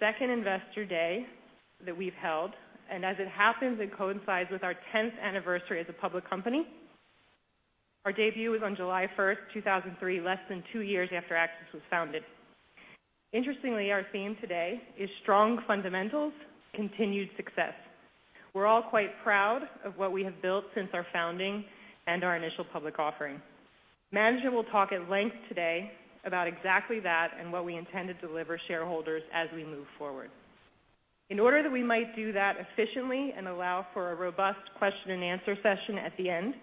Second Investor Day that we've held, and as it happens, it coincides with our 10th anniversary as a public company. Our debut was on July 1st, 2003, less than two years after AXIS was founded. Interestingly, our theme today is strong fundamentals, continued success. We're all quite proud of what we have built since our founding and our initial public offering. Management will talk at length today about exactly that and what we intend to deliver shareholders as we move forward. In order that we might do that efficiently and allow for a robust question and answer session at the end,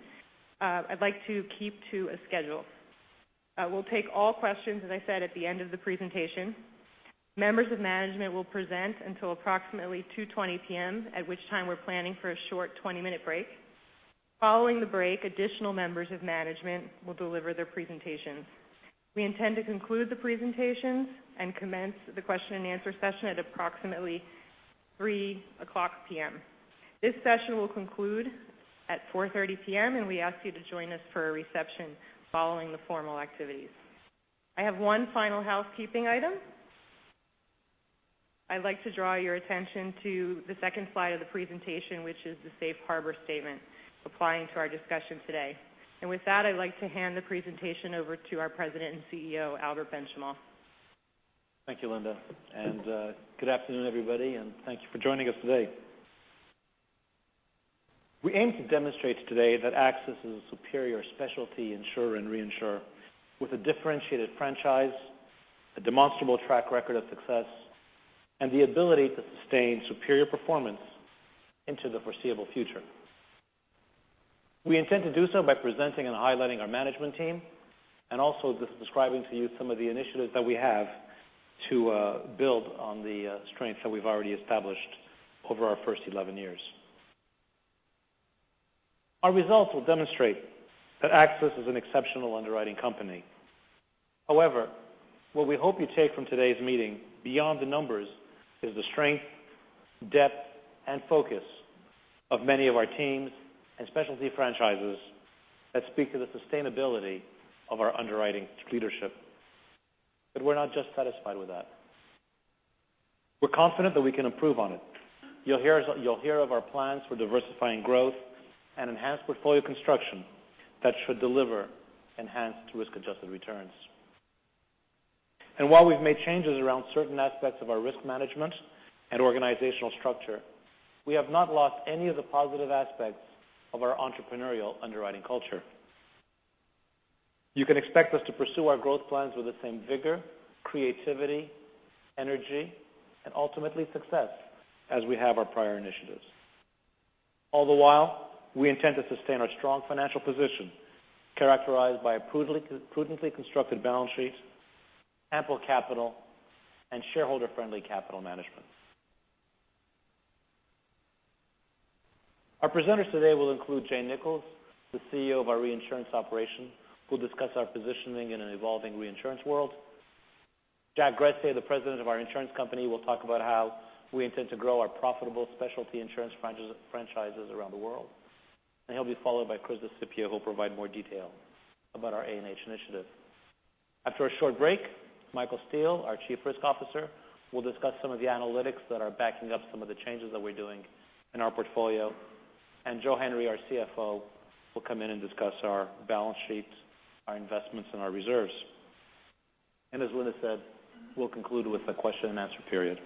I'd like to keep to a schedule. We'll take all questions, as I said, at the end of the presentation. Members of management will present until approximately 2:20 P.M., at which time we're planning for a short 20-minute break. Following the break, additional members of management will deliver their presentations. We intend to conclude the presentations and commence the question and answer session at approximately 3:00 P.M. This session will conclude at 4:30 P.M., and we ask you to join us for a reception following the formal activities. I have one final housekeeping item. I'd like to draw your attention to the second slide of the presentation, which is the safe harbor statement applying to our discussion today. With that, I'd like to hand the presentation over to our President and CEO, Albert Benchimol. Thank you, Linda. Good afternoon, everybody, and thank you for joining us today. We aim to demonstrate today that AXIS is a superior specialty insurer and reinsurer with a differentiated franchise, a demonstrable track record of success, and the ability to sustain superior performance into the foreseeable future. We intend to do so by presenting and highlighting our management team and also describing to you some of the initiatives that we have to build on the strengths that we've already established over our first 11 years. Our results will demonstrate that AXIS is an exceptional underwriting company. However, what we hope you take from today's meeting beyond the numbers is the strength, depth, and focus of many of our teams and specialty franchises that speak to the sustainability of our underwriting leadership. We're not just satisfied with that. We're confident that we can improve on it. You'll hear of our plans for diversifying growth and enhanced portfolio construction that should deliver enhanced risk-adjusted returns. While we've made changes around certain aspects of our risk management and organizational structure, we have not lost any of the positive aspects of our entrepreneurial underwriting culture. You can expect us to pursue our growth plans with the same vigor, creativity, energy, and ultimately success as we have our prior initiatives. All the while, we intend to sustain our strong financial position, characterized by a prudently constructed balance sheet, ample capital, and shareholder-friendly capital management. Our presenters today will include Jay Nichols, the CEO of our reinsurance operation, who'll discuss our positioning in an evolving reinsurance world. Jack Gressier, the President of our insurance company, will talk about how we intend to grow our profitable specialty insurance franchises around the world. He'll be followed by Chris DiSipio, who will provide more detail about our A&H initiative. After a short break, Michael Steel, our Chief Risk Officer, will discuss some of the analytics that are backing up some of the changes that we're doing in our portfolio. Joe Henry, our CFO, will come in and discuss our balance sheets, our investments, and our reserves. As Linda said, we'll conclude with a question and answer period.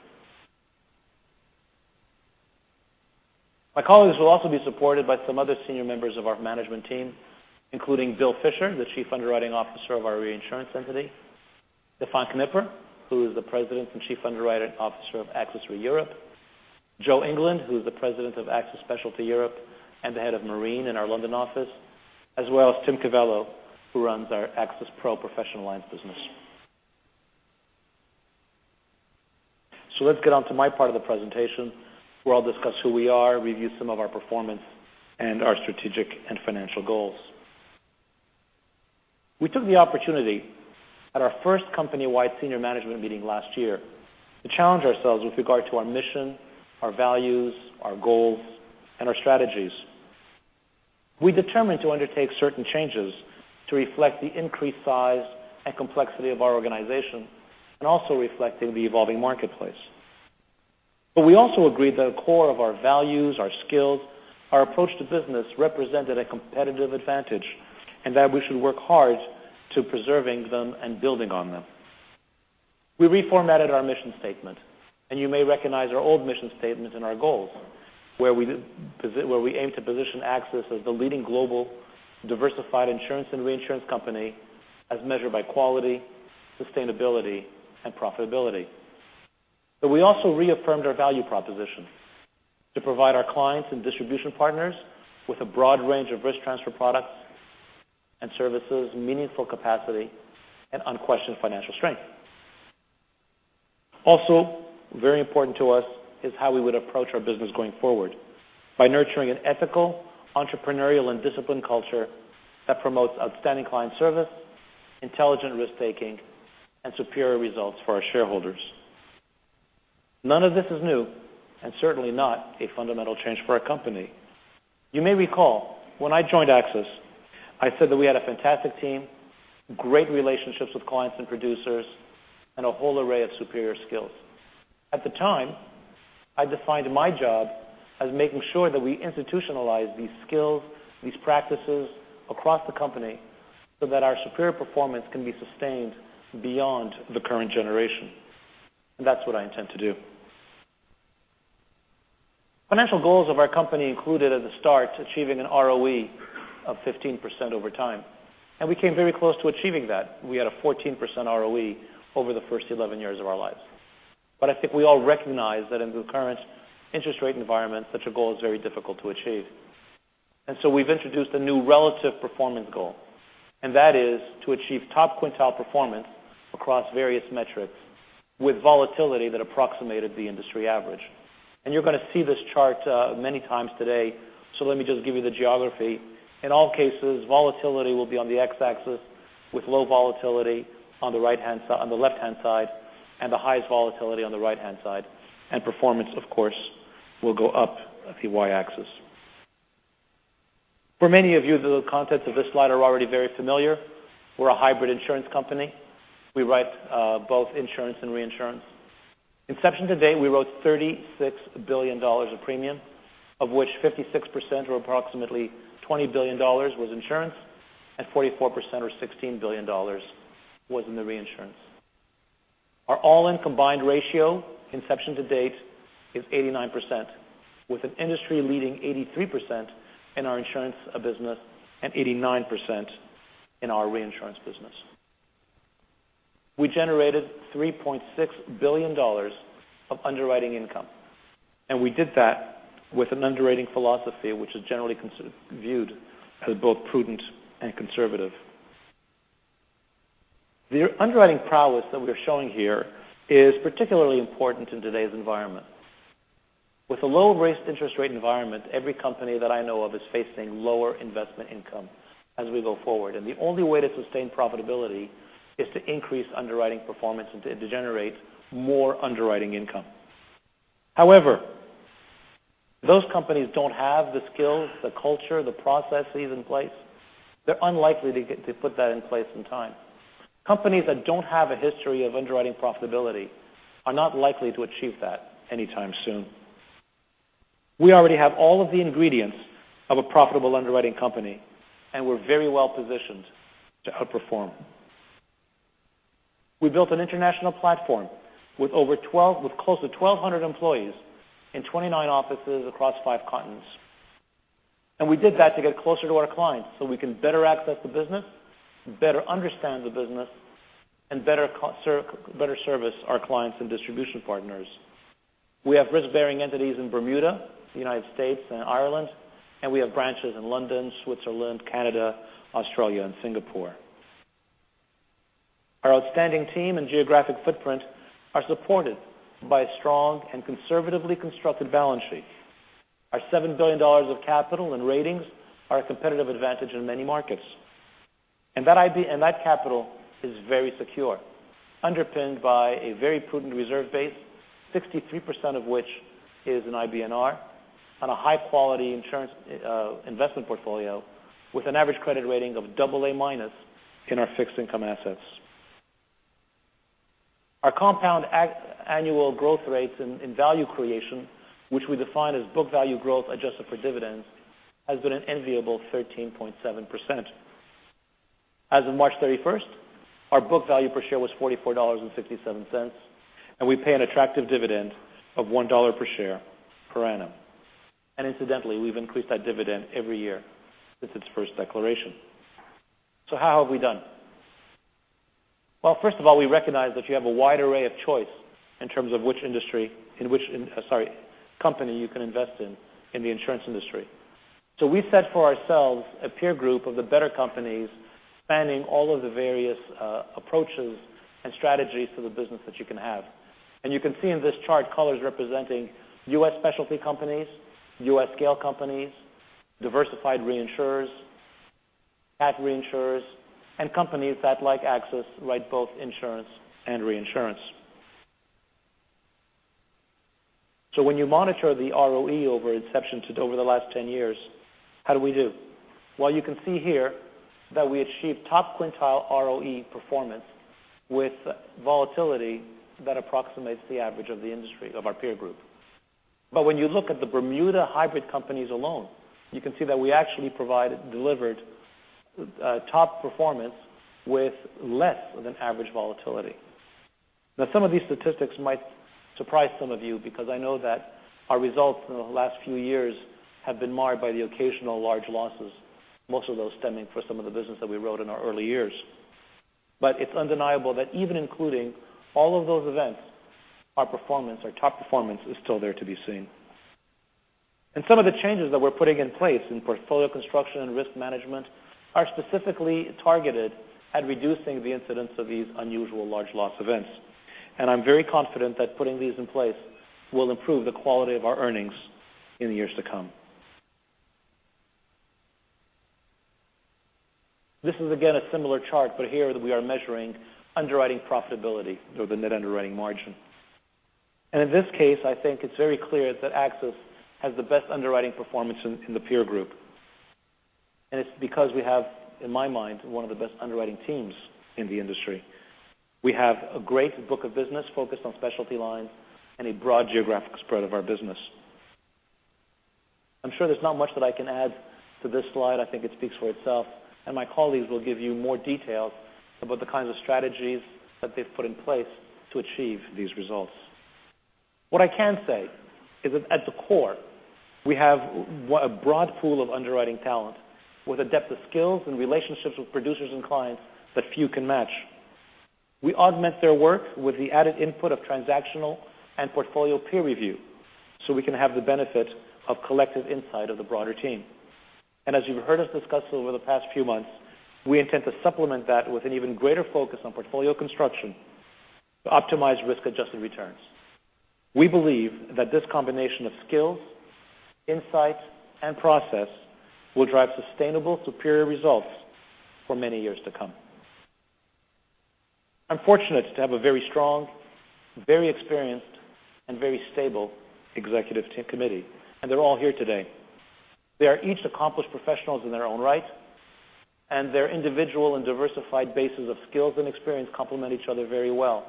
My colleagues will also be supported by some other senior members of our management team, including Bill Fischer, the Chief Underwriting Officer of our reinsurance entity, Stephan Knipper, who is the President and Chief Underwriting Officer of AXIS Re Europe, Joe England, who is the President of AXIS Specialty Europe and the Head of Marine in our London office, as well as Tim Cavallo, who runs our AXIS Pro professional lines business. Let's get on to my part of the presentation, where I'll discuss who we are, review some of our performance, and our strategic and financial goals. We took the opportunity at our first company-wide senior management meeting last year to challenge ourselves with regard to our mission, our values, our goals, and our strategies. We determined to undertake certain changes to reflect the increased size and complexity of our organization and also reflecting the evolving marketplace. We also agreed that a core of our values, our skills, our approach to business represented a competitive advantage, and that we should work hard to preserving them and building on them. We reformatted our mission statement, you may recognize our old mission statement and our goals, where we aim to position AXIS as the leading global diversified insurance and reinsurance company as measured by quality, sustainability, and profitability. We also reaffirmed our value proposition to provide our clients and distribution partners with a broad range of risk transfer products and services, meaningful capacity, and unquestioned financial strength. Also, very important to us is how we would approach our business going forward by nurturing an ethical, entrepreneurial, and disciplined culture that promotes outstanding client service, intelligent risk-taking, and superior results for our shareholders. None of this is new and certainly not a fundamental change for our company. You may recall when I joined AXIS, I said that we had a fantastic team, great relationships with clients and producers, and a whole array of superior skills. At the time, I defined my job as making sure that we institutionalize these skills, these practices across the company, so that our superior performance can be sustained beyond the current generation, and that's what I intend to do. Financial goals of our company included at the start, achieving an ROE of 15% over time, we came very close to achieving that. We had a 14% ROE over the first 11 years of our lives. I think we all recognize that in the current interest rate environment, such a goal is very difficult to achieve. We've introduced a new relative performance goal, and that is to achieve top quintile performance across various metrics with volatility that approximated the industry average. You're going to see this chart many times today, so let me just give you the geography. In all cases, volatility will be on the X-axis with low volatility on the left-hand side and the highest volatility on the right-hand side. Performance, of course, will go up the Y-axis. For many of you, the contents of this slide are already very familiar. We're a hybrid insurance company. We write both insurance and reinsurance. Inception to date, we wrote $36 billion of premium, of which 56% or approximately $20 billion was insurance, and 44% or $16 billion was in the reinsurance. Our all-in combined ratio, inception to date is 89%, with an industry leading 83% in our insurance business and 89% in our reinsurance business. We generated $3.6 billion of underwriting income, and we did that with an underwriting philosophy which is generally viewed as both prudent and conservative. The underwriting prowess that we are showing here is particularly important in today's environment. With a low interest rate environment, every company that I know of is facing lower investment income as we go forward, and the only way to sustain profitability is to increase underwriting performance and to generate more underwriting income. However, those companies don't have the skills, the culture, the processes in place, they're unlikely to put that in place in time. Companies that don't have a history of underwriting profitability are not likely to achieve that anytime soon. We already have all of the ingredients of a profitable underwriting company, and we're very well positioned to outperform. We built an international platform with close to 1,200 employees in 29 offices across five continents. We did that to get closer to our clients so we can better access the business, better understand the business, and better service our clients and distribution partners. We have risk-bearing entities in Bermuda, the U.S., and Ireland, and we have branches in London, Switzerland, Canada, Australia, and Singapore. Our outstanding team and geographic footprint are supported by a strong and conservatively constructed balance sheet. Our $7 billion of capital and ratings are a competitive advantage in many markets. That capital is very secure, underpinned by a very prudent reserve base, 63% of which is in IBNR on a high-quality insurance investment portfolio with an average credit rating of double A minus in our fixed income assets. Our compound annual growth rates in value creation, which we define as book value growth adjusted for dividends, has been an enviable 13.7%. As of March 31st, our book value per share was $44.57. We pay an attractive dividend of $1 per share per annum. Incidentally, we've increased that dividend every year since its first declaration. How have we done? Well, first of all, we recognize that you have a wide array of choice in terms of which company you can invest in the insurance industry. We set for ourselves a peer group of the better companies spanning all of the various approaches and strategies to the business that you can have. You can see in this chart colors representing U.S. specialty companies, U.S. scale companies, diversified reinsurers, cat reinsurers, and companies that, like AXIS, write both insurance and reinsurance. When you monitor the ROE over the last 10 years, how do we do? Well, you can see here that we achieve top quintile ROE performance with volatility that approximates the average of the industry of our peer group. When you look at the Bermuda hybrid companies alone, you can see that we actually delivered top performance with less than average volatility. Some of these statistics might surprise some of you because I know that our results in the last few years have been marred by the occasional large losses, most of those stemming for some of the business that we wrote in our early years. It's undeniable that even including all of those events, our top performance is still there to be seen. Some of the changes that we're putting in place in portfolio construction and risk management are specifically targeted at reducing the incidence of these unusual large loss events. I'm very confident that putting these in place will improve the quality of our earnings in the years to come. This is again a similar chart, but here we are measuring underwriting profitability or the net underwriting margin. In this case, I think it's very clear that AXIS has the best underwriting performance in the peer group. It's because we have, in my mind, one of the best underwriting teams in the industry. We have a great book of business focused on specialty lines and a broad geographic spread of our business. I'm sure there's not much that I can add to this slide. I think it speaks for itself, and my colleagues will give you more details about the kinds of strategies that they've put in place to achieve these results. What I can say is that at the core, we have a broad pool of underwriting talent with a depth of skills and relationships with producers and clients that few can match. We augment their work with the added input of transactional and portfolio peer review, so we can have the benefit of collective insight of the broader team. As you've heard us discuss over the past few months, we intend to supplement that with an even greater focus on portfolio construction to optimize risk-adjusted returns. We believe that this combination of skills, insights, and process will drive sustainable superior results for many years to come. I'm fortunate to have a very strong, very experienced, and very stable executive committee, and they're all here today. They are each accomplished professionals in their own right, and their individual and diversified bases of skills and experience complement each other very well.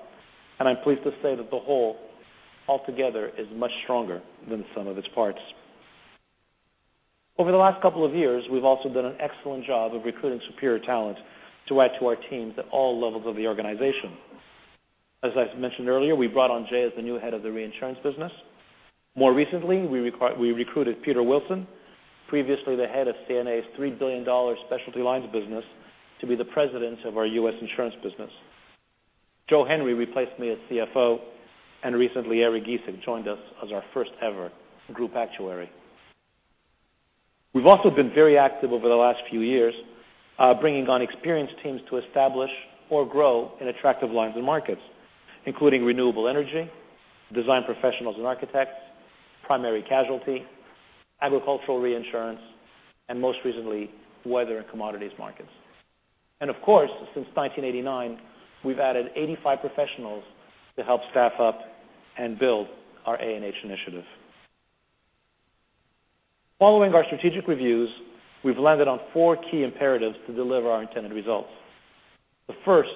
I'm pleased to say that the whole altogether is much stronger than the sum of its parts. Over the last couple of years, we've also done an excellent job of recruiting superior talent to add to our teams at all levels of the organization. As I've mentioned earlier, we brought on Jay as the new head of the reinsurance business. More recently, we recruited Peter Wilson, previously the head of CNA's $3 billion specialty lines business, to be the president of our U.S. insurance business. Joe Henry replaced me as CFO, and recently, Eric Gieseke joined us as our first-ever group actuary. We've also been very active over the last few years, bringing on experienced teams to establish or grow in attractive lines and markets, including renewable energy, design professionals and architects, primary casualty, agricultural reinsurance, and most recently, weather and commodities markets. Of course, since 2009, we've added 85 professionals to help staff up and build our A&H initiative. Following our strategic reviews, we've landed on four key imperatives to deliver our intended results. The first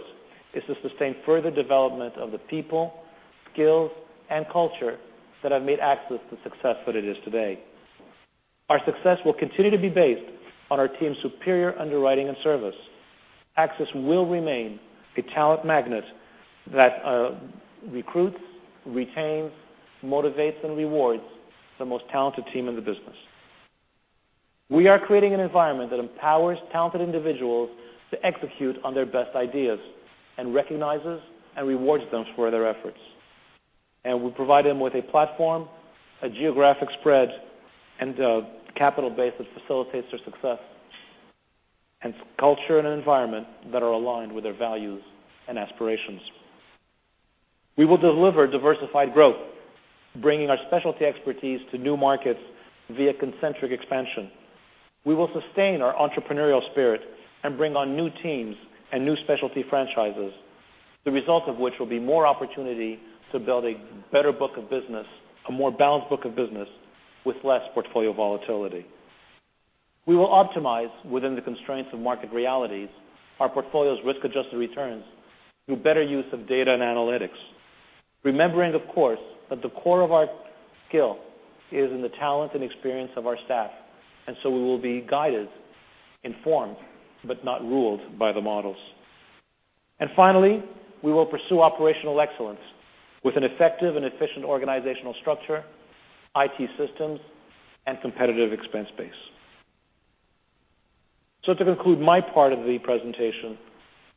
is to sustain further development of the people, skills, and culture that have made AXIS the success that it is today. Our success will continue to be based on our team's superior underwriting and service. AXIS will remain a talent magnet that recruits, retains, motivates, and rewards the most talented team in the business. We are creating an environment that empowers talented individuals to execute on their best ideas and recognizes and rewards them for their efforts. We provide them with a platform, a geographic spread, and a capital base that facilitates their success, and culture and an environment that are aligned with their values and aspirations. We will deliver diversified growth, bringing our specialty expertise to new markets via concentric expansion. We will sustain our entrepreneurial spirit and bring on new teams and new specialty franchises, the result of which will be more opportunity to build a better book of business, a more balanced book of business with less portfolio volatility. We will optimize, within the constraints of market realities, our portfolio's risk-adjusted returns through better use of data and analytics, remembering, of course, that the core of our skill is in the talent and experience of our staff, we will be guided, informed, but not ruled by the models. Finally, we will pursue operational excellence with an effective and efficient organizational structure, IT systems, and competitive expense base. To conclude my part of the presentation,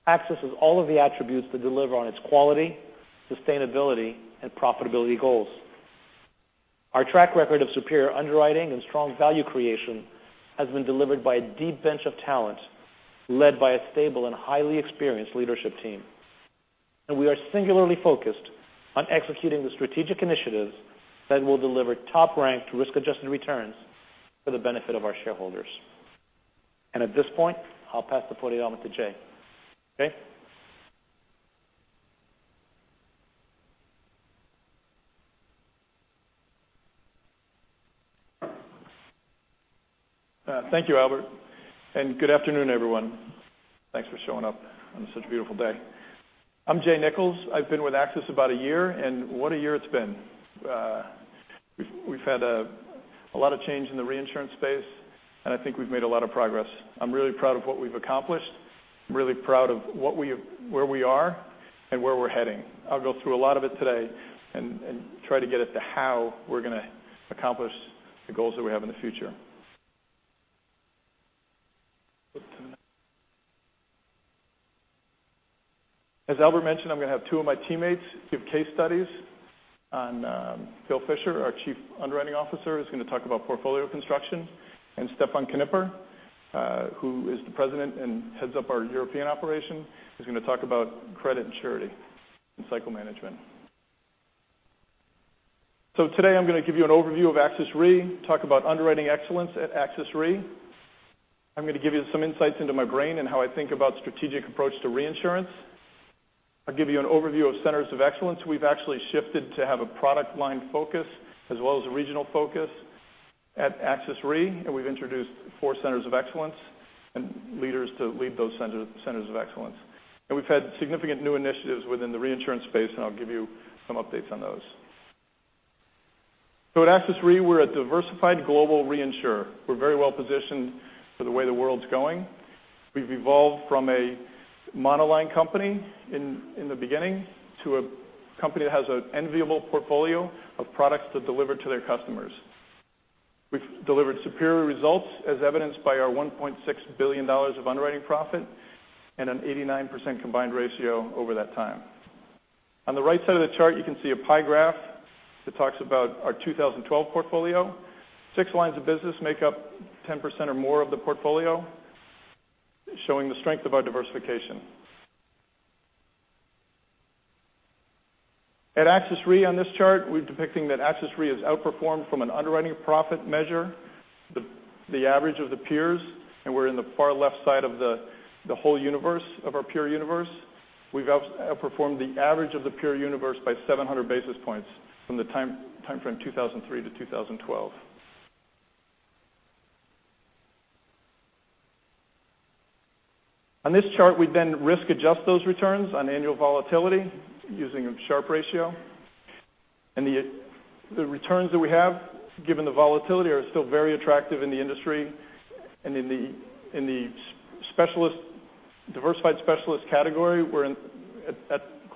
AXIS has all of the attributes to deliver on its quality, sustainability, and profitability goals. Our track record of superior underwriting and strong value creation has been delivered by a deep bench of talent led by a stable and highly experienced leadership team. We are singularly focused on executing the strategic initiatives that will deliver top-ranked risk-adjusted returns for the benefit of our shareholders. At this point, I'll pass the podium to Jay. Jay? Thank you, Albert, and good afternoon, everyone. Thanks for showing up on such a beautiful day. I'm Jay Nichols. I've been with AXIS about a year, and what a year it's been. We've had a lot of change in the reinsurance space, and I think we've made a lot of progress. I'm really proud of what we've accomplished. I'm really proud of where we are and where we're heading. I'll go through a lot of it today and try to get it to how we're going to accomplish the goals that we have in the future. As Albert mentioned, I'm going to have two of my teammates give case studies. Bill Fisher, our Chief Underwriting Officer, is going to talk about portfolio construction, and Stephan Knipper, who is the President and heads up our European operation, is going to talk about credit and surety and cycle management. Today I'm going to give you an overview of AXIS Re, talk about underwriting excellence at AXIS Re. I'm going to give you some insights into my brain and how I think about strategic approach to reinsurance. I'll give you an overview of centers of excellence. We've actually shifted to have a product line focus as well as a regional focus at AXIS Re, and we've introduced four centers of excellence and leaders to lead those centers of excellence. We've had significant new initiatives within the reinsurance space, and I'll give you some updates on those. At AXIS Re, we're a diversified global reinsurer. We're very well-positioned for the way the world's going. We've evolved from a monoline company in the beginning to a company that has an enviable portfolio of products to deliver to their customers. We've delivered superior results as evidenced by our $1.6 billion of underwriting profit and an 89% combined ratio over that time. On the right side of the chart, you can see a pie graph that talks about our 2012 portfolio. Six lines of business make up 10% or more of the portfolio, showing the strength of our diversification. At AXIS Re on this chart, we're depicting that AXIS Re has outperformed from an underwriting profit measure the average of the peers, and we're in the far left side of the whole universe of our peer universe. We've outperformed the average of the peer universe by 700 basis points from the timeframe 2003 to 2012. On this chart, we then risk adjust those returns on annual volatility using a Sharpe ratio. The returns that we have, given the volatility, are still very attractive in the industry and in the diversified specialist category, we're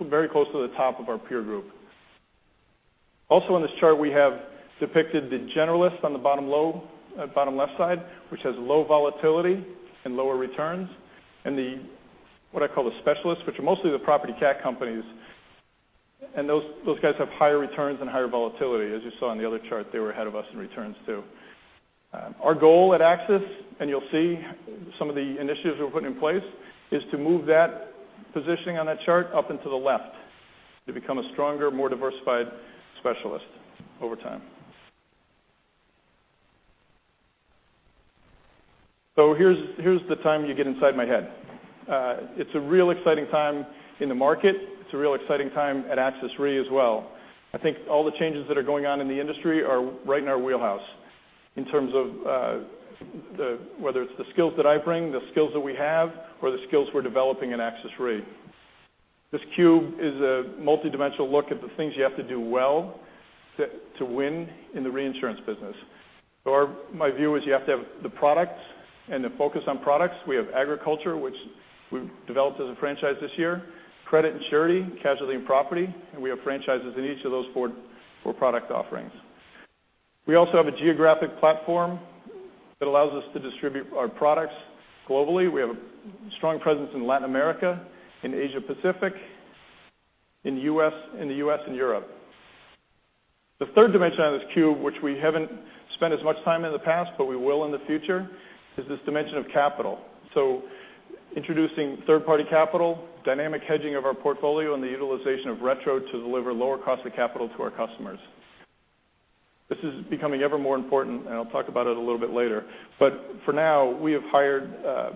very close to the top of our peer group. Also on this chart, we have depicted the generalist on the bottom left side, which has low volatility and lower returns, and what I call the specialists, which are mostly the property cat companies, and those guys have higher returns and higher volatility. As you saw on the other chart, they were ahead of us in returns, too. Our goal at AXIS, and you'll see some of the initiatives we're putting in place, is to move that positioning on that chart up and to the left to become a stronger, more diversified specialist over time. Here's the time you get inside my head. It's a real exciting time in the market. It's a real exciting time at AXIS Re as well. I think all the changes that are going on in the industry are right in our wheelhouse in terms of whether it's the skills that I bring, the skills that we have, or the skills we're developing at AXIS Re. This cube is a multidimensional look at the things you have to do well to win in the reinsurance business. My view is you have to have the products and the focus on products. We have Agriculture, which we've developed as a franchise this year, credit and surety, casualty and property, and we have franchises in each of those four product offerings. We also have a geographic platform that allows us to distribute our products globally. We have a strong presence in Latin America, in Asia Pacific, in the U.S., and Europe. The third dimension on this cube, which we haven't spent as much time in the past, but we will in the future, is this dimension of capital. Introducing third-party capital, dynamic hedging of our portfolio, and the utilization of retro to deliver lower cost of capital to our customers. This is becoming ever more important, and I'll talk about it a little bit later. For now, we have hired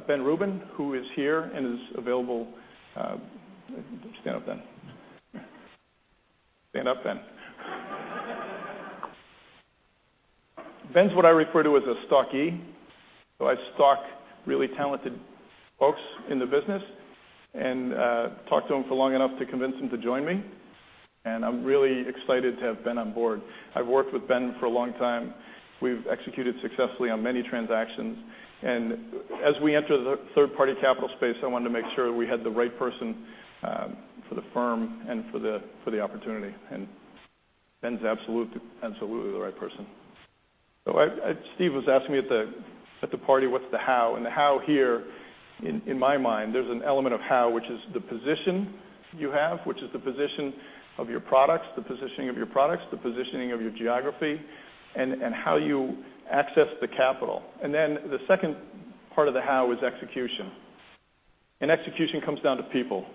Ben Rubin, who is here and is available. Stand up, Ben. Stand up, Ben. Ben's what I refer to as a stalkee. I stalk really talented folks in the business and talk to them for long enough to convince them to join me, and I'm really excited to have Ben on board. I've worked with Ben for a long time. We've executed successfully on many transactions, as we enter the third-party capital space, I wanted to make sure that we had the right person for the firm and for the opportunity, Ben's absolutely the right person. Steve was asking me at the party, what's the how? The how here in my mind, there's an element of how, which is the position you have, which is the position of your products, the positioning of your products, the positioning of your geography, and how you access the capital. The second part of the how is execution, and execution comes down to people.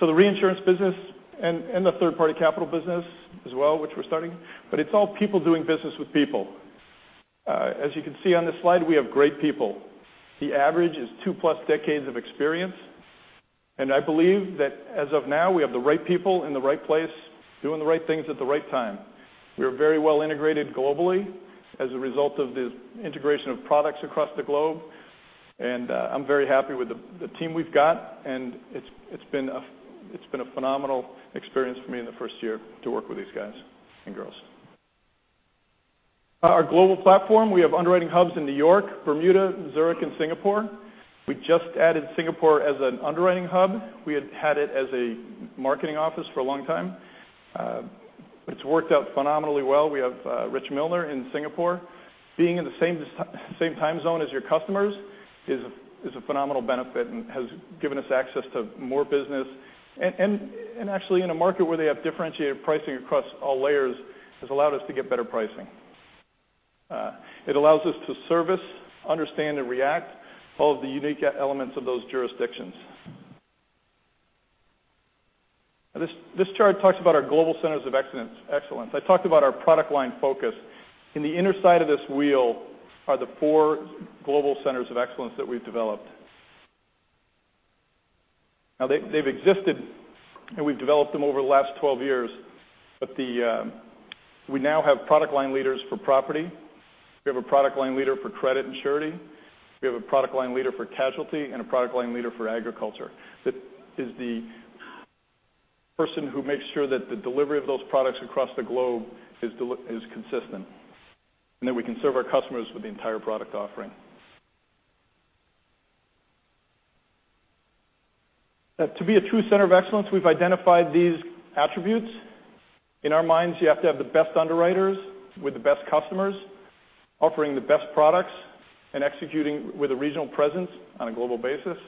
The reinsurance business and the third-party capital business as well, which we're starting, but it's all people doing business with people. As you can see on this slide, we have great people. The average is two-plus decades of experience, I believe that as of now, we have the right people in the right place doing the right things at the right time. We are very well integrated globally as a result of the integration of products across the globe, I'm very happy with the team we've got, it's been a phenomenal experience for me in the first year to work with these guys and girls. Our global platform, we have underwriting hubs in New York, Bermuda, Zurich, and Singapore. We just added Singapore as an underwriting hub. We had had it as a marketing office for a long time. It's worked out phenomenally well. We have Rich Milner in Singapore. Being in the same time zone as your customers is a phenomenal benefit and has given us access to more business. Actually in a market where they have differentiated pricing across all layers has allowed us to get better pricing. It allows us to service, understand, and react to all of the unique elements of those jurisdictions. This chart talks about our global centers of excellence. I talked about our product line focus. In the inner side of this wheel are the four global centers of excellence that we've developed. They've existed, we've developed them over the last 12 years, we now have product line leaders for property. We have a product line leader for credit and surety. We have a product line leader for casualty and a product line leader for agriculture. That is the person who makes sure that the delivery of those products across the globe is consistent and that we can serve our customers with the entire product offering. To be a true center of excellence, we've identified these attributes. In our minds, you have to have the best underwriters with the best customers, offering the best products, and executing with a regional presence on a global basis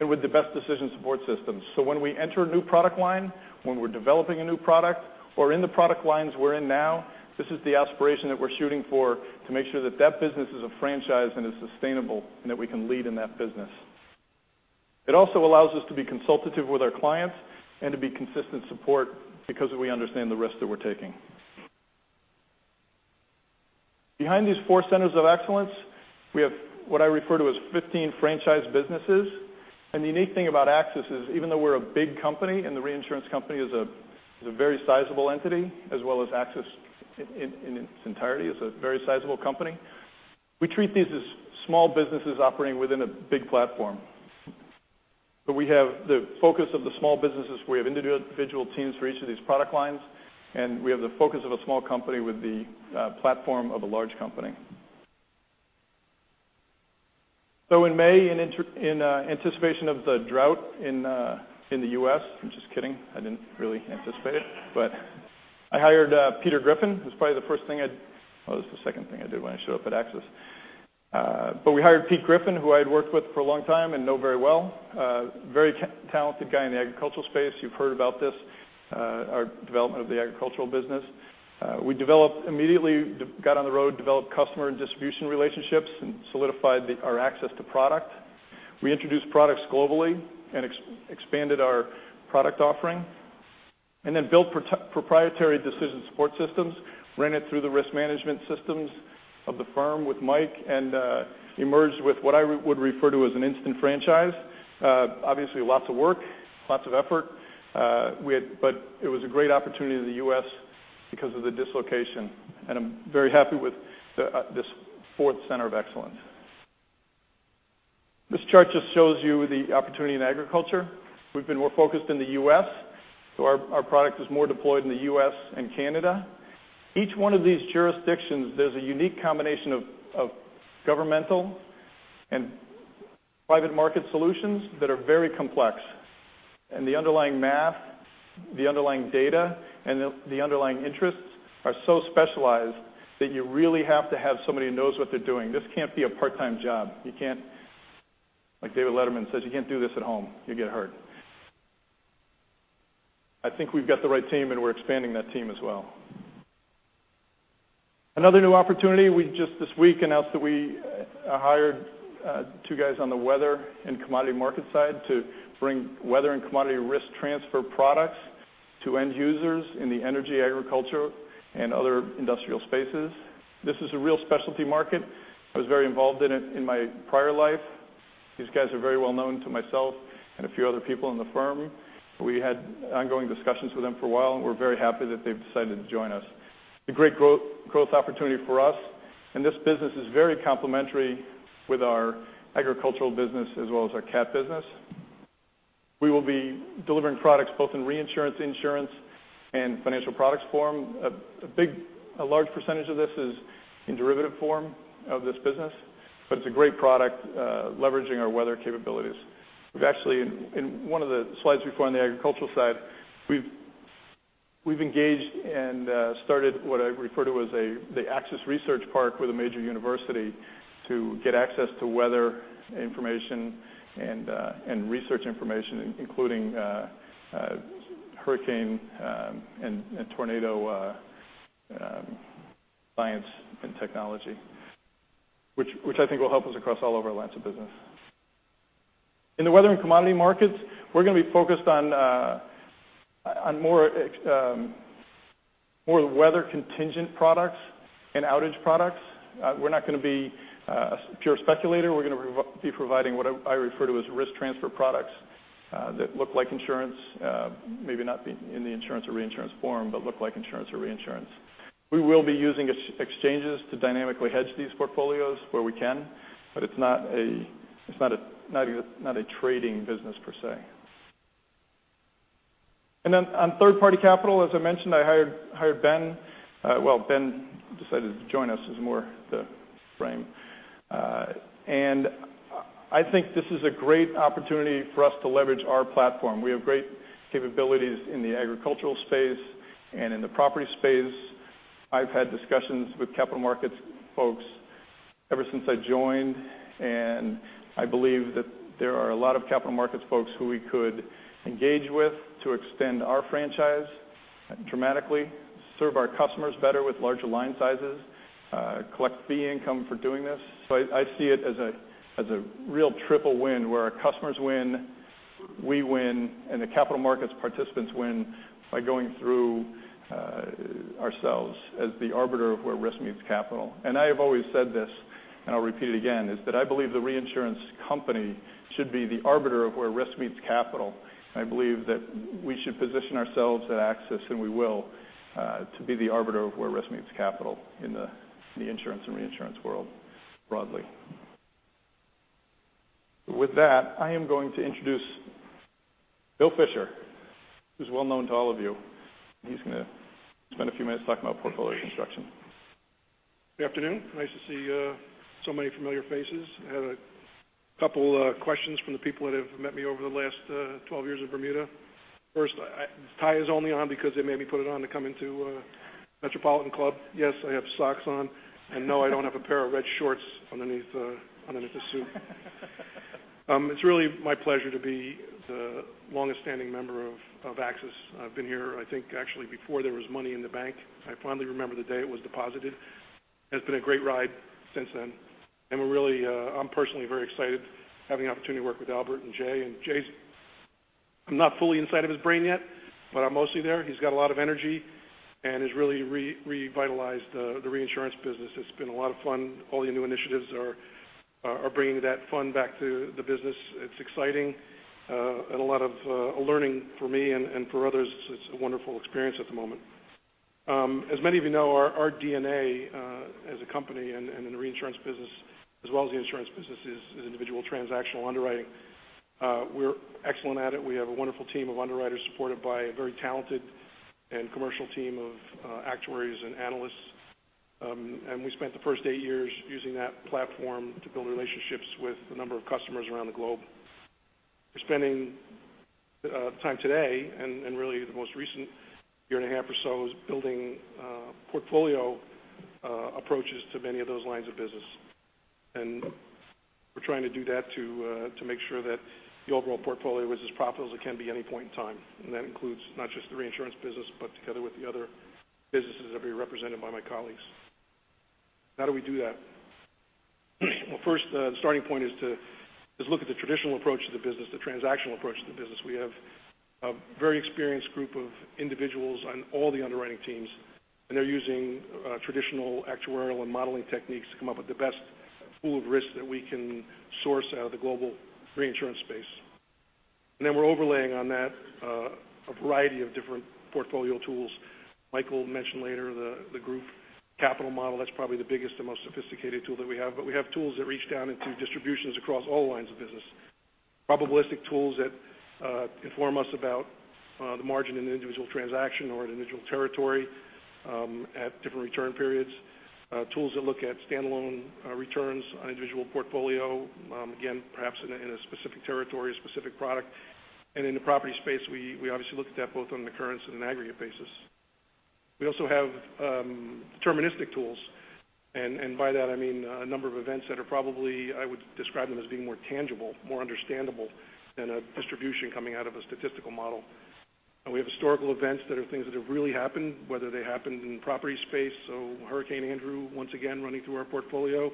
and with the best decision support systems. When we enter a new product line, when we're developing a new product, or in the product lines we're in now, this is the aspiration that we're shooting for to make sure that that business is a franchise and is sustainable, and that we can lead in that business. It also allows us to be consultative with our clients and to be consistent support because we understand the risk that we're taking. Behind these 4 centers of excellence, we have what I refer to as 15 franchise businesses. The unique thing about AXIS is, even though we're a big company, and the reinsurance company is a very sizable entity, as well as AXIS in its entirety is a very sizable company, we treat these as small businesses operating within a big platform. We have the focus of the small businesses. We have individual teams for each of these product lines, and we have the focus of a small company with the platform of a large company. In May, in anticipation of the drought in the U.S. I'm just kidding. I didn't really anticipate it. I hired Peter Griffin. It was probably the first thing I did when I showed up at AXIS. We hired Pete Griffin, who I had worked with for a long time and know very well. A very talented guy in the agricultural space. You've heard about this, our development of the agricultural business. We immediately got on the road, developed customer and distribution relationships, and solidified our access to product. We introduced products globally and expanded our product offering, and then built proprietary decision support systems, ran it through the risk management systems of the firm with Mike, and emerged with what I would refer to as an instant franchise. Obviously, lots of work, lots of effort, but it was a great opportunity in the U.S. because of the dislocation, and I'm very happy with this fourth center of excellence. This chart just shows you the opportunity in agriculture. We've been more focused in the U.S., so our product is more deployed in the U.S. and Canada. Each one of these jurisdictions, there's a unique combination of governmental and private market solutions that are very complex. The underlying math, the underlying data, and the underlying interests are so specialized that you really have to have somebody who knows what they're doing. This can't be a part-time job. Like David Letterman says, "You can't do this at home. You'll get hurt." I think we've got the right team, and we're expanding that team as well. Another new opportunity, we just this week announced that we hired 2 guys on the weather and commodity market side to bring weather and commodity risk transfer products to end users in the energy, agriculture, and other industrial spaces. This is a real specialty market. I was very involved in it in my prior life. These guys are very well known to myself and a few other people in the firm. We had ongoing discussions with them for a while, and we're very happy that they've decided to join us. A great growth opportunity for us, and this business is very complementary with our agricultural business as well as our cat business. We will be delivering products both in reinsurance insurance and financial products form. A large percentage of this is in derivative form of this business, but it's a great product leveraging our weather capabilities. In one of the slides before on the agricultural side, we've engaged and started what I refer to as the Axis Research Park with a major university to get access to weather information and research information, including hurricane and tornado science and technology, which I think will help us across all our lines of business. In the weather and commodity markets, we're going to be focused on more weather contingent products and outage products. We're not going to be a pure speculator. We're going to be providing what I refer to as risk transfer products that look like insurance. Maybe not in the insurance or reinsurance form, but look like insurance or reinsurance. We will be using exchanges to dynamically hedge these portfolios where we can, but it's not a trading business per se. On third-party capital, as I mentioned, I hired Ben. Well, Ben decided to join us is more the frame. I think this is a great opportunity for us to leverage our platform. We have great capabilities in the agricultural space and in the property space. I've had discussions with capital markets folks ever since I joined, and I believe that there are a lot of capital markets folks who we could engage with to extend our franchise dramatically, serve our customers better with larger line sizes, collect fee income for doing this. I see it as a real triple win where our customers win, we win, and the capital markets participants win by going through ourselves as the arbiter of where risk meets capital. I have always said this, and I'll repeat it again, is that I believe the reinsurance company should be the arbiter of where risk meets capital, and I believe that we should position ourselves at AXIS, and we will, to be the arbiter of where risk meets capital in the insurance and reinsurance world broadly. With that, I am going to introduce Bill Fischer, who's well known to all of you, and he's going to spend a few minutes talking about portfolio construction. Good afternoon. Nice to see so many familiar faces. I have a couple questions from the people that have met me over the last 12 years in Bermuda. First, this tie is only on because they made me put it on to come into Metropolitan Club. Yes, I have socks on, and no, I don't have a pair of red shorts underneath the suit. It's really my pleasure to be the longest standing member of AXIS. I've been here, I think actually before there was money in the bank. I fondly remember the day it was deposited. It's been a great ride since then. I'm personally very excited having the opportunity to work with Albert and Jay. Jay, I'm not fully inside of his brain yet, but I'm mostly there. He's got a lot of energy and has really revitalized the reinsurance business. It's been a lot of fun. All the new initiatives are bringing that fun back to the business. It's exciting, and a lot of learning for me and for others. It's a wonderful experience at the moment. As many of you know, our DNA, as a company and in the reinsurance business as well as the insurance business, is individual transactional underwriting. We're excellent at it. We have a wonderful team of underwriters supported by a very talented and commercial team of actuaries and analysts. We spent the first eight years using that platform to build relationships with a number of customers around the globe. We're spending time today, and really the most recent year and a half or so, is building portfolio approaches to many of those lines of business. We're trying to do that to make sure that the overall portfolio is as profitable as it can be at any point in time. That includes not just the reinsurance business, but together with the other businesses that will be represented by my colleagues. How do we do that? Well, first, the starting point is to just look at the traditional approach to the business, the transactional approach to the business. We have a very experienced group of individuals on all the underwriting teams, and they're using traditional actuarial and modeling techniques to come up with the best pool of risks that we can source out of the global reinsurance space. Then we're overlaying on that a variety of different portfolio tools. Michael will mention later the group capital model. That's probably the biggest and most sophisticated tool that we have, but we have tools that reach down into distributions across all lines of business. Probabilistic tools that inform us about the margin in an individual transaction or an individual territory at different return periods. Tools that look at standalone returns on individual portfolio. Again, perhaps in a specific territory, a specific product. In the property space, we obviously look at that both on an occurrence and an aggregate basis. We also have deterministic tools, and by that I mean a number of events that are probably, I would describe them as being more tangible, more understandable than a distribution coming out of a statistical model. We have historical events that are things that have really happened, whether they happened in property space, so Hurricane Andrew once again running through our portfolio.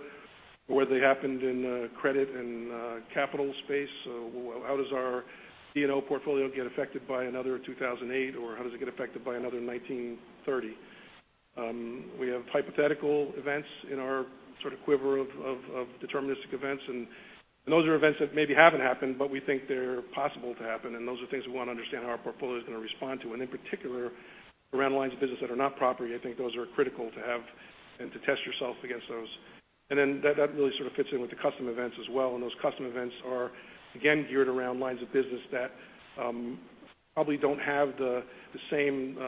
Whether they happened in credit and capital space. How does our D&O portfolio get affected by another 2008? How does it get affected by another 1930? We have hypothetical events in our quiver of deterministic events, those are events that maybe haven't happened, but we think they're possible to happen, those are things we want to understand how our portfolio is going to respond to. In particular, around lines of business that are not property, I think those are critical to have and to test yourself against those. Then that really sort of fits in with the custom events as well, those custom events are, again, geared around lines of business that probably don't have the same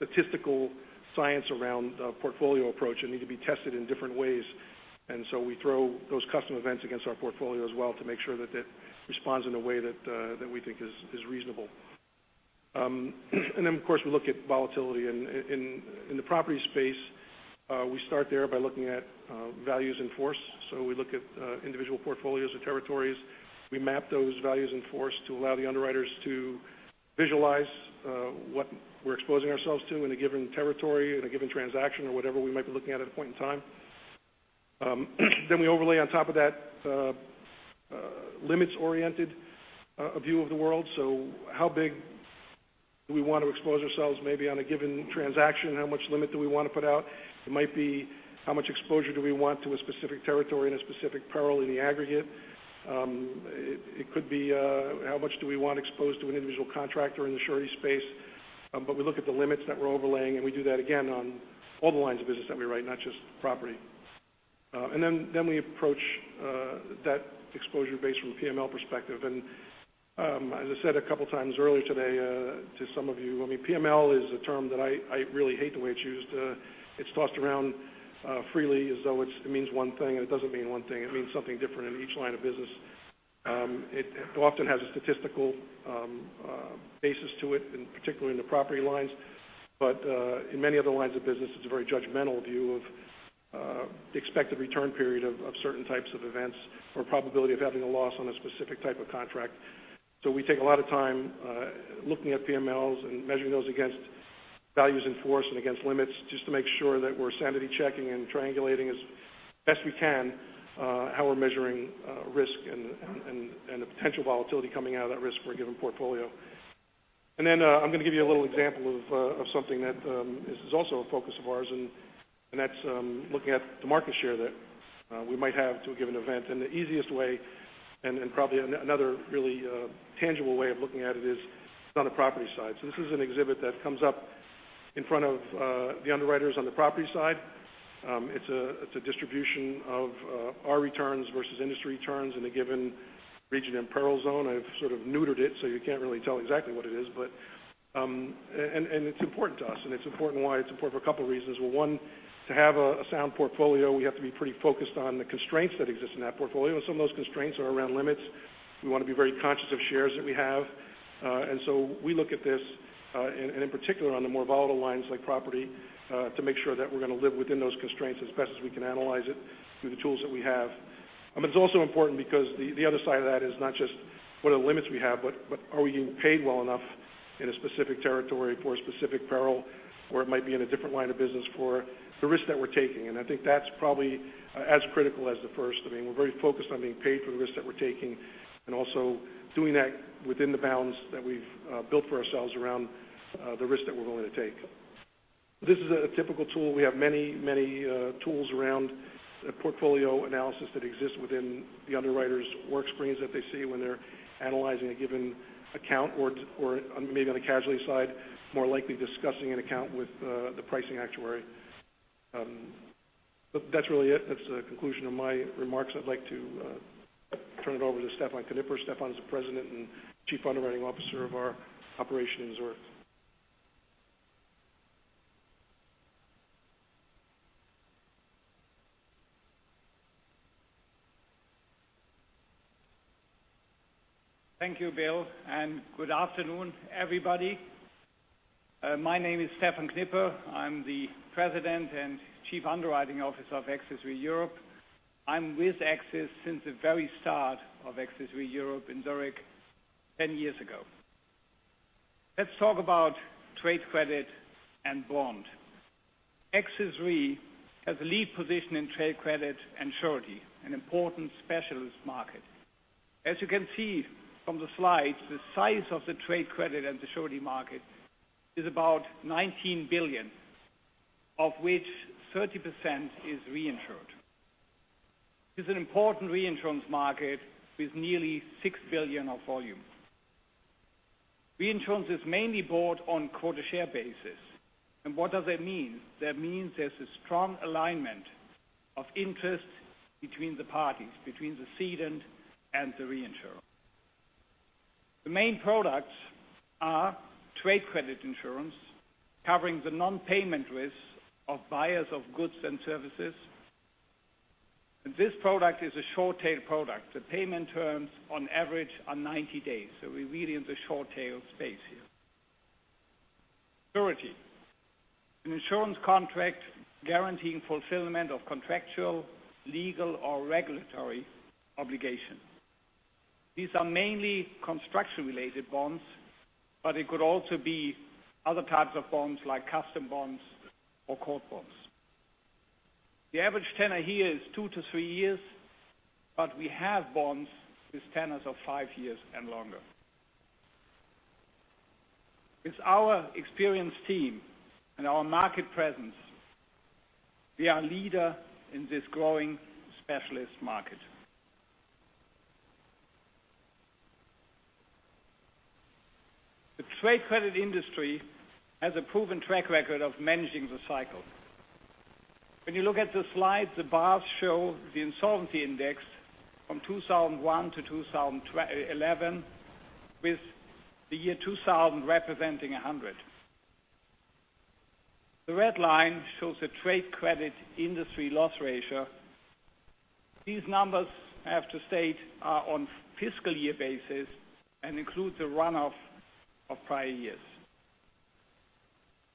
statistical science around portfolio approach and need to be tested in different ways. We throw those custom events against our portfolio as well to make sure that it responds in a way that we think is reasonable. Of course, we look at volatility. In the property space, we start there by looking at values in force. We look at individual portfolios or territories. We map those values in force to allow the underwriters to visualize what we're exposing ourselves to in a given territory, in a given transaction, or whatever we might be looking at a point in time. We overlay on top of that limits oriented view of the world. How big do we want to expose ourselves maybe on a given transaction? How much limit do we want to put out? It might be how much exposure do we want to a specific territory and a specific peril in the aggregate? It could be how much do we want exposed to an individual contractor in the surety space? We look at the limits that we're overlaying, we do that again on all the lines of business that we write, not just property. We approach that exposure base from a PML perspective. As I said a couple times earlier today to some of you, PML is a term that I really hate the way it's used. It's tossed around freely as though it means one thing, it doesn't mean one thing. It means something different in each line of business. It often has a statistical basis to it, particularly in the property lines. In many other lines of business, it's a very judgmental view of the expected return period of certain types of events or probability of having a loss on a specific type of contract. We take a lot of time looking at PMLs and measuring those against values in force and against limits, just to make sure that we're sanity checking and triangulating as best we can how we're measuring risk and the potential volatility coming out of that risk for a given portfolio. I'm going to give you a little example of something that is also a focus of ours, that's looking at the market share that we might have to a given event. The easiest way, probably another really tangible way of looking at it is on the property side. This is an exhibit that comes up in front of the underwriters on the property side. It's a distribution of our returns versus industry returns in a given region and peril zone. I've sort of neutered it, so you can't really tell exactly what it is. It's important to us and why it's important for a couple of reasons. Well, one, to have a sound portfolio, we have to be pretty focused on the constraints that exist in that portfolio, and some of those constraints are around limits. We want to be very conscious of shares that we have. We look at this, and in particular, on the more volatile lines like property, to make sure that we're going to live within those constraints as best as we can analyze it through the tools that we have. It's also important because the other side of that is not just what are the limits we have, but are we being paid well enough in a specific territory for a specific peril, or it might be in a different line of business for the risk that we're taking. I think that's probably as critical as the first. I mean, we're very focused on being paid for the risk that we're taking and also doing that within the bounds that we've built for ourselves around the risk that we're willing to take. This is a typical tool. We have many tools around portfolio analysis that exist within the underwriters' work screens that they see when they're analyzing a given account, or maybe on the casualty side, more likely discussing an account with the pricing actuary. That's really it. That's the conclusion of my remarks. I'd like to turn it over to Stephan Knipper. Stephan is the President and Chief Underwriting Officer of our operations. Thank you, Bill, and good afternoon, everybody. My name is Stephan Knipper. I'm the President and Chief Underwriting Officer of AXIS Re Europe. I'm with AXIS since the very start of AXIS Re Europe in Zurich 10 years ago. Let's talk about trade credit and bond. AXIS Re has a lead position in trade credit and surety, an important specialist market. As you can see from the slide, the size of the trade credit and the surety market is about $19 billion, of which 30% is reinsured. It's an important reinsurance market with nearly $6 billion of volume. Reinsurance is mainly bought on quota share basis. What does that mean? That means there's a strong alignment of interests between the parties, between the cedant and the reinsurer. The main products are trade credit insurance, covering the non-payment risks of buyers of goods and services. This product is a short-tail product. The payment terms on average are 90 days. We're really in the short-tail space here. Surety. An insurance contract guaranteeing fulfillment of contractual, legal, or regulatory obligation. These are mainly construction-related bonds, but it could also be other types of bonds like custom bonds or court bonds. The average tenure here is two to three years, but we have bonds with tenures of five years and longer. With our experienced team and our market presence, we are a leader in this growing specialist market. The trade credit industry has a proven track record of managing the cycle. When you look at the slide, the bars show the insolvency index from 2001 to 2011, with the year 2000 representing 100. The red line shows the trade credit industry loss ratio. These numbers, I have to state, are on fiscal year basis and include the run-off of prior years.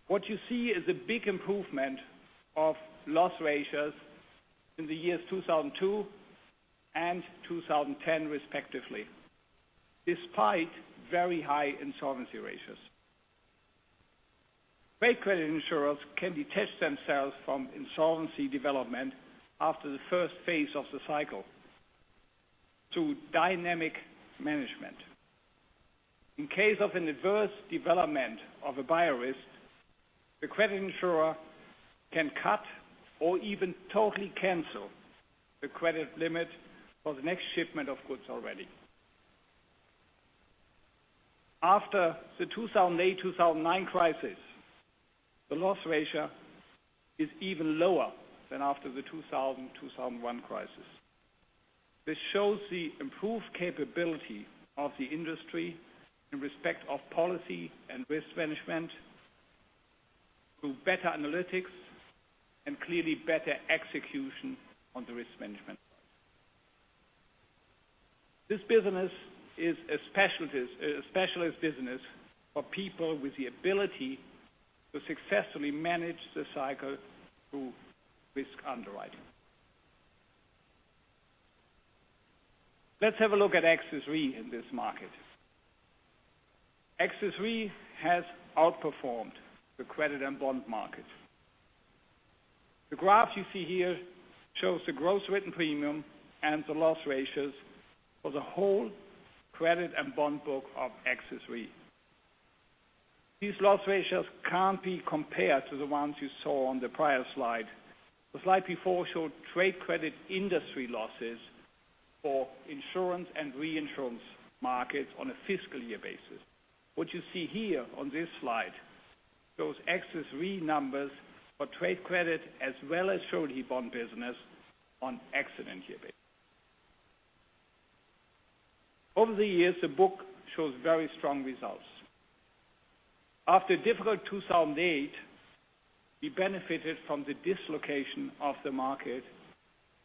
What you see is a big improvement of loss ratios in the years 2002 and 2010 respectively, despite very high insolvency ratios. Trade credit insurers can detach themselves from insolvency development after the first phase of the cycle through dynamic management. In case of an adverse development of a buyer risk, the credit insurer can cut or even totally cancel the credit limit for the next shipment of goods already. After the 2008, 2009 crisis, the loss ratio is even lower than after the 2000, 2001 crisis. This shows the improved capability of the industry in respect of policy and risk management through better analytics and clearly better execution on the risk management. This business is a specialist business for people with the ability to successfully manage the cycle through risk underwriting. Let's have a look at AXIS Re in this market. AXIS Re has outperformed the credit and bond market. The graph you see here shows the gross written premium and the loss ratios for the whole credit and bond book of AXIS Re. These loss ratios can't be compared to the ones you saw on the prior slide. The slide before showed trade credit industry losses for insurance and reinsurance markets on a fiscal year basis. What you see here on this slide shows AXIS Re numbers for trade credit, as well as surety bond business on accident year basis. Over the years, the book shows very strong results. After a difficult 2008, we benefited from the dislocation of the market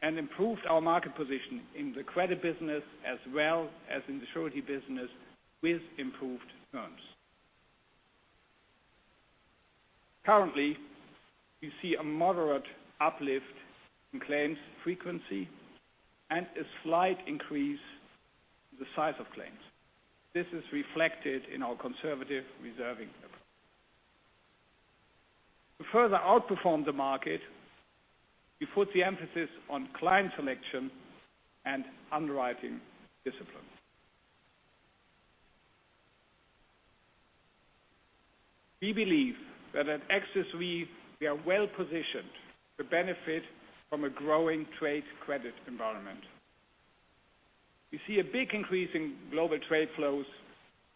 and improved our market position in the credit business as well as in the surety business with improved terms. Currently, you see a moderate uplift in claims frequency and a slight increase in the size of claims. This is reflected in our conservative reserving approach. To further outperform the market, we put the emphasis on client selection and underwriting discipline. We believe that at AXIS Re we are well positioned to benefit from a growing trade credit environment. We see a big increase in global trade flows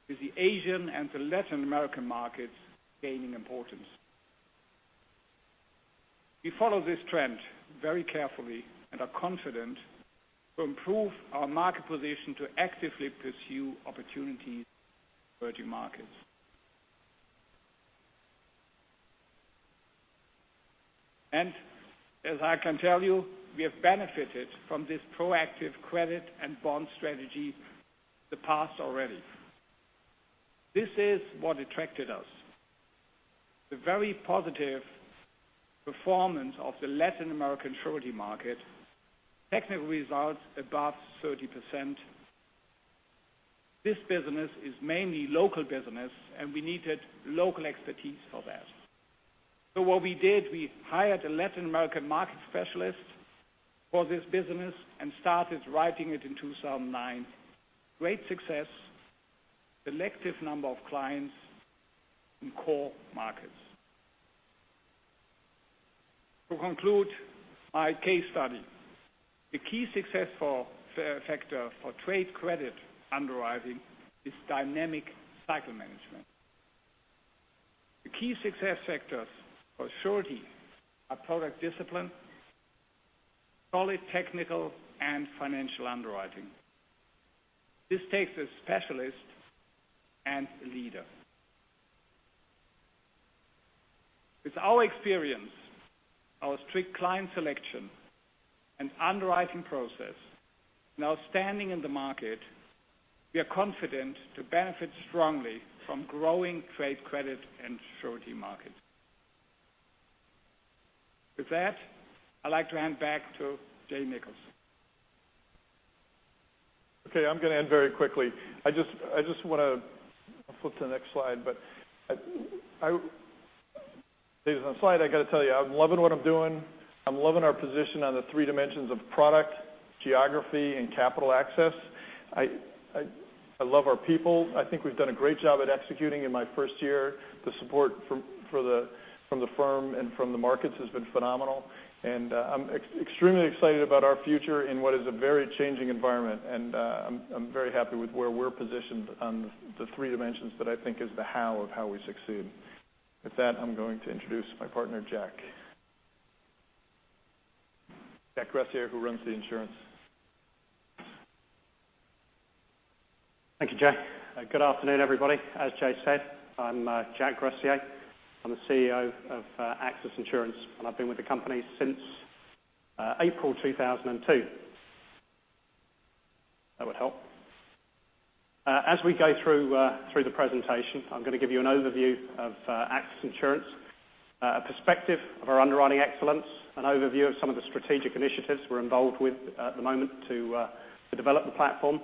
with the Asian and the Latin American markets gaining importance. We follow this trend very carefully and are confident to improve our market position to actively pursue opportunities in emerging markets. As I can tell you, we have benefited from this proactive credit and bond strategy in the past already. This is what attracted us. The very positive performance of the Latin American surety market, technical results above 30%. This business is mainly local business. We needed local expertise for that. What we did, we hired a Latin American market specialist for this business and started writing it in 2009. Great success. Selective number of clients in core markets. To conclude my case study, the key success factor for trade credit underwriting is dynamic cycle management. The key success factors for surety are product discipline, solid technical and financial underwriting. This takes a specialist and a leader. With our experience, our strict client selection and underwriting process, now standing in the market, we are confident to benefit strongly from growing trade credit and surety markets. With that, I'd like to hand back to Jay Nichols. I'm going to end very quickly. I just want to flip to the next slide. Based on the slide, I got to tell you, I'm loving what I'm doing. I'm loving our position on the three dimensions of product, geography, and capital access. I love our people. I think we've done a great job at executing in my first year. The support from the firm and from the markets has been phenomenal. I'm extremely excited about our future in what is a very changing environment. I'm very happy with where we're positioned on the three dimensions that I think is the how of how we succeed. With that, I'm going to introduce my partner, Jack. Jack Gressier, who runs the insurance. Thank you, Jay. Good afternoon, everybody. As Jay said, I'm Jack Gressier. I'm the CEO of AXIS Insurance, and I've been with the company since April 2002. That would help. As we go through the presentation, I'm going to give you an overview of AXIS Insurance, a perspective of our underwriting excellence, an overview of some of the strategic initiatives we're involved with at the moment to develop the platform.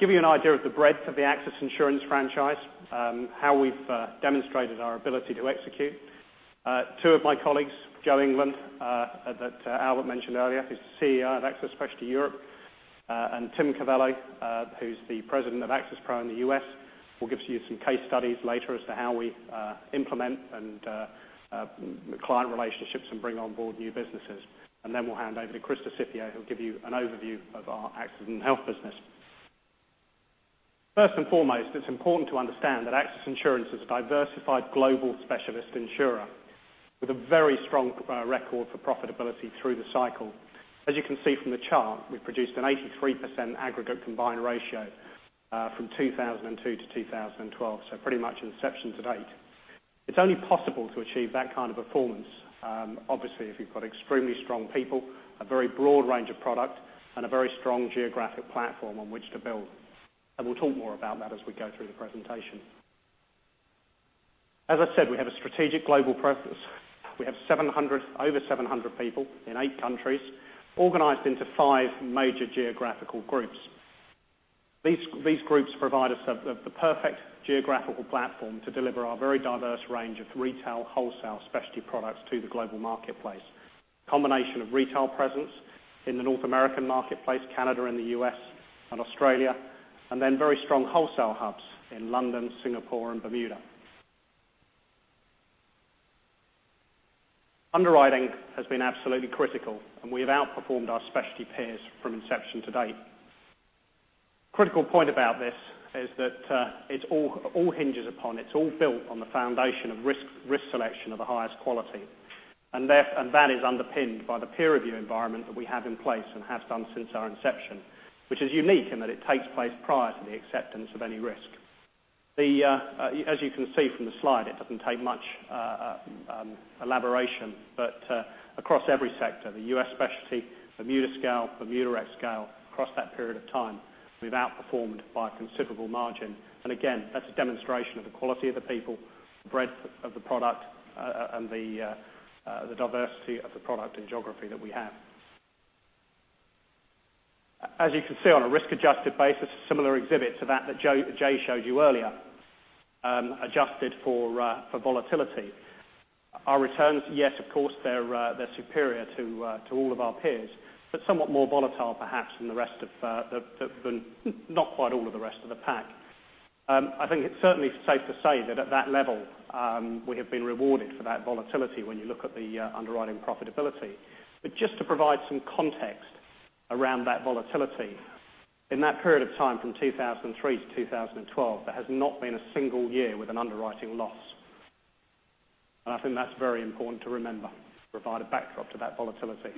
Give you an idea of the breadth of the AXIS Insurance franchise, how we've demonstrated our ability to execute. Two of my colleagues, Joe England, that Albert mentioned earlier, who's the CEO of AXIS Specialty Europe. Tim Cavallo, who's the president of AXIS Pro in the U.S., will give to you some case studies later as to how we implement and the client relationships and bring on board new businesses. We'll hand over to Chris DiSipio, who'll give you an overview of our accident and health business. First and foremost, it's important to understand that AXIS Insurance is a diversified global specialist insurer with a very strong record for profitability through the cycle. As you can see from the chart, we produced an 83% aggregate combined ratio from 2002 to 2012, so pretty much inception to date. It's only possible to achieve that kind of performance, obviously, if you've got extremely strong people, a very broad range of product, and a very strong geographic platform on which to build. We'll talk more about that as we go through the presentation. As I said, we have a strategic global presence. We have over 700 people in eight countries, organized into five major geographical groups. These groups provide us with the perfect geographical platform to deliver our very diverse range of retail, wholesale specialty products to the global marketplace. Combination of retail presence in the North American marketplace, Canada and the U.S., then very strong wholesale hubs in London, Singapore, and Bermuda. Underwriting has been absolutely critical, we have outperformed our specialty peers from inception to date. Critical point about this is that it all hinges upon, it's all built on the foundation of risk selection of the highest quality. That is underpinned by the peer review environment that we have in place and have done since our inception, which is unique in that it takes place prior to the acceptance of any risk. As you can see from the slide, it doesn't take much elaboration. Across every sector, the U.S. specialty, Bermuda scale, Bermuda scale, across that period of time, we've outperformed by a considerable margin. Again, that's a demonstration of the quality of the people, breadth of the product, and the diversity of the product and geography that we have. As you can see on a risk-adjusted basis, similar exhibits to that that Jay showed you earlier, adjusted for volatility. Our returns, yes, of course, they're superior to all of our peers, but somewhat more volatile perhaps than not quite all of the rest of the pack. I think it's certainly safe to say that at that level, we have been rewarded for that volatility when you look at the underwriting profitability. Just to provide some context around that volatility. In that period of time from 2003 to 2012, there has not been a single year with an underwriting loss. I think that's very important to remember to provide a backdrop to that volatility.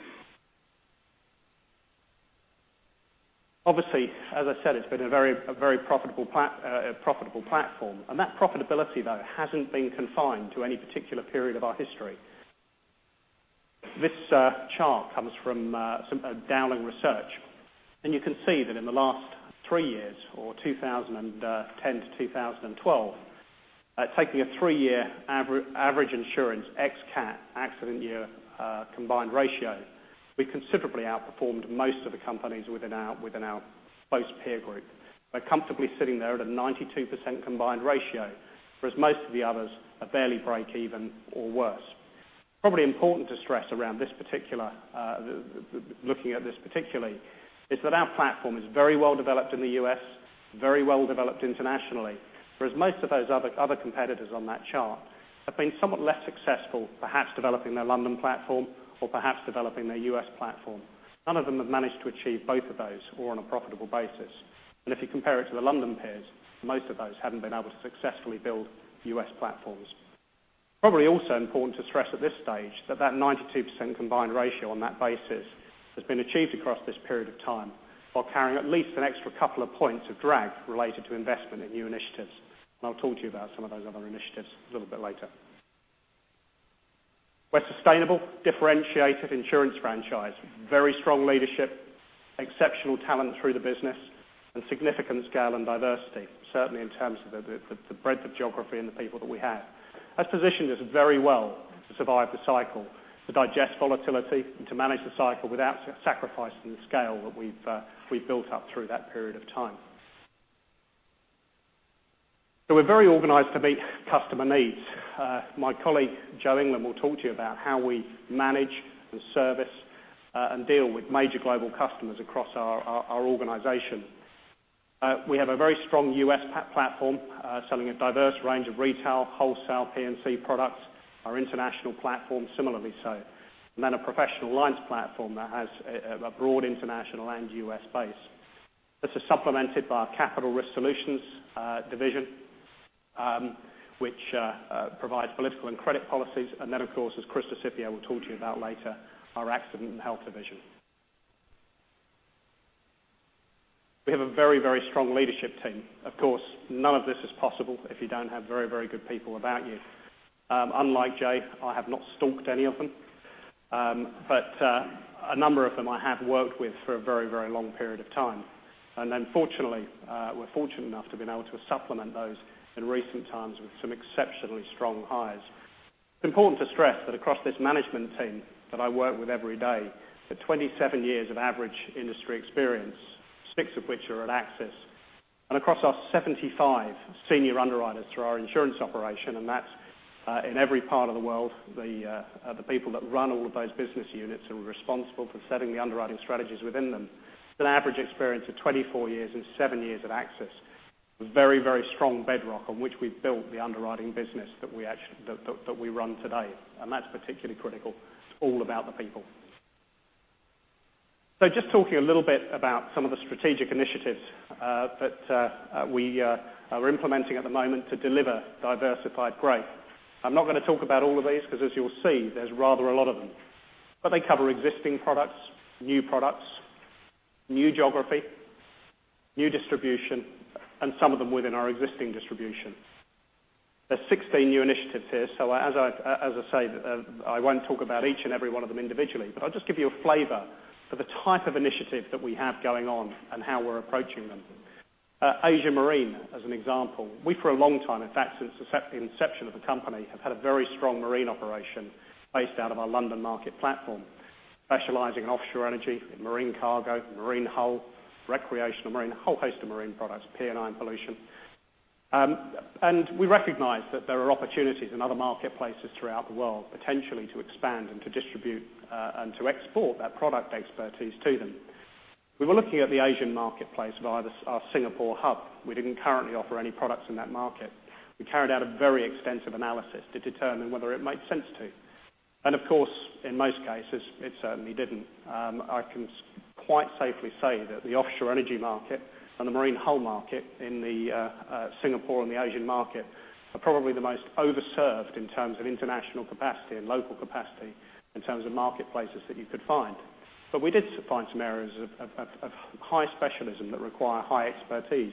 Obviously, as I said, it's been a very profitable platform. That profitability, though, hasn't been confined to any particular period of our history. This chart comes from Dowling Research, you can see that in the last three years, or 2010 to 2012, taking a three-year average insurance ex cat accident year combined ratio, we considerably outperformed most of the companies within our close peer group. We're comfortably sitting there at a 92% combined ratio, whereas most of the others are barely break even or worse. Probably important to stress around looking at this particularly, is that our platform is very well developed in the U.S., very well developed internationally. Most of those other competitors on that chart have been somewhat less successful, perhaps developing their London platform or perhaps developing their U.S. platform. None of them have managed to achieve both of those or on a profitable basis. If you compare it to the London peers, most of those haven't been able to successfully build U.S. platforms. Probably also important to stress at this stage that that 92% combined ratio on that basis has been achieved across this period of time while carrying at least an extra couple of points of drag related to investment in new initiatives. I'll talk to you about some of those other initiatives a little bit later. We're a sustainable, differentiated insurance franchise, very strong leadership, exceptional talent through the business, significant scale and diversity, certainly in terms of the breadth of geography and the people that we have. That's positioned us very well to survive the cycle, to digest volatility, and to manage the cycle without sacrificing the scale that we've built up through that period of time. We're very organized to meet customer needs. My colleague, Joe England, will talk to you about how we manage the service and deal with major global customers across our organization. We have a very strong U.S. platform selling a diverse range of retail, wholesale P&C products. Our international platform similarly so. A professional alliance platform that has a broad international and U.S. base. This is supplemented by our Capital Risk Solutions division, which provides political and credit policies. Of course, as Chris DiSipio will talk to you about later, our Accident & Health division. We have a very strong leadership team. Of course, none of this is possible if you don't have very good people about you. Unlike Jay, I have not stalked any of them. A number of them I have worked with for a very long period of time. We're fortunate enough to have been able to supplement those in recent times with some exceptionally strong hires. It's important to stress that across this management team that I work with every day, the 27 years of average industry experience, six of which are at AXIS. Across our 75 senior underwriters through our insurance operation, and that's in every part of the world, the people that run all of those business units who are responsible for setting the underwriting strategies within them, an average experience of 24 years and seven years at AXIS. A very strong bedrock on which we've built the underwriting business that we run today, and that's particularly critical. It's all about the people. Just talking a little bit about some of the strategic initiatives that we are implementing at the moment to deliver diversified growth. I'm not going to talk about all of these because, as you'll see, there's rather a lot of them. They cover existing products, new products, new geography, new distribution, and some of them within our existing distribution. There's 16 new initiatives here, as I say, I won't talk about each and every one of them individually. I'll just give you a flavor for the type of initiative that we have going on and how we're approaching them. Asia Marine, as an example. We, for a long time, in fact, since the inception of the company, have had a very strong marine operation based out of our London market platform, specializing in offshore energy, marine cargo, marine hull, recreational marine, a whole host of marine products, P&I, and pollution. We recognize that there are opportunities in other marketplaces throughout the world, potentially to expand and to distribute and to export that product expertise to them. We were looking at the Asian marketplace via our Singapore hub. We didn't currently offer any products in that market. We carried out a very extensive analysis to determine whether it made sense to. Of course, in most cases, it certainly didn't. I can quite safely say that the offshore energy market and the marine hull market in the Singapore and the Asian market are probably the most overserved in terms of international capacity and local capacity in terms of marketplaces that you could find. We did find some areas of high specialism that require high expertise,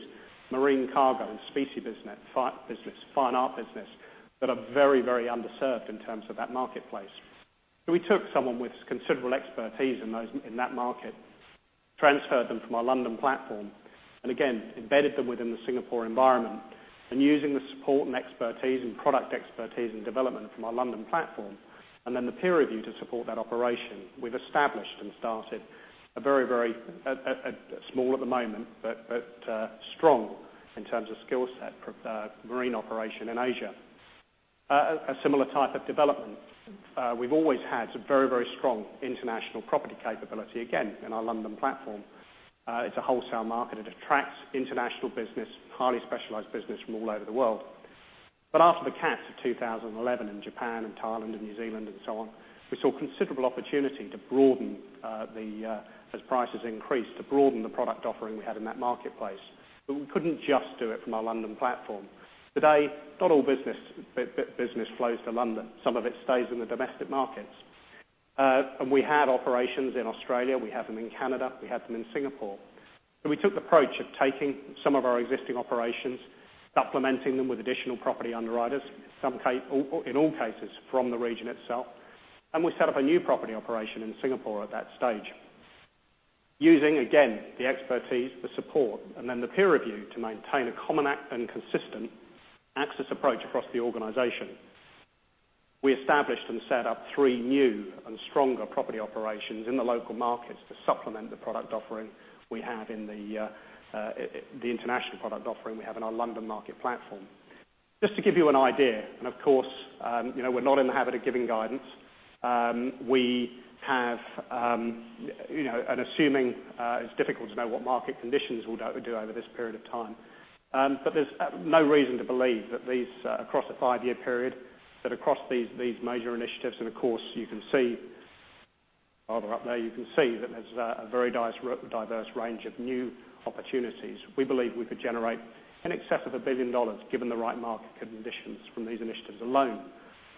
marine cargo, and specie business, fine art business, that are very underserved in terms of that marketplace. We took someone with considerable expertise in that market, transferred them from our London platform, and again, embedded them within the Singapore environment. Using the support and expertise and product expertise and development from our London platform, and then the peer review to support that operation, we've established and started a small at the moment, but strong in terms of skill set, marine operation in Asia. A similar type of development. We've always had some very strong international property capability, again, in our London platform. It's a wholesale market. It attracts international business, highly specialized business from all over the world. After the cats of 2011 in Japan and Thailand and New Zealand and so on, we saw considerable opportunity, as prices increased, to broaden the product offering we had in that marketplace. We couldn't just do it from our London platform. Today, not all business flows to London. Some of it stays in the domestic markets. We have operations in Australia, we have them in Canada, we have them in Singapore. We took the approach of taking some of our existing operations, supplementing them with additional property underwriters, in all cases, from the region itself, and we set up a new property operation in Singapore at that stage. Using, again, the expertise, the support, and then the peer review to maintain a common and consistent AXIS approach across the organization. We established and set up three new and stronger property operations in the local markets to supplement the product offering we have in the international product offering we have in our London market platform. Just to give you an idea, and of course, we're not in the habit of giving guidance. It's difficult to know what market conditions will do over this period of time. There's no reason to believe that across a five-year period, that across these major initiatives, and of course, you can see further up there, you can see that there's a very diverse range of new opportunities. We believe we could generate in excess of $1 billion, given the right market conditions from these initiatives alone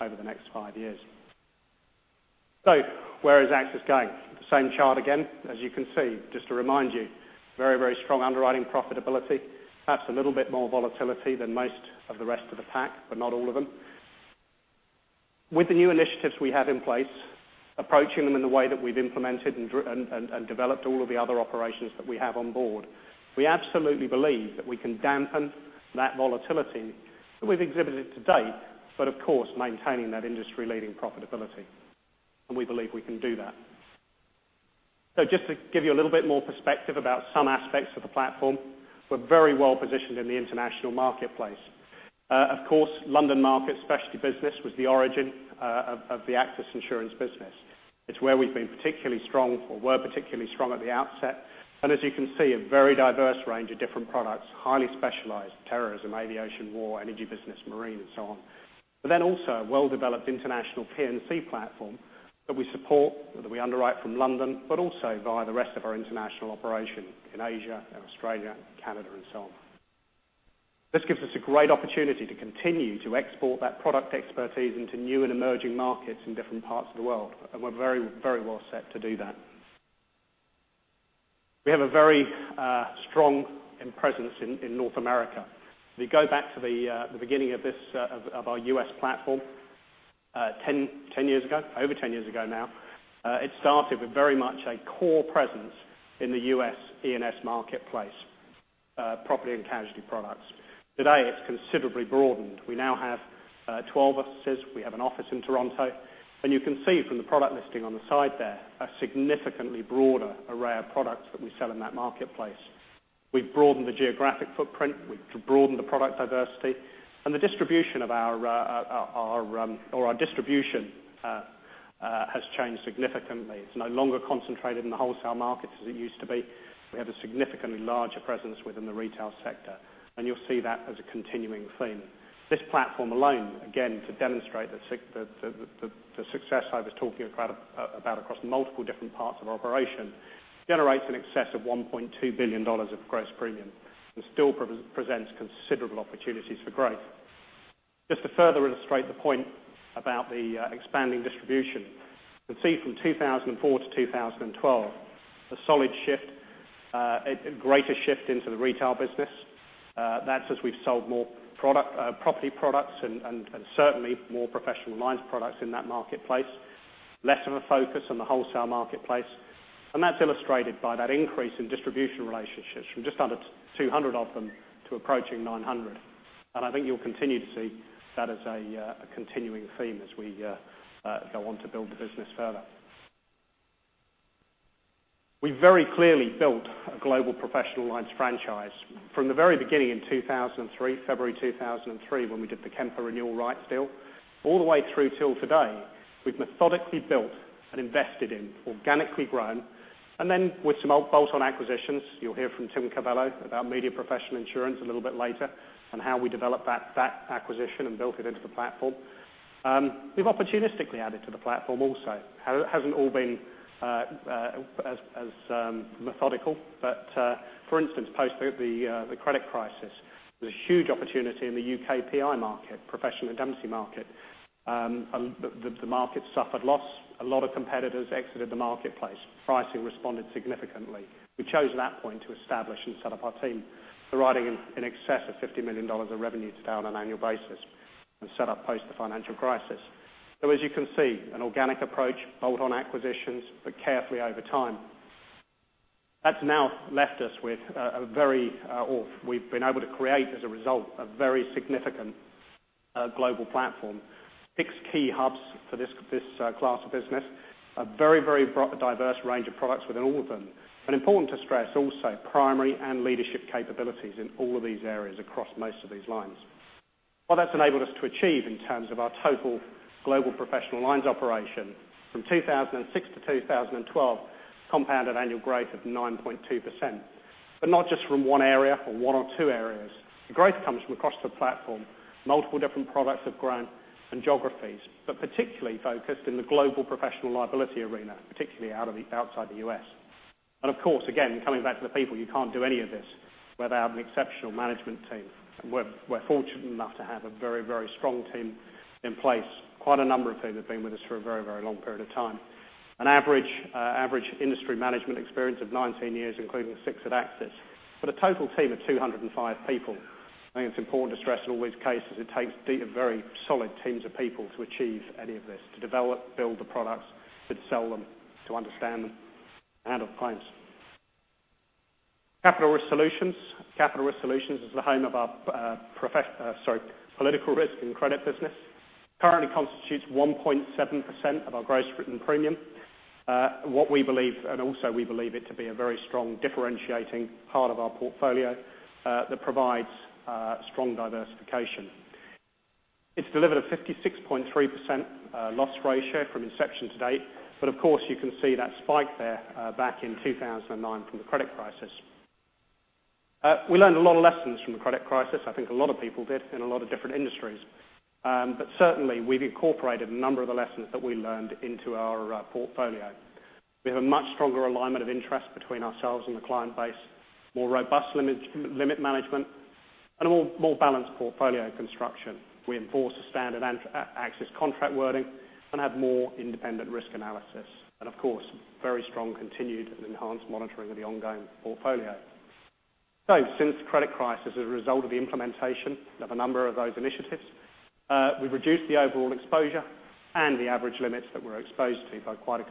over the next five years. Where is AXIS going? The same chart again, as you can see, just to remind you, very strong underwriting profitability, perhaps a little bit more volatility than most of the rest of the pack, but not all of them. With the new initiatives we have in place, approaching them in the way that we've implemented and developed all of the other operations that we have on board, we absolutely believe that we can dampen that volatility that we've exhibited to date, but of course, maintaining that industry-leading profitability. We believe we can do that. Just to give you a little bit more perspective about some aspects of the platform, we're very well positioned in the international marketplace. Of course, London Market specialty business was the origin of the AXIS Insurance business. It's where we've been particularly strong or were particularly strong at the outset. As you can see, a very diverse range of different products, highly specialized, terrorism, aviation, war, energy business, marine, and so on. Also a well-developed international P&C platform that we support, whether we underwrite from London, but also via the rest of our international operation in Asia and Australia, Canada, and so on. This gives us a great opportunity to continue to export that product expertise into new and emerging markets in different parts of the world, and we are very well set to do that. We have a very strong presence in North America. If you go back to the beginning of our U.S. platform over 10 years ago now, it started with very much a core presence in the U.S. E&S marketplace, property and casualty products. Today, it is considerably broadened. We now have 12 offices. We have an office in Toronto. You can see from the product listing on the side there, a significantly broader array of products that we sell in that marketplace. We've broadened the geographic footprint. We've broadened the product diversity. Our distribution has changed significantly. It's no longer concentrated in the wholesale markets as it used to be. We have a significantly larger presence within the retail sector, and you'll see that as a continuing theme. This platform alone, again, to demonstrate the success I was talking about across multiple different parts of our operation generates in excess of $1.2 billion of gross premium and still presents considerable opportunities for growth. Just to further illustrate the point about the expanding distribution, you can see from 2004 to 2012, a greater shift into the retail business. That's as we've sold more property products and certainly more professional lines products in that marketplace. Less of a focus on the wholesale marketplace. That's illustrated by that increase in distribution relationships from just under 200 of them to approaching 900. I think you'll continue to see that as a continuing theme as we go on to build the business further. We very clearly built a global professional lines franchise from the very beginning in February 2003, when we did the Kemper renewal rights deal, all the way through till today. We've methodically built and invested in, organically grown, and then with some bolt-on acquisitions. You'll hear from Tim Cavallo about Media/Professional Insurance a little bit later, and how we developed that acquisition and built it into the platform. We've opportunistically added to the platform also. Hasn't all been as methodical. For instance, post the credit crisis, there was a huge opportunity in the U.K. PI market, professional indemnity market. The market suffered loss. A lot of competitors exited the marketplace. Pricing responded significantly. We chose that point to establish and set up our team, writing in excess of $50 million of revenues down on an annual basis and set up post the financial crisis. As you can see, an organic approach, bolt-on acquisitions, but carefully over time. We've been able to create, as a result, a very significant global platform. Six key hubs for this class of business. A very diverse range of products within all of them. Important to stress, also, primary and leadership capabilities in all of these areas across most of these lines. What that's enabled us to achieve in terms of our total global professional lines operation from 2006 to 2012, compounded annual growth of 9.2%. Not just from one area or one or two areas. The growth comes from across the platform. Multiple different products have grown and geographies, but particularly focused in the global professional liability arena, particularly outside the U.S. Of course, again, coming back to the people, you can't do any of this without an exceptional management team. We're fortunate enough to have a very strong team in place. Quite a number of people have been with us for a very long period of time. An average industry management experience of 19 years, including six at AXIS. A total team of 205 people. I think it's important to stress in all these cases, it takes very solid teams of people to achieve any of this, to develop, build the products, to sell them, to understand them, and of clients. Capital Risk Solutions is the home of our political risk and credit business. Currently constitutes 1.7% of our gross written premium. Also we believe it to be a very strong differentiating part of our portfolio that provides strong diversification. It's delivered a 56.3% loss ratio from inception to date. Of course, you can see that spike there back in 2009 from the credit crisis. We learned a lot of lessons from the credit crisis. I think a lot of people did in a lot of different industries. Certainly, we've incorporated a number of the lessons that we learned into our portfolio. We have a much stronger alignment of interest between ourselves and the client base, more robust limit management, and a more balanced portfolio construction. We enforce the standard AXIS contract wording and have more independent risk analysis. Of course, very strong continued and enhanced monitoring of the ongoing portfolio. Since the credit crisis, as a result of the implementation of a number of those initiatives, we've reduced the overall exposure and the average limits that we're exposed to by quite a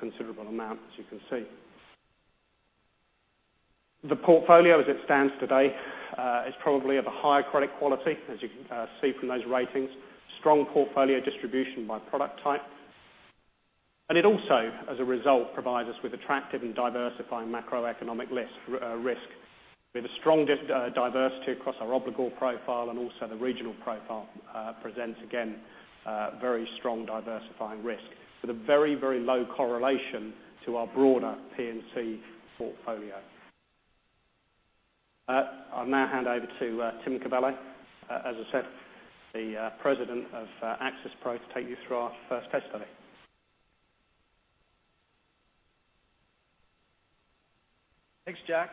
considerable amount, as you can see. The portfolio as it stands today is probably of a higher credit quality, as you can see from those ratings. Strong portfolio distribution by product type. It also, as a result, provides us with attractive and diversifying macroeconomic risk. We have a strong diversity across our obligor profile and also the regional profile presents, again, very strong diversifying risk with a very low correlation to our broader P&C portfolio. I'll now hand over to Tim Cavallo, as I said, the President of AXIS Pro, to take you through our first case study. Thanks, Jack,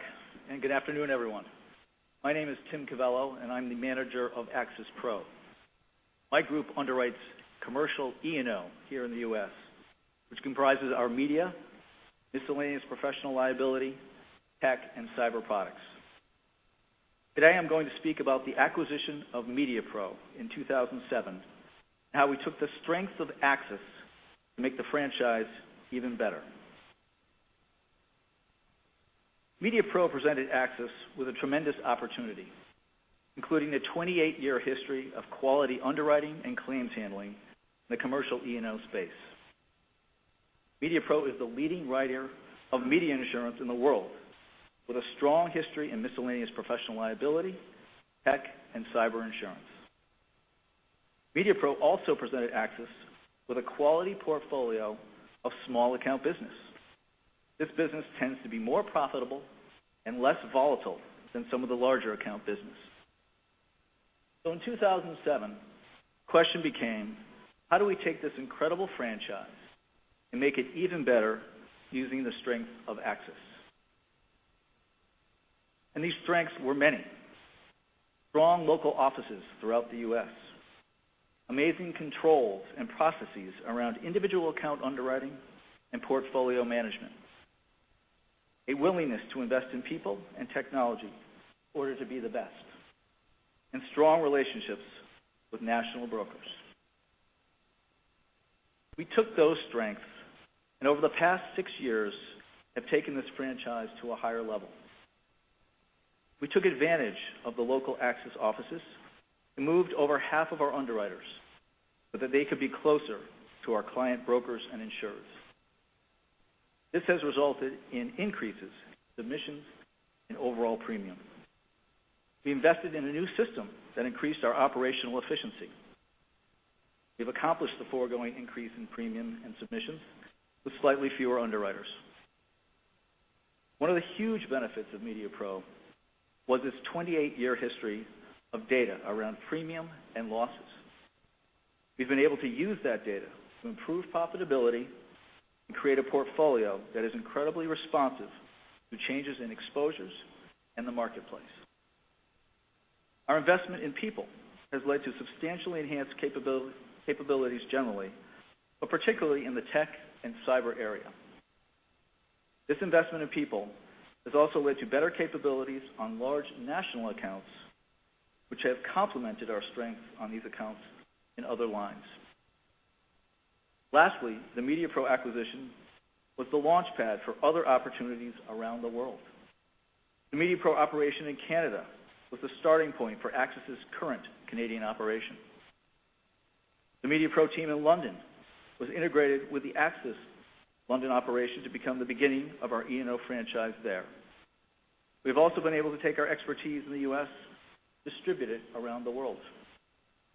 and good afternoon, everyone. My name is Tim Cavallo, and I'm the manager of AXIS Pro. My group underwrites commercial E&O here in the U.S., which comprises our media, miscellaneous professional liability, tech, and Cyber products. Today, I'm going to speak about the acquisition of Media/Pro in 2007, and how we took the strength of AXIS to make the franchise even better. Media/Pro presented AXIS with a tremendous opportunity, including the 28-year history of quality underwriting and claims handling in the commercial E&O space. Media/Pro is the leading writer of media insurance in the world, with a strong history in miscellaneous professional liability, tech, and Cyber insurance. Media/Pro also presented AXIS with a quality portfolio of small account business. This business tends to be more profitable and less volatile than some of the larger account business. In 2007, the question became, how do we take this incredible franchise and make it even better using the strength of AXIS? These strengths were many. Strong local offices throughout the U.S., amazing controls and processes around individual account underwriting and portfolio management, a willingness to invest in people and technology in order to be the best, and strong relationships with national brokers. We took those strengths and over the past six years have taken this franchise to a higher level. We took advantage of the local AXIS offices and moved over half of our underwriters so that they could be closer to our client brokers and insurers. This has resulted in increases, submissions, and overall premium. We invested in a new system that increased our operational efficiency. We've accomplished the foregoing increase in premium and submissions with slightly fewer underwriters. One of the huge benefits of Media/Pro was its 28-year history of data around premium and losses. We've been able to use that data to improve profitability and create a portfolio that is incredibly responsive to changes in exposures in the marketplace. Our investment in people has led to substantially enhanced capabilities generally, but particularly in the tech and Cyber area. This investment in people has also led to better capabilities on large national accounts, which have complemented our strength on these accounts in other lines. Lastly, the Media/Pro acquisition was the launchpad for other opportunities around the world. The Media/Pro operation in Canada was the starting point for AXIS's current Canadian operation. The Media/Pro team in London was integrated with the AXIS London operation to become the beginning of our E&O franchise there. We've also been able to take our expertise in the U.S. and distribute it around the world.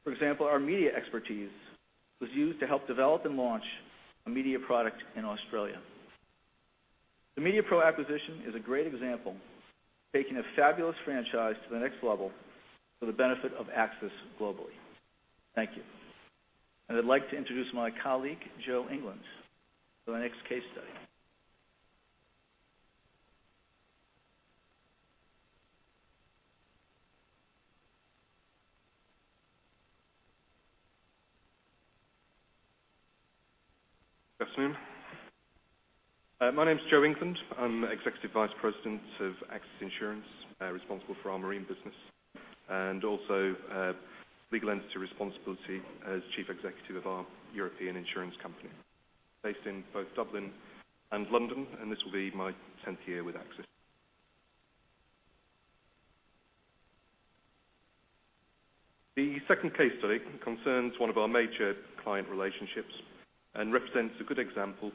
For example, our media expertise was used to help develop and launch a media product in Australia. The MediaPro acquisition is a great example of taking a fabulous franchise to the next level for the benefit of AXIS globally. Thank you. I would like to introduce my colleague, Joseph England, for the next case study. Good afternoon. My name is Joseph England. I'm Executive Vice President of AXIS Insurance, responsible for our marine business and also legal entity responsibility as Chief Executive of our European insurance company based in both Dublin and London, and this will be my 10th year with AXIS. The second case study concerns one of our major client relationships and represents a good example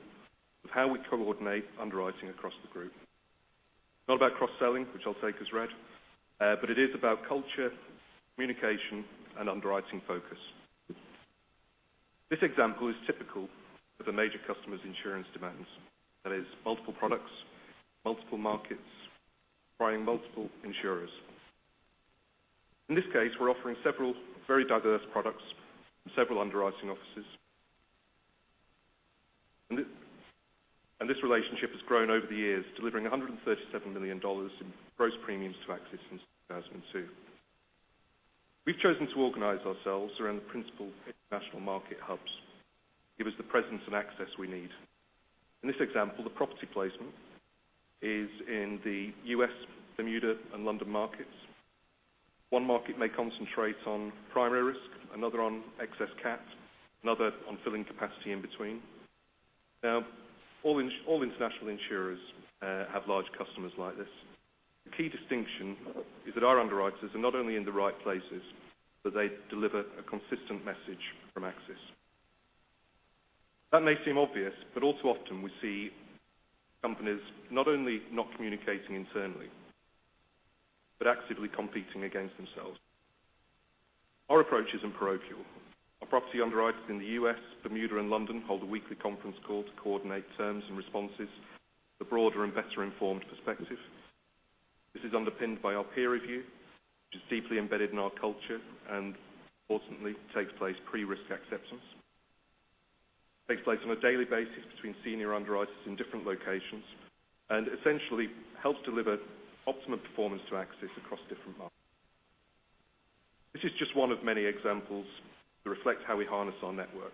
of how we coordinate underwriting across the group. It's not about cross-selling, which I'll take as read, but it is about culture, communication, and underwriting focus. This example is typical of the major customer's insurance demands. That is multiple products, multiple markets, requiring multiple insurers. In this case, we're offering several very diverse products from several underwriting offices. This relationship has grown over the years, delivering $137 million in gross premiums to AXIS since 2002. We've chosen to organize ourselves around the principal international market hubs to give us the presence and access we need. In this example, the property placement is in the U.S., Bermuda, and London markets. One market may concentrate on primary risk, another on excess cat, another on filling capacity in between. All international insurers have large customers like this. The key distinction is that our underwriters are not only in the right places, but they deliver a consistent message from AXIS. That may seem obvious, but all too often we see companies not only not communicating internally, but actively competing against themselves. Our approach isn't parochial. Our property underwriters in the U.S., Bermuda, and London hold a weekly conference call to coordinate terms and responses with a broader and better-informed perspective. This is underpinned by our peer review, which is deeply embedded in our culture and importantly takes place pre-risk acceptance. It takes place on a daily basis between senior underwriters in different locations, essentially helps deliver optimum performance to AXIS across different markets. This is just one of many examples that reflects how we harness our network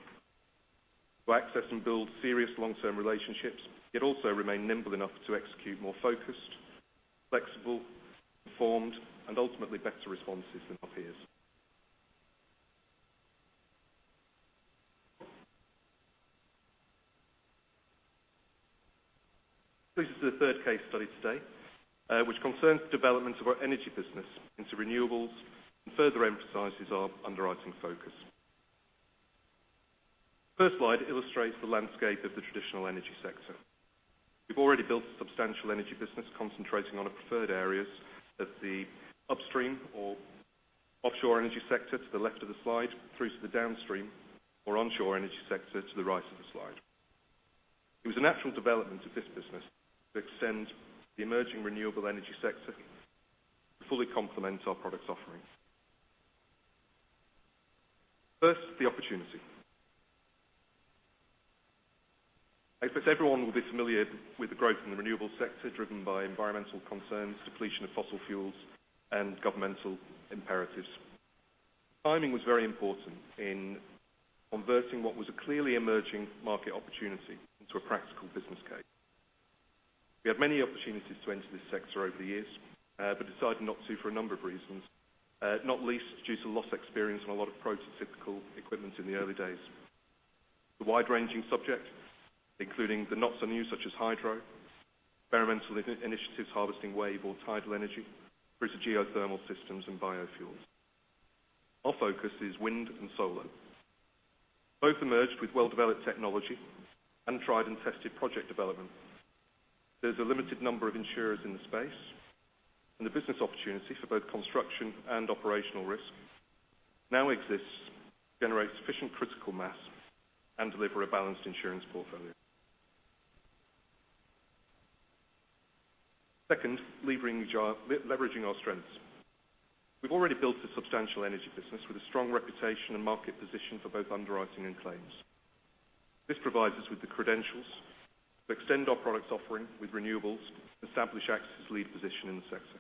to access and build serious long-term relationships, yet also remain nimble enough to execute more focused, flexible, informed, and ultimately better responses than our peers. This is the third case study today, which concerns the development of our energy business into renewables and further emphasizes our underwriting focus. The first slide illustrates the landscape of the traditional energy sector. We've already built a substantial energy business concentrating on our preferred areas at the upstream or offshore energy sector to the left of the slide, through to the downstream or onshore energy sector to the right of the slide. It was a natural development of this business to extend the emerging renewable energy sector to fully complement our products offerings. First, the opportunity. I suspect everyone will be familiar with the growth in the renewable sector driven by environmental concerns, depletion of fossil fuels, and governmental imperatives. Timing was very important in converting what was a clearly emerging market opportunity into a practical business case. We had many opportunities to enter this sector over the years, but decided not to for a number of reasons, not least due to loss experience on a lot of prototypical equipment in the early days. It's a wide-ranging subject, including the not-so-new, such as hydro, experimental initiatives harvesting wave or tidal energy, through to geothermal systems and biofuels. Our focus is wind and solar. Both emerged with well-developed technology and tried-and-tested project development. There's a limited number of insurers in the space, and the business opportunity for both construction and operational risk now exists to generate sufficient critical mass and deliver a balanced insurance portfolio. Second, leveraging our strengths. We've already built a substantial energy business with a strong reputation and market position for both underwriting and claims. This provides us with the credentials to extend our products offering with renewables to establish AXIS's lead position in the sector.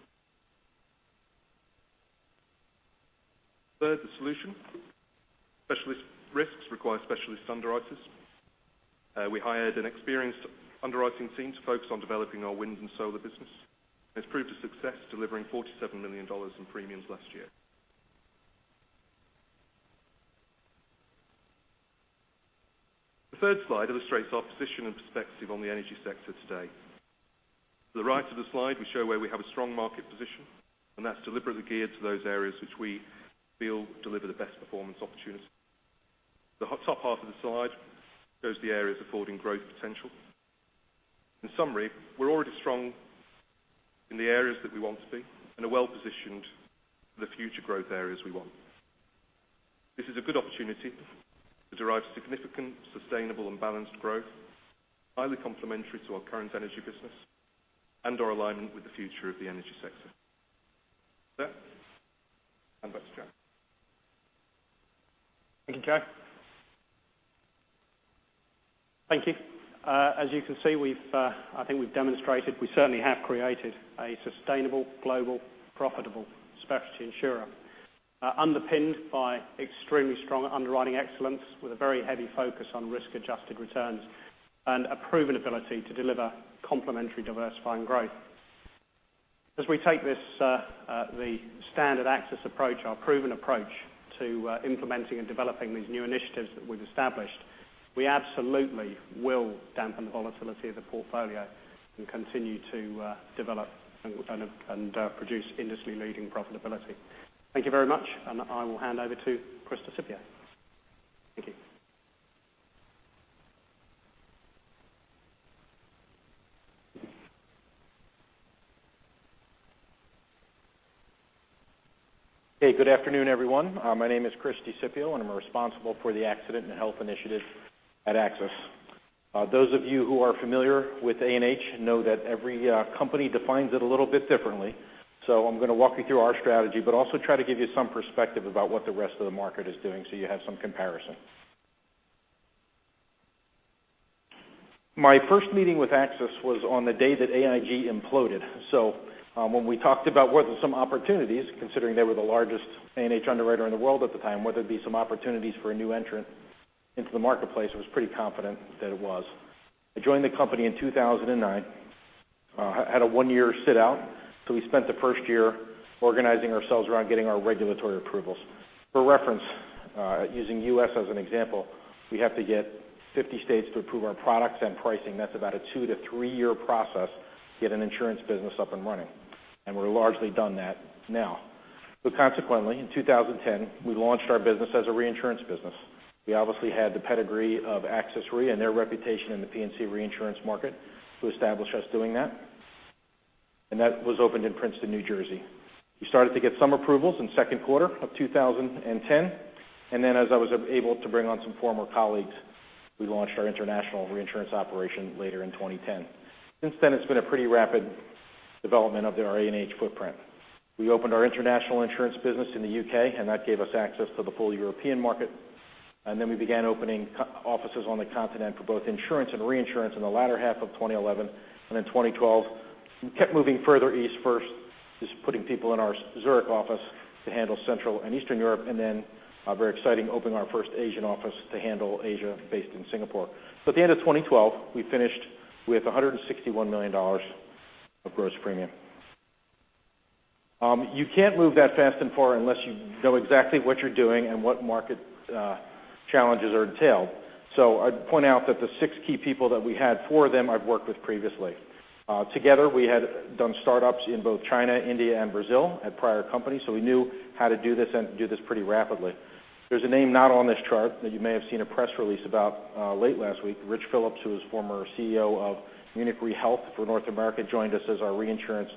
Third, the solution. Specialist risks require specialist underwriters. We hired an experienced underwriting team to focus on developing our wind and solar business. It's proved a success, delivering $47 million in premiums last year. The third slide illustrates our position and perspective on the energy sector today. To the right of the slide, we show where we have a strong market position. That's deliberately geared to those areas which we feel deliver the best performance opportunity. The top half of the slide shows the areas affording growth potential. In summary, we're already strong in the areas that we want to be and are well-positioned for the future growth areas we want. This is a good opportunity to derive significant, sustainable, and balanced growth, highly complementary to our current energy business and our alignment with the future of the energy sector. With that, back to Jack. Thank you, Joe. Thank you. As you can see, I think we've demonstrated we certainly have created a sustainable, global, profitable specialty insurer, underpinned by extremely strong underwriting excellence with a very heavy focus on risk-adjusted returns and a proven ability to deliver complementary diversifying growth. As we take the standard AXIS approach, our proven approach to implementing and developing these new initiatives that we've established, we absolutely will dampen the volatility of the portfolio and continue to develop and produce industry-leading profitability. Thank you very much, I will hand over to Chris DiSipio. Thank you. Hey, good afternoon, everyone. My name is Chris DiSipio, I'm responsible for the Accident & Health initiative at AXIS. Those of you who are familiar with A&H know that every company defines it a little bit differently. I'm going to walk you through our strategy, also try to give you some perspective about what the rest of the market is doing so you have some comparison. My first meeting with AXIS was on the day that AIG imploded. When we talked about whether some opportunities, considering they were the largest A&H underwriter in the world at the time, whether there'd be some opportunities for a new entrant into the marketplace, I was pretty confident that it was. I joined the company in 2009. Had a one-year sit out. We spent the first year organizing ourselves around getting our regulatory approvals. For reference, using U.S. as an example, we have to get 50 states to approve our products and pricing. That's about a two to three-year process to get an insurance business up and running. We've largely done that now. Consequently, in 2010, we launched our business as a reinsurance business. We obviously had the pedigree of AXIS Re and their reputation in the P&C reinsurance market to establish us doing that. That was opened in Princeton, New Jersey. We started to get some approvals in the second quarter of 2010. As I was able to bring on some former colleagues, we launched our international reinsurance operation later in 2010. Since then, it's been a pretty rapid development of our A&H footprint. We opened our international insurance business in the U.K. That gave us access to the full European market. We began opening offices on the continent for both insurance and reinsurance in the latter half of 2011 and in 2012. We kept moving further east first, just putting people in our Zurich office to handle Central and Eastern Europe. Then very exciting, opening our first Asian office to handle Asia based in Singapore. At the end of 2012, we finished with $161 million of gross premium. You can't move that fast and far unless you know exactly what you're doing and what market challenges are entailed. I'd point out that the six key people that we had, four of them I've worked with previously. Together, we had done startups in both China, India, and Brazil at prior companies. We knew how to do this and do this pretty rapidly. There's a name not on this chart that you may have seen a press release about late last week. Rich Phillips, who was former CEO of Munich Re Health for North America, joined us as our reinsurance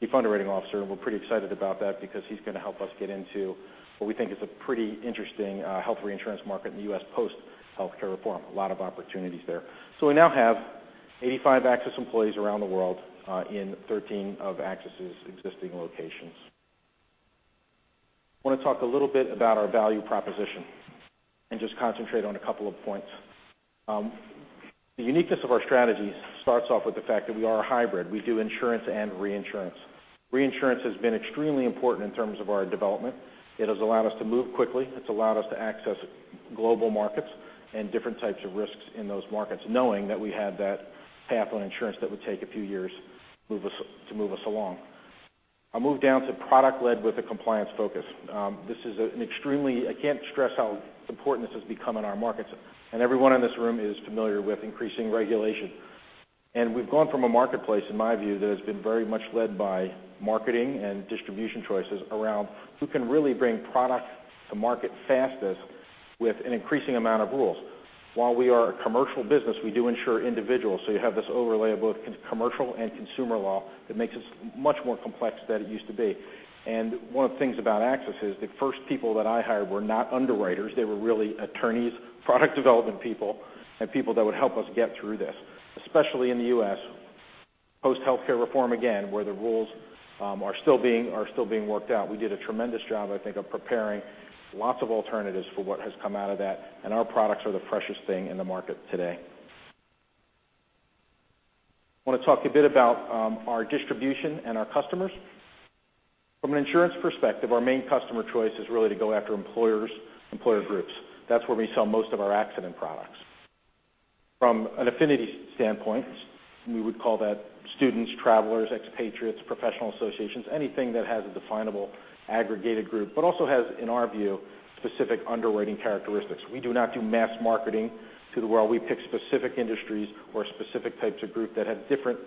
Chief Underwriting Officer. We're pretty excited about that because he's going to help us get into what we think is a pretty interesting health reinsurance market in the U.S. post-healthcare reform. A lot of opportunities there. We now have 85 AXIS employees around the world in 13 of AXIS' existing locations. I want to talk a little bit about our value proposition and just concentrate on a couple of points. The uniqueness of our strategies starts off with the fact that we are a hybrid. We do insurance and reinsurance. Reinsurance has been extremely important in terms of our development. It has allowed us to move quickly. It's allowed us to access global markets and different types of risks in those markets, knowing that we had that path on insurance that would take a few years to move us along. I'll move down to product led with a compliance focus. I can't stress how important this has become in our markets. Everyone in this room is familiar with increasing regulation. We've gone from a marketplace, in my view, that has been very much led by marketing and distribution choices around who can really bring product to market fastest with an increasing amount of rules. While we are a commercial business, we do insure individuals. You have this overlay of both commercial and consumer law that makes us much more complex than it used to be. One of the things about AXIS is the first people that I hired were not underwriters. They were really attorneys, product development people, and people that would help us get through this, especially in the U.S. post-healthcare reform, again, where the rules are still being worked out. We did a tremendous job, I think, of preparing lots of alternatives for what has come out of that. Our products are the freshest thing in the market today. I want to talk a bit about our distribution and our customers. From an insurance perspective, our main customer choice is really to go after employer groups. That's where we sell most of our accident products. From an affinity standpoint, we would call that students, travelers, expatriates, professional associations, anything that has a definable aggregated group, but also has, in our view, specific underwriting characteristics. We do not do mass marketing to the world. We pick specific industries or specific types of group that have different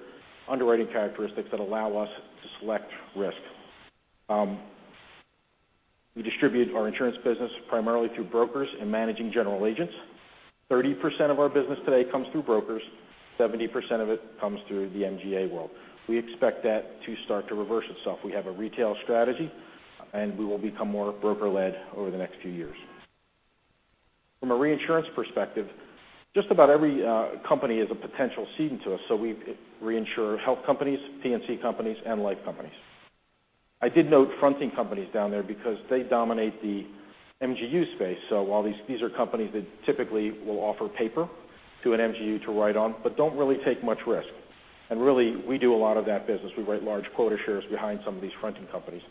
underwriting characteristics that allow us to select risk. We distribute our insurance business primarily through brokers and managing general agents. 30% of our business today comes through brokers. 70% of it comes through the MGA world. We expect that to start to reverse itself. We have a retail strategy, and we will become more broker-led over the next few years. From a reinsurance perspective, just about every company is a potential ceding to us, we reinsure health companies, P&C companies, and life companies. I did note fronting companies down there because they dominate the MGU space. While these are companies that typically will offer paper to an MGU to write on but don't really take much risk, and really, we do a lot of that business. We write large quota shares behind some of these fronting companies.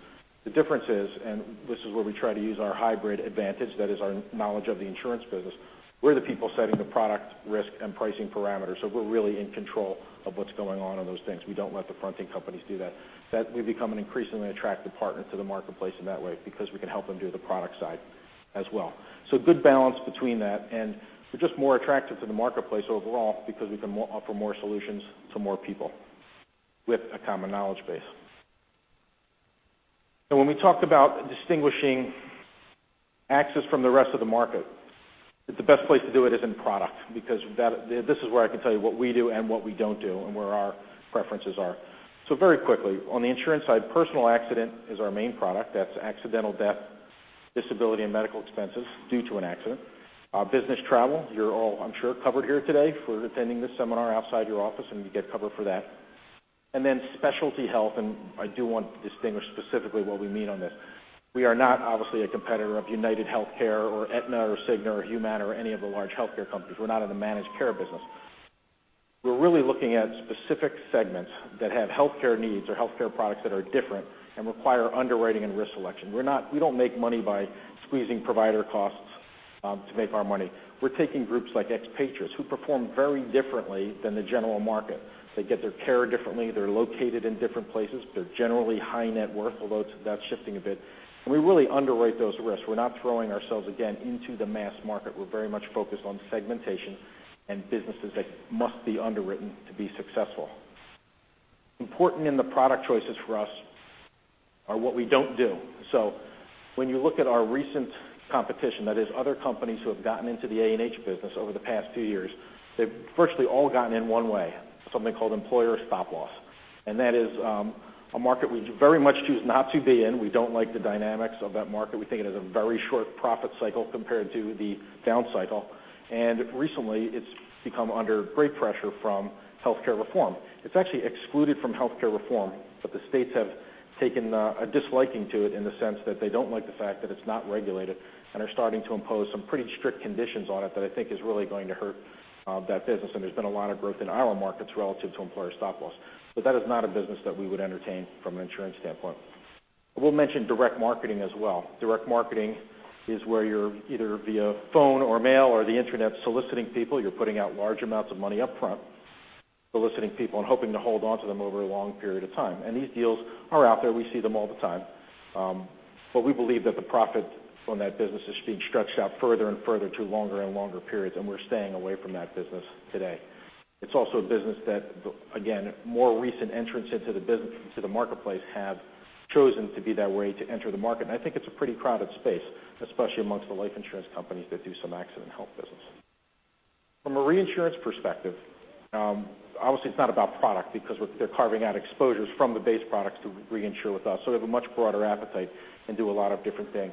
The difference is, and this is where we try to use our hybrid advantage, that is our knowledge of the insurance business, we're the people setting the product risk and pricing parameters. We're really in control of what's going on in those things. We don't let the fronting companies do that. We've become an increasingly attractive partner to the marketplace in that way because we can help them do the product side as well. Good balance between that, and we're just more attractive to the marketplace overall because we can offer more solutions to more people with a common knowledge base. Now, when we talked about distinguishing AXIS from the rest of the market, the best place to do it is in product because this is where I can tell you what we do and what we don't do and where our preferences are. Very quickly, on the insurance side, personal accident is our main product. That's accidental death, disability, and medical expenses due to an accident. Business travel, you're all, I'm sure, covered here today for attending this seminar outside your office, and you get covered for that. Then specialty health, and I do want to distinguish specifically what we mean on this. We are not obviously a competitor of UnitedHealthcare or Aetna or Cigna or Humana or any of the large healthcare companies. We're not in the managed care business. We're really looking at specific segments that have healthcare needs or healthcare products that are different and require underwriting and risk selection. We don't make money by squeezing provider costs to make our money. We're taking groups like expatriates who perform very differently than the general market. They get their care differently. They're located in different places. They're generally high net worth, although that's shifting a bit. We really underwrite those risks. We're not throwing ourselves, again, into the mass market. We're very much focused on segmentation and businesses that must be underwritten to be successful. Important in the product choices for us are what we don't do. When you look at our recent competition, that is other companies who have gotten into the A&H business over the past few years, they've virtually all gotten in one way, something called employer stop-loss, that is a market we very much choose not to be in. We don't like the dynamics of that market. We think it has a very short profit cycle compared to the down cycle, recently, it's become under great pressure from healthcare reform. It's actually excluded from healthcare reform, the states have taken a disliking to it in the sense that they don't like the fact that it's not regulated and are starting to impose some pretty strict conditions on it that I think is really going to hurt that business, there's been a lot of growth in our markets relative to employer stop-loss. That is not a business that we would entertain from an insurance standpoint. I will mention direct marketing as well. Direct marketing is where you're either via phone or mail or the internet soliciting people. You're putting out large amounts of money upfront, soliciting people and hoping to hold onto them over a long period of time. These deals are out there. We see them all the time. We believe that the profit from that business is being stretched out further and further to longer and longer periods, we're staying away from that business today. It's also a business that, again, more recent entrants into the marketplace have chosen to be that way to enter the market, I think it's a pretty crowded space, especially amongst the life insurance companies that do some accident and health business. From a reinsurance perspective, obviously it's not about product because they're carving out exposures from the base products to reinsure with us, they have a much broader appetite and do a lot of different things.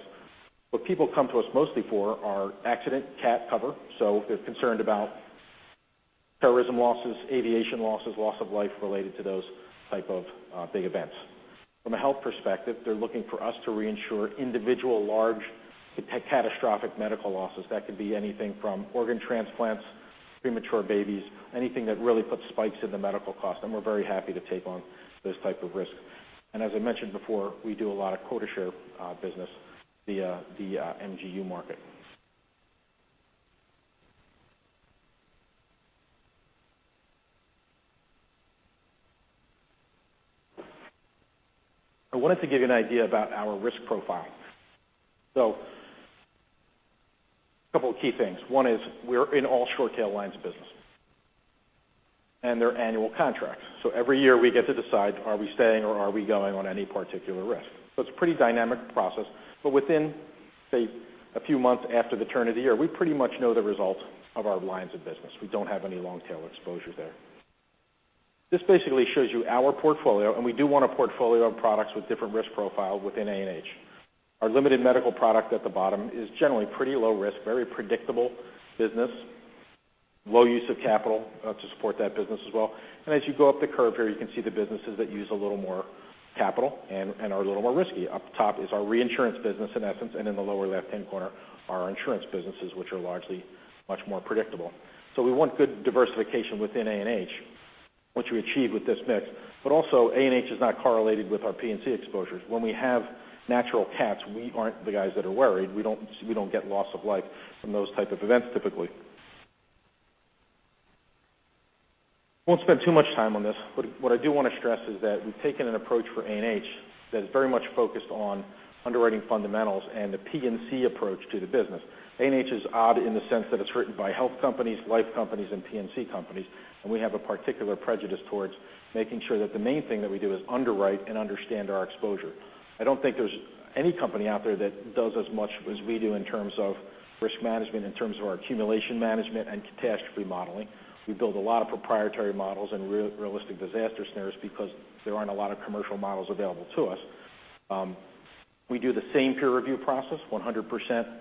What people come to us mostly for are accident cat cover, they're concerned about terrorism losses, aviation losses, loss of life related to those type of big events. From a health perspective, they're looking for us to reinsure individual large catastrophic medical losses. That could be anything from organ transplants, premature babies, anything that really puts spikes in the medical cost, we're very happy to take on those type of risk. As I mentioned before, we do a lot of quota share business via the MGU market. I wanted to give you an idea about our risk profile. A couple of key things. One is we're in all short tail lines of business, they're annual contracts. Every year we get to decide, are we staying or are we going on any particular risk? It's a pretty dynamic process, within, say, a few months after the turn of the year, we pretty much know the results of our lines of business. We don't have any long tail exposure there. This basically shows you our portfolio, we do want a portfolio of products with different risk profile within A&H. Our limited medical product at the bottom is generally pretty low risk, very predictable business, low use of capital to support that business as well. As you go up the curve here, you can see the businesses that use a little more capital and are a little more risky. Up top is our reinsurance business in essence, and in the lower left hand corner are our insurance businesses, which are largely much more predictable. We want good diversification within A&H, which we achieve with this mix. Also, A&H is not correlated with our P&C exposures. When we have natural cats, we aren't the guys that are worried. We don't get loss of life from those type of events typically. I won't spend too much time on this, but what I do want to stress is that we've taken an approach for A&H that is very much focused on underwriting fundamentals and the P&C approach to the business. A&H is odd in the sense that it's written by health companies, life companies, and P&C companies, and we have a particular prejudice towards making sure that the main thing that we do is underwrite and understand our exposure. I don't think there's any company out there that does as much as we do in terms of risk management, in terms of our accumulation management and catastrophe modeling. We build a lot of proprietary models and realistic disaster scenarios because there aren't a lot of commercial models available to us. We do the same peer review process, 100%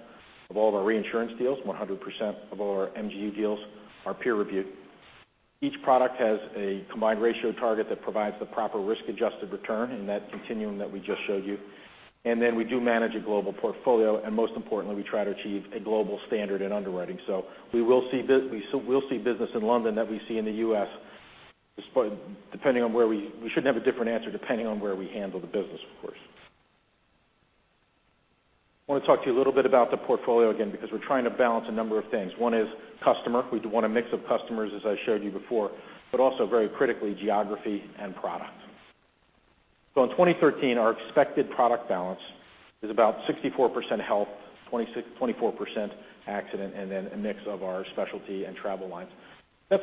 of all of our reinsurance deals, 100% of all our MGU deals are peer reviewed. Each product has a combined ratio target that provides the proper risk adjusted return in that continuum that we just showed you. We do manage a global portfolio, and most importantly, we try to achieve a global standard in underwriting. We'll see business in London that we see in the U.S. We shouldn't have a different answer depending on where we handle the business, of course. I want to talk to you a little bit about the portfolio again because we're trying to balance a number of things. One is customer. We want a mix of customers as I showed you before, but also very critically, geography and product. In 2013, our expected product balance is about 64% health, 24% accident, and then a mix of our specialty and travel lines. That's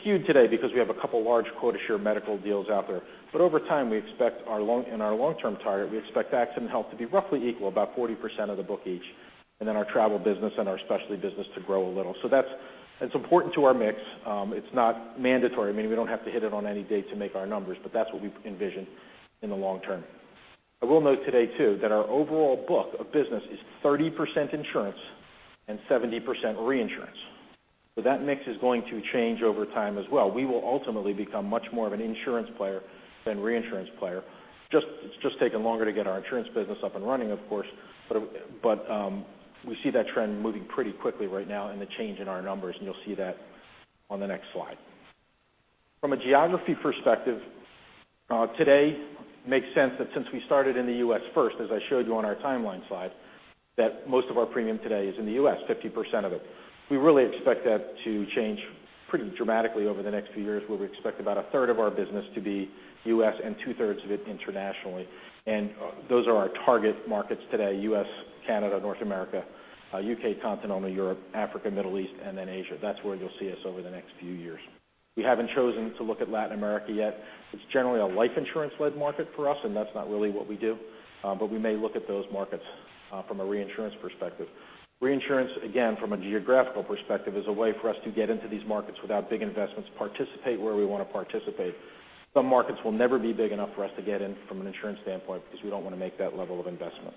skewed today because we have a couple large quota share medical deals out there. Over time, in our long term target, we expect accident health to be roughly equal, about 40% of the book each, and then our travel business and our specialty business to grow a little. It's important to our mix. It's not mandatory, meaning we don't have to hit it on any date to make our numbers, but that's what we envision in the long term. I will note today, too, that our overall book of business is 30% insurance and 70% reinsurance. That mix is going to change over time as well. We will ultimately become much more of an insurance player than reinsurance player. It's just taken longer to get our insurance business up and running, of course, but we see that trend moving pretty quickly right now and the change in our numbers, and you'll see that on the next slide. From a geography perspective, today makes sense that since we started in the U.S. first, as I showed you on our timeline slide, that most of our premium today is in the U.S., 50% of it. We really expect that to change pretty dramatically over the next few years, where we expect about a third of our business to be U.S. and two-thirds of it internationally. Those are our target markets today, U.S., Canada, North America, U.K., Continental Europe, Africa, Middle East, and then Asia. That's where you'll see us over the next few years. We haven't chosen to look at Latin America yet. It's generally a life insurance led market for us, and that's not really what we do. We may look at those markets from a reinsurance perspective. Reinsurance, again, from a geographical perspective, is a way for us to get into these markets without big investments, participate where we want to participate. Some markets will never be big enough for us to get in from an insurance standpoint because we don't want to make that level of investment.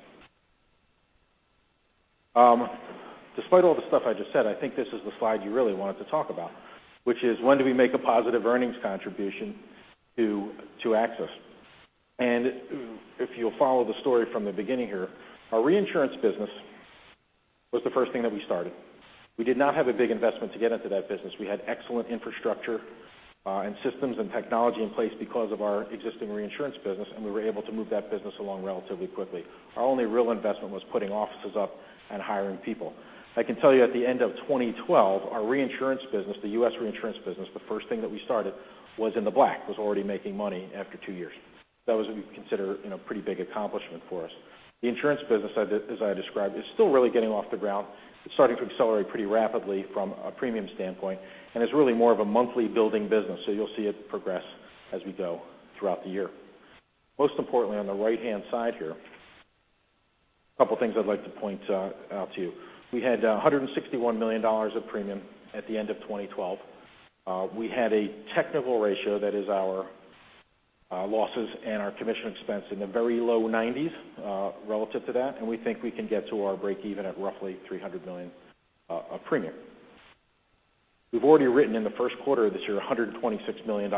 Despite all the stuff I just said, I think this is the slide you really wanted to talk about, which is when do we make a positive earnings contribution to AXIS? If you'll follow the story from the beginning here, our reinsurance business was the first thing that we started. We did not have a big investment to get into that business. We had excellent infrastructure and systems and technology in place because of our existing reinsurance business, and we were able to move that business along relatively quickly. Our only real investment was putting offices up and hiring people. I can tell you at the end of 2012, our reinsurance business, the U.S. reinsurance business, the first thing that we started was in the black, was already making money after two years. That was what we consider a pretty big accomplishment for us. The insurance business, as I described, is still really getting off the ground. It's starting to accelerate pretty rapidly from a premium standpoint, and it's really more of a monthly building business. You'll see it progress as we go throughout the year. Most importantly, on the right-hand side here. A couple things I'd like to point out to you. We had $161 million of premium at the end of 2012. We had a technical ratio, that is our losses and our commission expense, in the very low 90s relative to that, and we think we can get to our breakeven at roughly $300 million of premium. We've already written in the first quarter of this year, $126 million.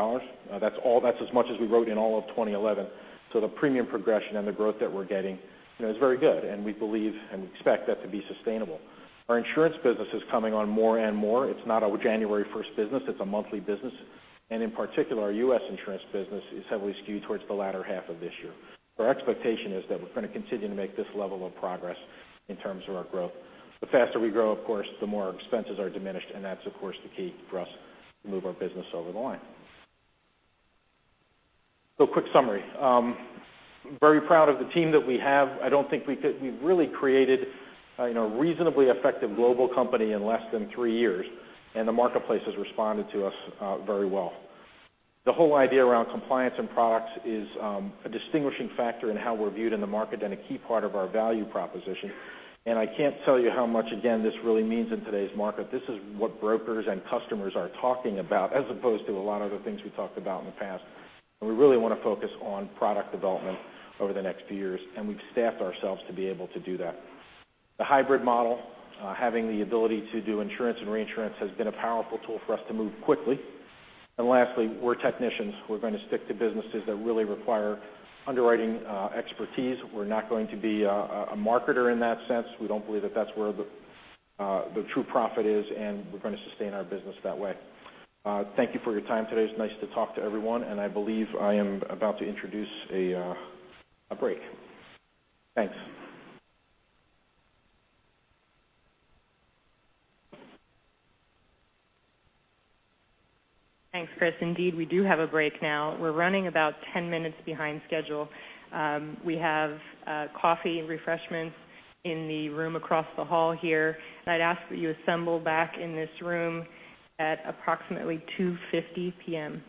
That's as much as we wrote in all of 2011. The premium progression and the growth that we're getting is very good, and we believe and expect that to be sustainable. Our insurance business is coming on more and more. It's not a January 1st business, it's a monthly business. In particular, our U.S. insurance business is heavily skewed towards the latter half of this year. Our expectation is that we're going to continue to make this level of progress in terms of our growth. The faster we grow, of course, the more our expenses are diminished, and that's, of course, the key for us to move our business over the line. Quick summary. Very proud of the team that we have. I think we've really created a reasonably effective global company in less than three years, and the marketplace has responded to us very well. The whole idea around compliance and products is a distinguishing factor in how we're viewed in the market and a key part of our value proposition. I can't tell you how much, again, this really means in today's market. This is what brokers and customers are talking about as opposed to a lot of the things we talked about in the past. We really want to focus on product development over the next few years, and we've staffed ourselves to be able to do that. The hybrid model, having the ability to do insurance and reinsurance, has been a powerful tool for us to move quickly. Lastly, we're technicians. We're going to stick to businesses that really require underwriting expertise. We're not going to be a marketer in that sense. We don't believe that that's where the true profit is, and we're going to sustain our business that way. Thank you for your time today. It's nice to talk to everyone, and I believe I am about to introduce a break. Thanks. Thanks, Chris. Indeed, we do have a break now. We're running about 10 minutes behind schedule. We have coffee and refreshments in the room across the hall here, and I'd ask that you assemble back in this room at approximately 2:50 P.M.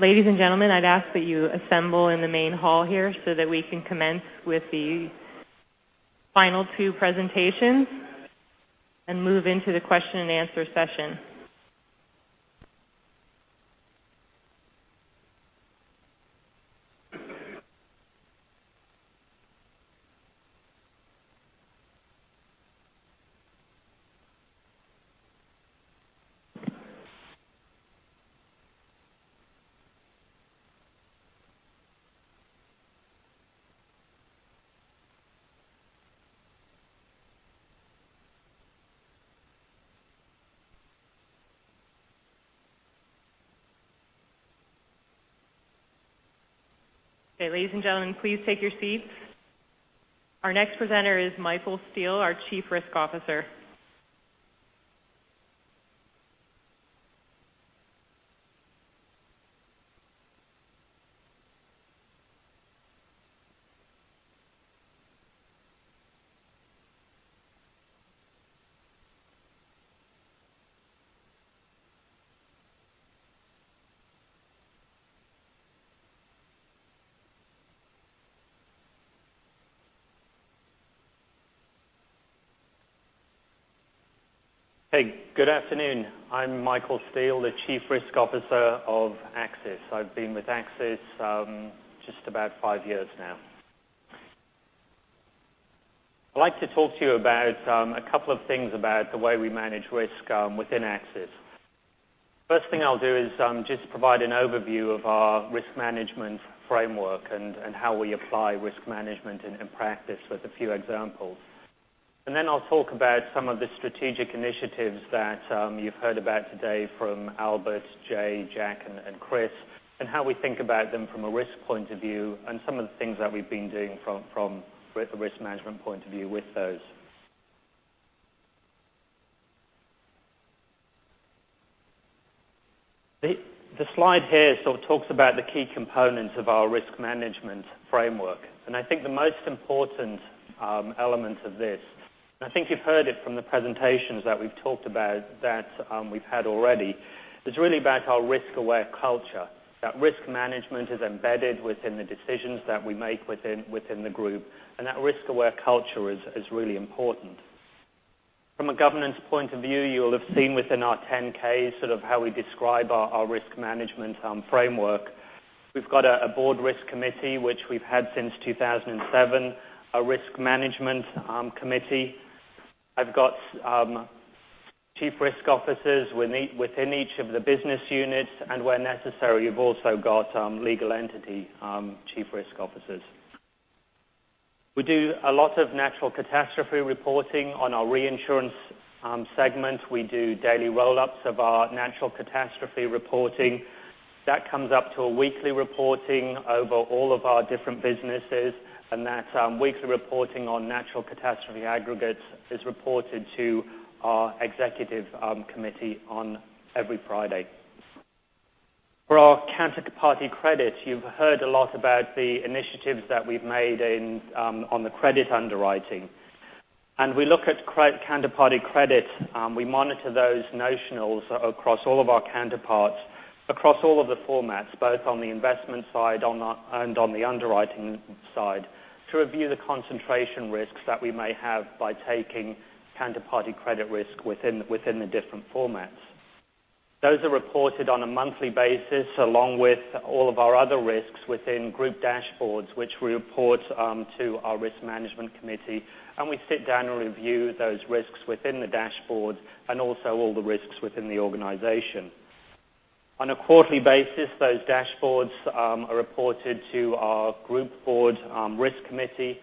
Ladies and gentlemen, I'd ask that you assemble in the main hall here so that we can commence with the final two presentations and move into the question and answer session. Okay, ladies and gentlemen, please take your seats. Our next presenter is Michael Steel, our Chief Risk Officer. Hey, good afternoon. I'm Michael Steel, the Chief Risk Officer of AXIS. I've been with AXIS just about five years now. I'd like to talk to you about a couple of things about the way we manage risk within AXIS. First thing I'll do is just provide an overview of our risk management framework and how we apply risk management in practice with a few examples. Then I'll talk about some of the strategic initiatives that you've heard about today from Albert, Jay, Jack, and Chris, and how we think about them from a risk point of view and some of the things that we've been doing from a risk management point of view with those. The slide here sort of talks about the key components of our risk management framework, and I think the most important element of this, and I think you've heard it from the presentations that we've had already, is really about our risk-aware culture, that risk management is embedded within the decisions that we make within the group, and that risk-aware culture is really important. From a governance point of view, you'll have seen within our 10-K sort of how we describe our risk management framework. We've got a board risk committee, which we've had since 2007, a risk management committee. I've got chief risk officers within each of the business units, and where necessary, we've also got legal entity chief risk officers. We do a lot of natural catastrophe reporting on our reinsurance segment. We do daily roll-ups of our natural catastrophe reporting. That comes up to a weekly reporting across all of our different businesses, and that weekly reporting on natural catastrophe aggregates is reported to our Executive Committee on every Friday. For our counterparty credit, you've heard a lot about the initiatives that we've made on the credit underwriting. We look at counterparty credit. We monitor those notionals across all of our counterparts across all of the formats, both on the investment side and on the underwriting side, to review the concentration risks that we may have by taking counterparty credit risk within the different formats. Those are reported on a monthly basis along with all of our other risks within group dashboards, which we report to our Risk Management Committee. We sit down and review those risks within the dashboards and also all the risks within the organization. On a quarterly basis, those dashboards are reported to our Group Board Risk Committee.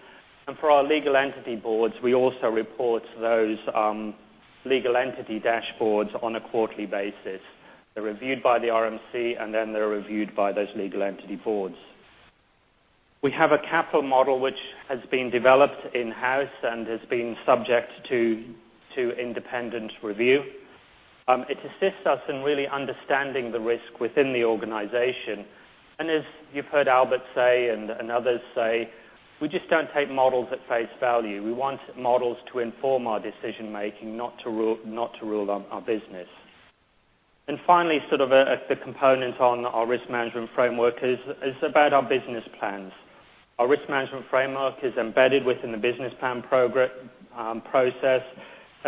For our legal entity boards, we also report those legal entity dashboards on a quarterly basis. They're reviewed by the RMC, and then they're reviewed by those legal entity boards. We have a capital model which has been developed in-house and has been subject to independent review. It assists us in really understanding the risk within the organization. As you've heard Albert say and others say, we just don't take models at face value. We want models to inform our decision making, not to rule our business. Finally, sort of a component on our risk management framework is about our business plans. Our risk management framework is embedded within the business plan process,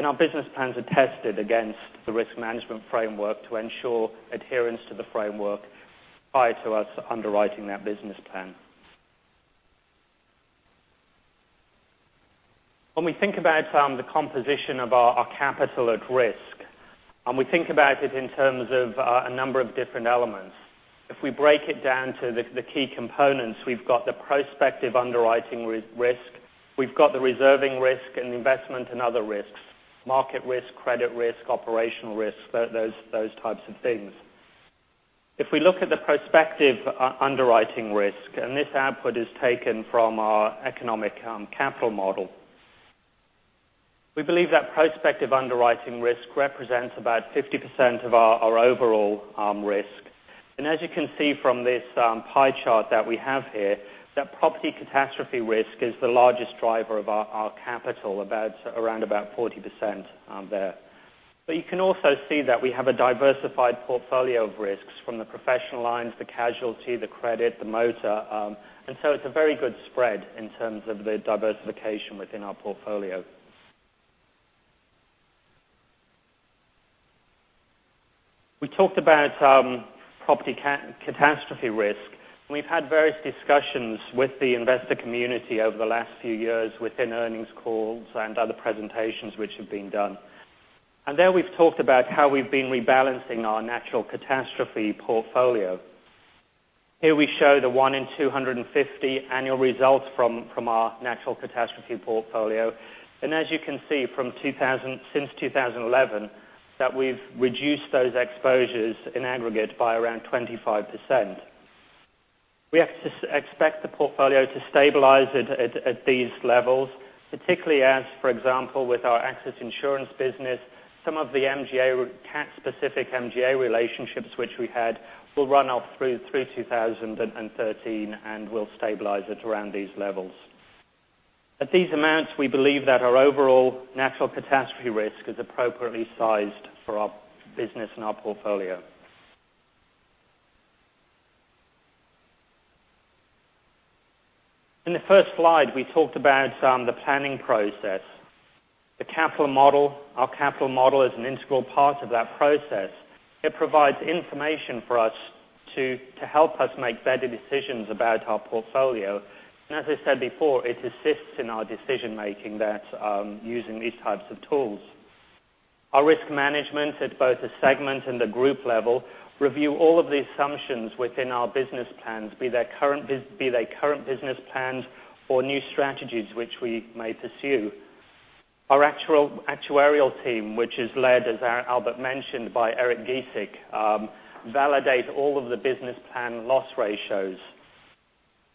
our business plans are tested against the risk management framework to ensure adherence to the framework prior to us underwriting that business plan. When we think about the composition of our capital at risk, we think about it in terms of a number of different elements. If we break it down to the key components, we've got the prospective underwriting risk. We've got the reserving risk and investment and other risks, market risk, credit risk, operational risk, those types of things. If we look at the prospective underwriting risk, and this output is taken from our economic capital model, we believe that prospective underwriting risk represents about 50% of our overall risk. As you can see from this pie chart that we have here, that property catastrophe risk is the largest driver of our capital, around about 40% there. But you can also see that we have a diversified portfolio of risks from the professional lines, the casualty, the credit, the motor. So it's a very good spread in terms of the diversification within our portfolio. We talked about property catastrophe risk. We've had various discussions with the investor community over the last few years within earnings calls and other presentations which have been done. There we've talked about how we've been rebalancing our natural catastrophe portfolio. Here we show the 1 in 250 annual results from our natural catastrophe portfolio. As you can see since 2011, that we've reduced those exposures in aggregate by around 25%. We expect the portfolio to stabilize at these levels, particularly as, for example, with our excess insurance business, some of the cat specific MGA relationships which we had will run off through 2013 and will stabilize it around these levels. At these amounts, we believe that our overall natural catastrophe risk is appropriately sized for our business and our portfolio. In the first slide, we talked about the planning process. The capital model, our capital model is an integral part of that process. It provides information for us to help us make better decisions about our portfolio. As I said before, it assists in our decision making that using these types of tools. Our risk management at both the segment and the group level review all of the assumptions within our business plans, be they current business plans or new strategies which we may pursue. Our actuarial team, which is led, as Albert mentioned, by Eri Gieseke, validate all of the business plan loss ratios.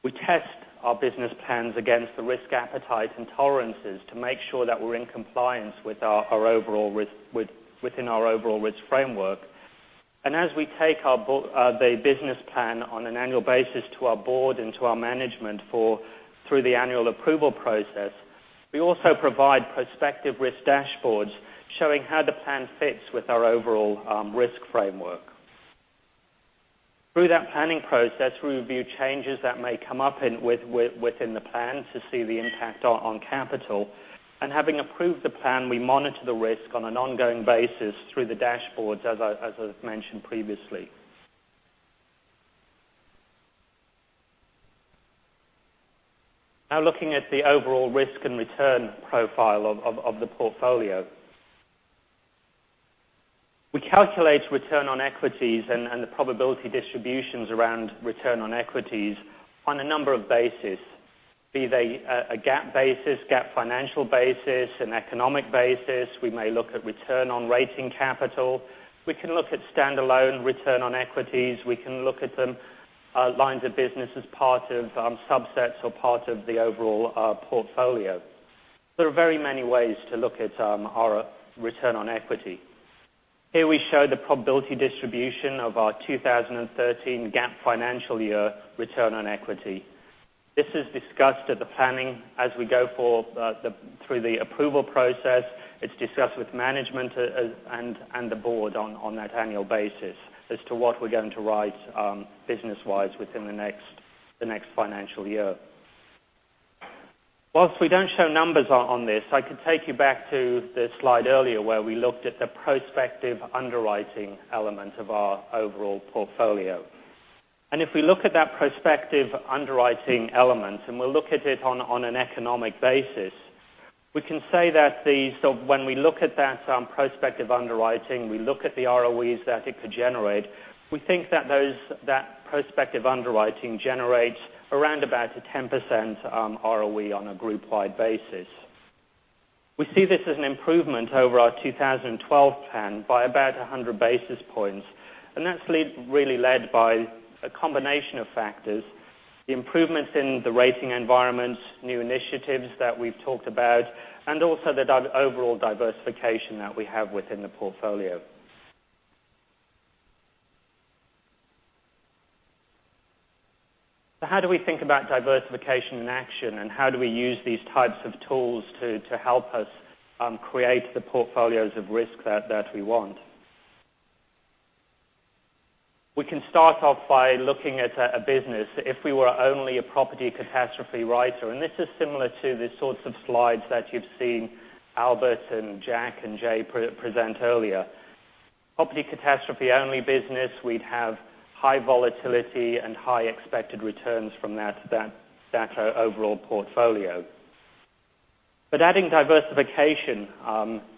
We test our business plans against the risk appetite and tolerances to make sure that we're in compliance within our overall risk framework. As we take the business plan on an annual basis to our board and to our management through the annual approval process, we also provide prospective risk dashboards showing how the plan fits with our overall risk framework. Through that planning process, we review changes that may come up within the plan to see the impact on capital. Having approved the plan, we monitor the risk on an ongoing basis through the dashboards, as I've mentioned previously. Looking at the overall risk and return profile of the portfolio. We calculate return on equities and the probability distributions around return on equities on a number of basis, be they a GAAP basis, GAAP financial basis, an economic basis. We may look at return on rating capital. We can look at standalone return on equities. We can look at them lines of business as part of subsets or part of the overall portfolio. There are very many ways to look at our return on equity. Here we show the probability distribution of our 2013 GAAP financial year return on equity. This is discussed at the planning as we go through the approval process. It's discussed with management and the board on that annual basis as to what we're going to write business wise within the next financial year. Whilst we don't show numbers on this, I could take you back to the slide earlier where we looked at the prospective underwriting element of our overall portfolio. If we look at that prospective underwriting element, and we look at it on an economic basis, we can say that these sort of when we look at that prospective underwriting, we look at the ROEs that it could generate. We think that prospective underwriting generates around about a 10% ROE on a group wide basis. We see this as an improvement over our 2012 plan by about 100 basis points, that's really led by a combination of factors, the improvements in the rating environment, new initiatives that we've talked about, and also the overall diversification that we have within the portfolio. How do we think about diversification in action, and how do we use these types of tools to help us create the portfolios of risk that we want? We can start off by looking at a business if we were only a property catastrophe writer, and this is similar to the sorts of slides that you've seen Albert and Jack and Jay present earlier. Property catastrophe only business, we'd have high volatility and high expected returns from that overall portfolio. Adding diversification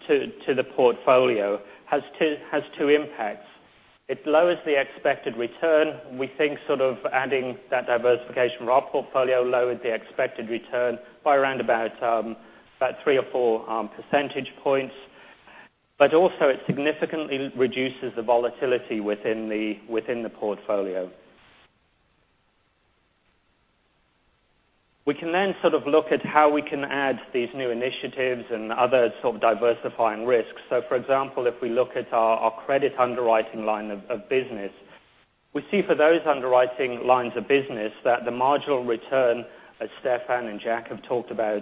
to the portfolio has two impacts. It lowers the expected return. We think sort of adding that diversification to our portfolio lowered the expected return by around about three or four percentage points. Also it significantly reduces the volatility within the portfolio. We can sort of look at how we can add these new initiatives and other sort of diversifying risks. For example, if we look at our credit underwriting line of business, we see for those underwriting lines of business that the marginal return, as Stephan and Jack have talked about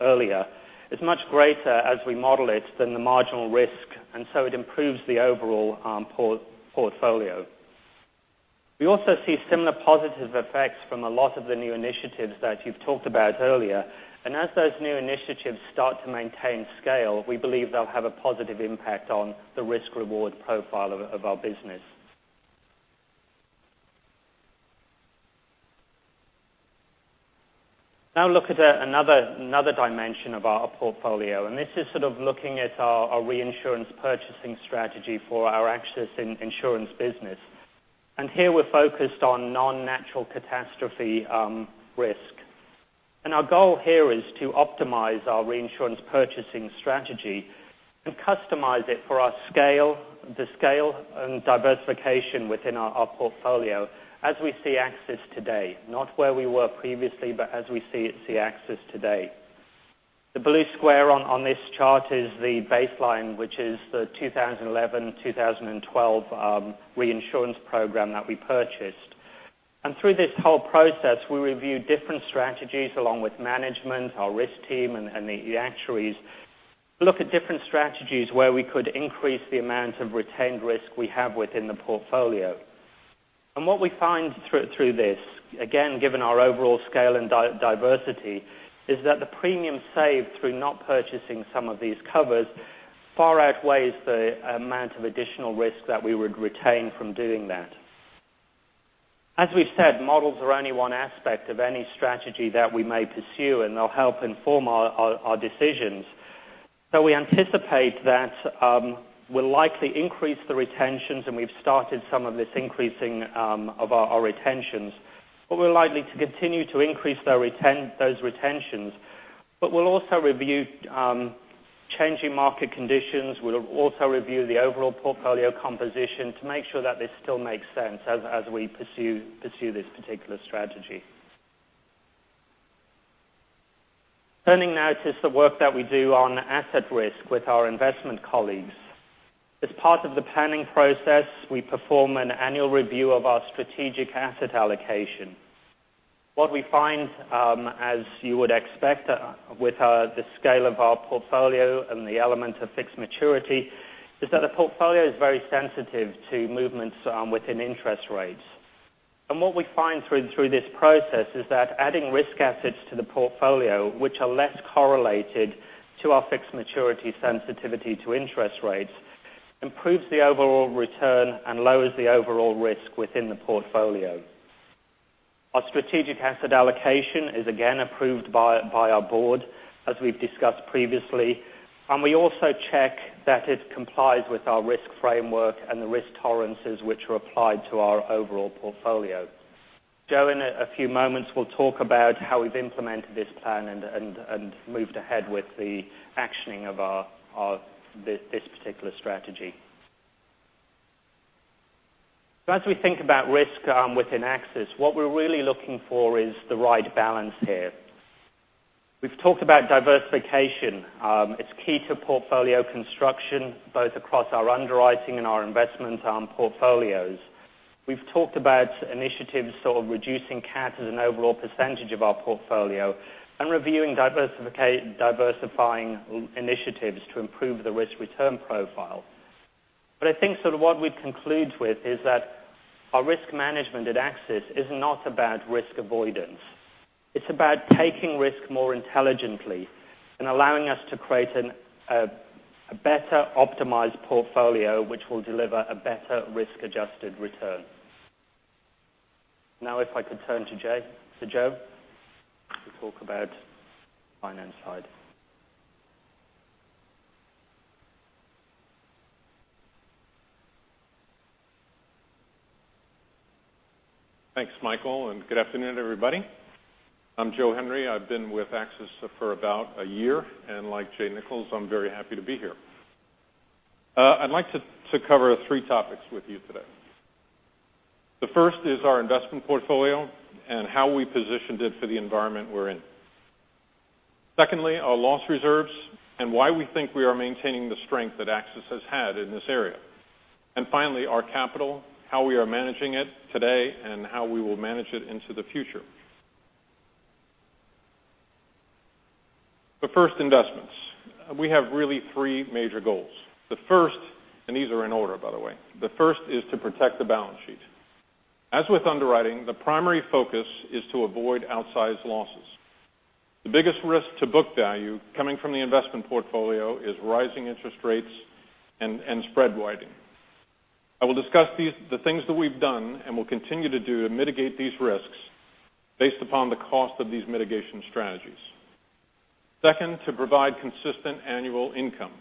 earlier, is much greater as we model it than the marginal risk, it improves the overall portfolio. We also see similar positive effects from a lot of the new initiatives that you've talked about earlier. As those new initiatives start to maintain scale, we believe they'll have a positive impact on the risk-reward profile of our business. Look at another dimension of our portfolio, this is sort of looking at our reinsurance purchasing strategy for our AXIS Insurance business. Here we're focused on non-natural catastrophe risk. Our goal here is to optimize our reinsurance purchasing strategy and customize it for our scale, the scale and diversification within our portfolio as we see AXIS today, not where we were previously, but as we see AXIS today. The blue square on this chart is the baseline, which is the 2011, 2012 reinsurance program that we purchased. Through this whole process, we reviewed different strategies along with management, our risk team, and the actuaries. Look at different strategies where we could increase the amount of retained risk we have within the portfolio. What we find through this, again, given our overall scale and diversity, is that the premium saved through not purchasing some of these covers far outweighs the amount of additional risk that we would retain from doing that. As we've said, models are only one aspect of any strategy that we may pursue, they'll help inform our decisions. We anticipate that we'll likely increase the retentions, we've started some of this increasing of our retentions. We're likely to continue to increase those retentions. We'll also review changing market conditions. We'll also review the overall portfolio composition to make sure that this still makes sense as we pursue this particular strategy. Turning to the work that we do on asset risk with our investment colleagues. As part of the planning process, we perform an annual review of our strategic asset allocation. What we find, as you would expect with the scale of our portfolio and the element of fixed maturity, is that a portfolio is very sensitive to movements within interest rates. What we find through this process is that adding risk assets to the portfolio, which are less correlated to our fixed maturity sensitivity to interest rates, improves the overall return and lowers the overall risk within the portfolio. Our strategic asset allocation is again approved by our board, as we've discussed previously, and we also check that it complies with our risk framework and the risk tolerances which are applied to our overall portfolio. Joe, in a few moments, will talk about how we've implemented this plan and moved ahead with the actioning of this particular strategy. As we think about risk within AXIS, what we're really looking for is the right balance here. We've talked about diversification. It's key to portfolio construction, both across our underwriting and our investment portfolios. We've talked about initiatives of reducing cat as an overall percentage of our portfolio and reviewing diversifying initiatives to improve the risk-return profile. I think what we conclude with is that our risk management at AXIS is not about risk avoidance. It's about taking risk more intelligently and allowing us to create a better optimized portfolio, which will deliver a better risk-adjusted return. If I could turn to Joe to talk about the finance side. Thanks, Michael, and good afternoon, everybody. I'm Joe Henry. I've been with AXIS for about a year, and like Jay Nichols, I'm very happy to be here. I'd like to cover three topics with you today. The first is our investment portfolio and how we positioned it for the environment we're in. Secondly, our loss reserves and why we think we are maintaining the strength that AXIS has had in this area. Finally, our capital, how we are managing it today, and how we will manage it into the future. The first, investments. We have really three major goals. The first, and these are in order, by the way. The first is to protect the balance sheet. As with underwriting, the primary focus is to avoid outsized losses. The biggest risk to book value coming from the investment portfolio is rising interest rates and spread widening. I will discuss the things that we've done and will continue to do to mitigate these risks based upon the cost of these mitigation strategies. Second, to provide consistent annual income.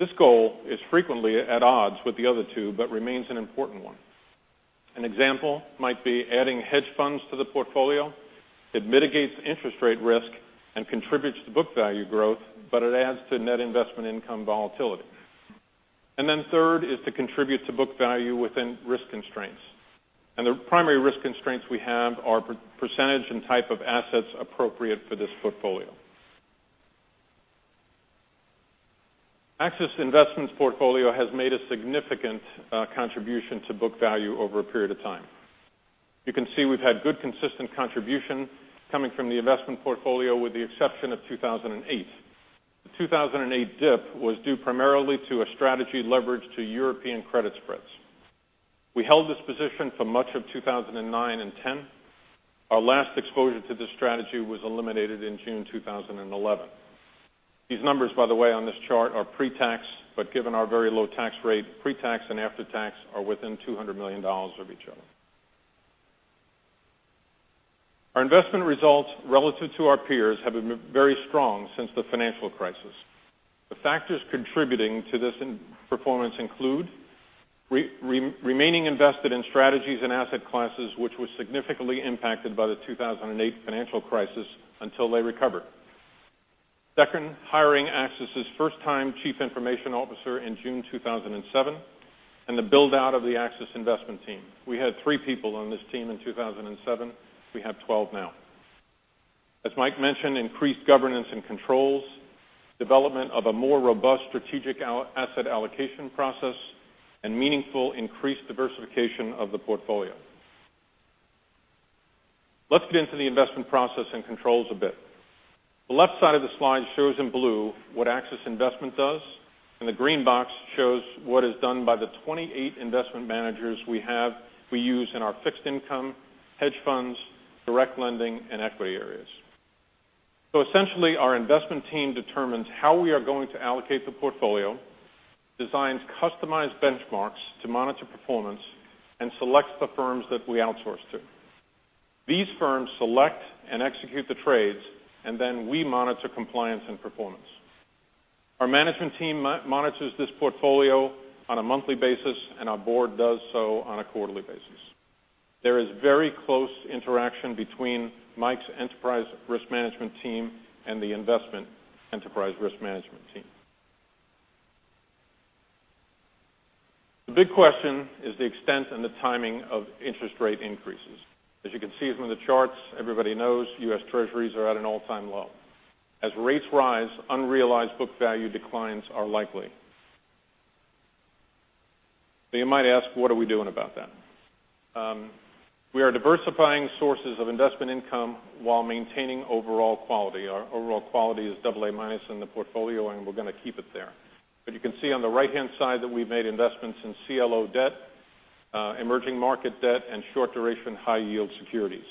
This goal is frequently at odds with the other two, but remains an important one. An example might be adding hedge funds to the portfolio. It mitigates interest rate risk and contributes to book value growth, but it adds to net investment income volatility. Then third is to contribute to book value within risk constraints. The primary risk constraints we have are percentage and type of assets appropriate for this portfolio. AXIS Investments portfolio has made a significant contribution to book value over a period of time. You can see we've had good, consistent contribution coming from the investment portfolio with the exception of 2008. The 2008 dip was due primarily to a strategy leverage to European credit spreads. We held this position for much of 2009 and 2010. Our last exposure to this strategy was eliminated in June 2011. These numbers, by the way, on this chart are pre-tax, but given our very low tax rate, pre-tax and after-tax are within $200 million of each other. Our investment results relative to our peers have been very strong since the financial crisis. The factors contributing to this performance include remaining invested in strategies and asset classes which were significantly impacted by the 2008 financial crisis until they recovered. Second, hiring AXIS' first time chief investment officer in June 2007, and the build-out of the AXIS investment team. We had three people on this team in 2007. We have 12 now. As Mike mentioned, increased governance and controls, development of a more robust strategic asset allocation process, and meaningfully increased diversification of the portfolio. Let's get into the investment process and controls a bit. The left side of the slide shows in blue what AXIS Investment does, and the green box shows what is done by the 28 investment managers we use in our fixed income, hedge funds, direct lending, and equity areas. Essentially, our investment team determines how we are going to allocate the portfolio, designs customized benchmarks to monitor performance, and selects the firms that we outsource to. These firms select and execute the trades. Then we monitor compliance and performance. Our management team monitors this portfolio on a monthly basis, and our board does so on a quarterly basis. There is very close interaction between Mike's enterprise risk management team and the investment enterprise risk management team. The big question is the extent and the timing of interest rate increases. As you can see from the charts, everybody knows U.S. Treasuries are at an all-time low. As rates rise, unrealized book value declines are likely. You might ask, what are we doing about that? We are diversifying sources of investment income while maintaining overall quality. Our overall quality is AA- in the portfolio, and we're going to keep it there. You can see on the right-hand side that we've made investments in CLO debt, emerging market debt, and short duration high yield securities.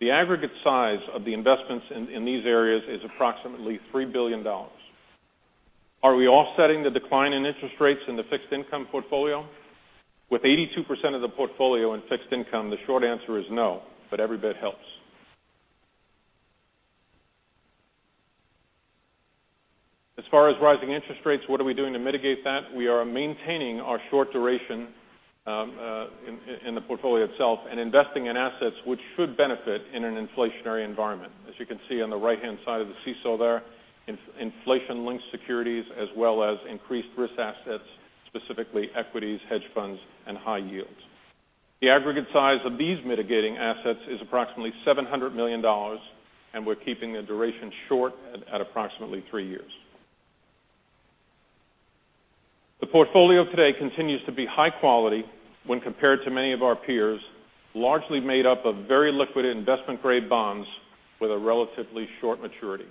The aggregate size of the investments in these areas is approximately $3 billion. Are we offsetting the decline in interest rates in the fixed income portfolio? With 82% of the portfolio in fixed income, the short answer is no, but every bit helps. As far as rising interest rates, what are we doing to mitigate that? We are maintaining our short duration in the portfolio itself and investing in assets which should benefit in an inflationary environment. As you can see on the right-hand side of the seesaw there, inflation-linked securities as well as increased risk assets, specifically equities, hedge funds, and high yields. The aggregate size of these mitigating assets is approximately $700 million, and we're keeping the duration short at approximately three years. The portfolio today continues to be high quality when compared to many of our peers, largely made up of very liquid investment grade bonds with a relatively short maturity.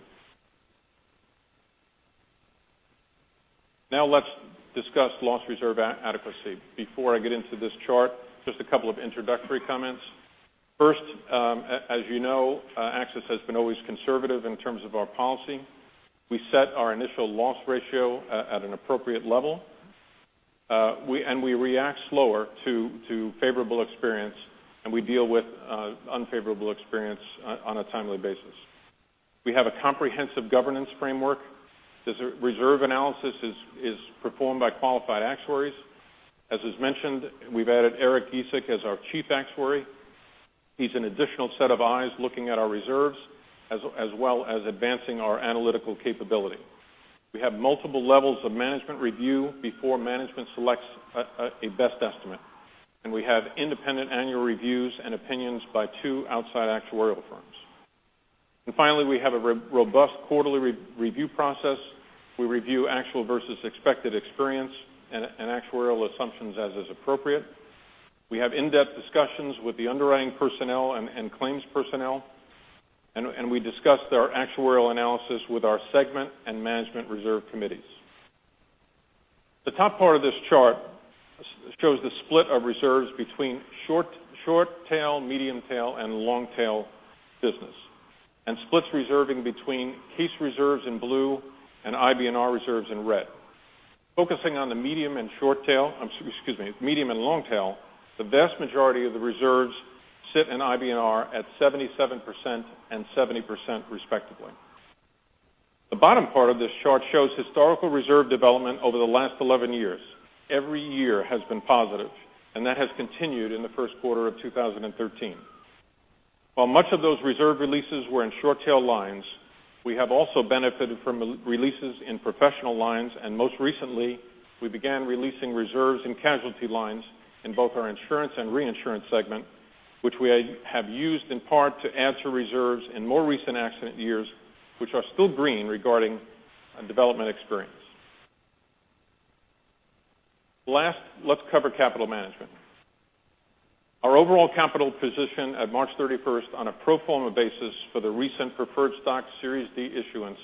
Now let's discuss loss reserve adequacy. Before I get into this chart, just a couple of introductory comments. First, as you know, AXIS has been always conservative in terms of our policy. We set our initial loss ratio at an appropriate level, and we react slower to favorable experience, and we deal with unfavorable experience on a timely basis. We have a comprehensive governance framework. Reserve analysis is performed by qualified actuaries. As is mentioned, we've added Eri Gieseke as our chief actuary. He's an additional set of eyes looking at our reserves, as well as advancing our analytical capability. We have multiple levels of management review before management selects a best estimate, and we have independent annual reviews and opinions by two outside actuarial firms. Finally, we have a robust quarterly review process. We review actual versus expected experience and actuarial assumptions as is appropriate. We have in-depth discussions with the underwriting personnel and claims personnel, and we discuss our actuarial analysis with our segment and management reserve committees. The top part of this chart shows the split of reserves between short tail, medium tail, and long tail business, and splits reserving between case reserves in blue and IBNR reserves in red. Focusing on the medium and long tail, the vast majority of the reserves sit in IBNR at 77% and 70%, respectively. The bottom part of this chart shows historical reserve development over the last 11 years. Every year has been positive. That has continued in the first quarter of 2013. While much of those reserve releases were in short tail lines, we have also benefited from releases in professional lines, and most recently, we began releasing reserves in casualty lines in both our insurance and reinsurance segment, which we have used in part to add to reserves in more recent accident years, which are still green regarding development experience. Last, let's cover capital management. Our overall capital position at March 31st on a pro forma basis for the recent Preferred Stock Series D issuance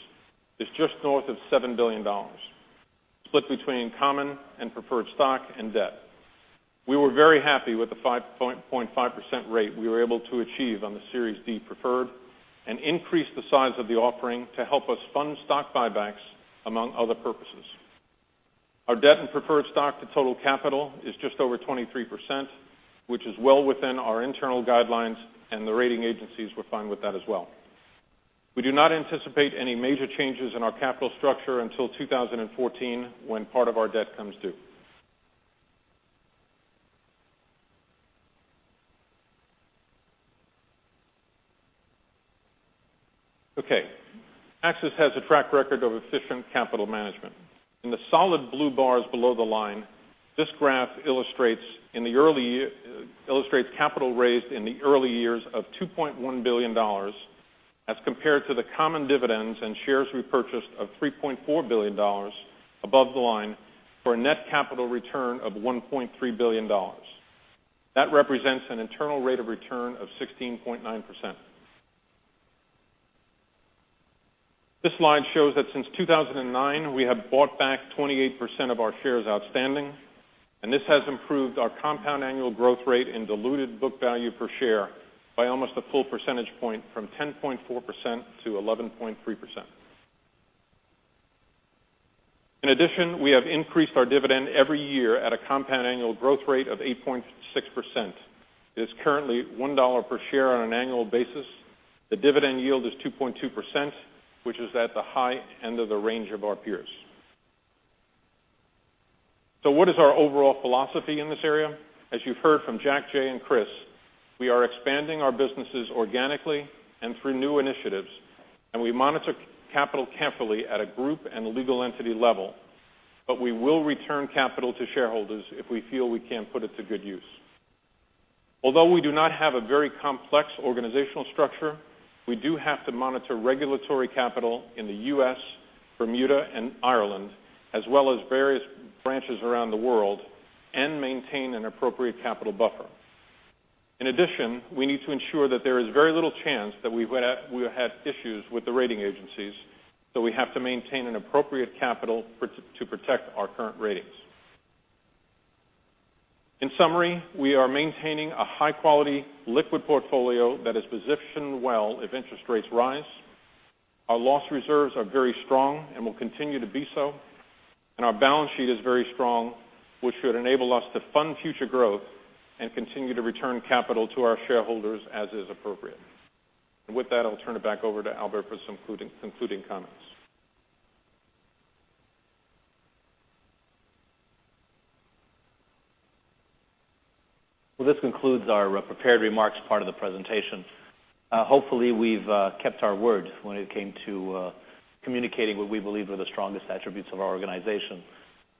is just north of $7 billion, split between common and preferred stock and debt. We were very happy with the 5.5% rate we were able to achieve on the Series D Preferred and increase the size of the offering to help us fund stock buybacks, among other purposes. Our debt and preferred stock to total capital is just over 23%, which is well within our internal guidelines, and the rating agencies were fine with that as well. We do not anticipate any major changes in our capital structure until 2014, when part of our debt comes due. Okay. AXIS has a track record of efficient capital management. In the solid blue bars below the line, this graph illustrates capital raised in the early years of $2.1 billion as compared to the common dividends and shares repurchased of $3.4 billion above the line for a net capital return of $1.3 billion. That represents an internal rate of return of 16.9%. This slide shows that since 2009, we have bought back 28% of our shares outstanding. This has improved our compound annual growth rate in diluted book value per share by almost a full percentage point from 10.4% to 11.3%. We have increased our dividend every year at a compound annual growth rate of 8.6%. It is currently $1 per share on an annual basis. The dividend yield is 2.2%, which is at the high end of the range of our peers. What is our overall philosophy in this area? As you've heard from Jack, Jay, and Chris, we are expanding our businesses organically and through new initiatives. We monitor capital carefully at a group and legal entity level, but we will return capital to shareholders if we feel we can't put it to good use. Although we do not have a very complex organizational structure, we do have to monitor regulatory capital in the U.S., Bermuda, and Ireland, as well as various branches around the world, and maintain an appropriate capital buffer. In addition, we need to ensure that there is very little chance that we'll have issues with the rating agencies. We have to maintain an appropriate capital to protect our current ratings. In summary, we are maintaining a high quality liquid portfolio that is positioned well if interest rates rise. Our loss reserves are very strong and will continue to be so. Our balance sheet is very strong, which should enable us to fund future growth and continue to return capital to our shareholders as is appropriate. With that, I'll turn it back over to Albert for some concluding comments. Well, this concludes our prepared remarks part of the presentation. Hopefully, we've kept our word when it came to communicating what we believe are the strongest attributes of our organization.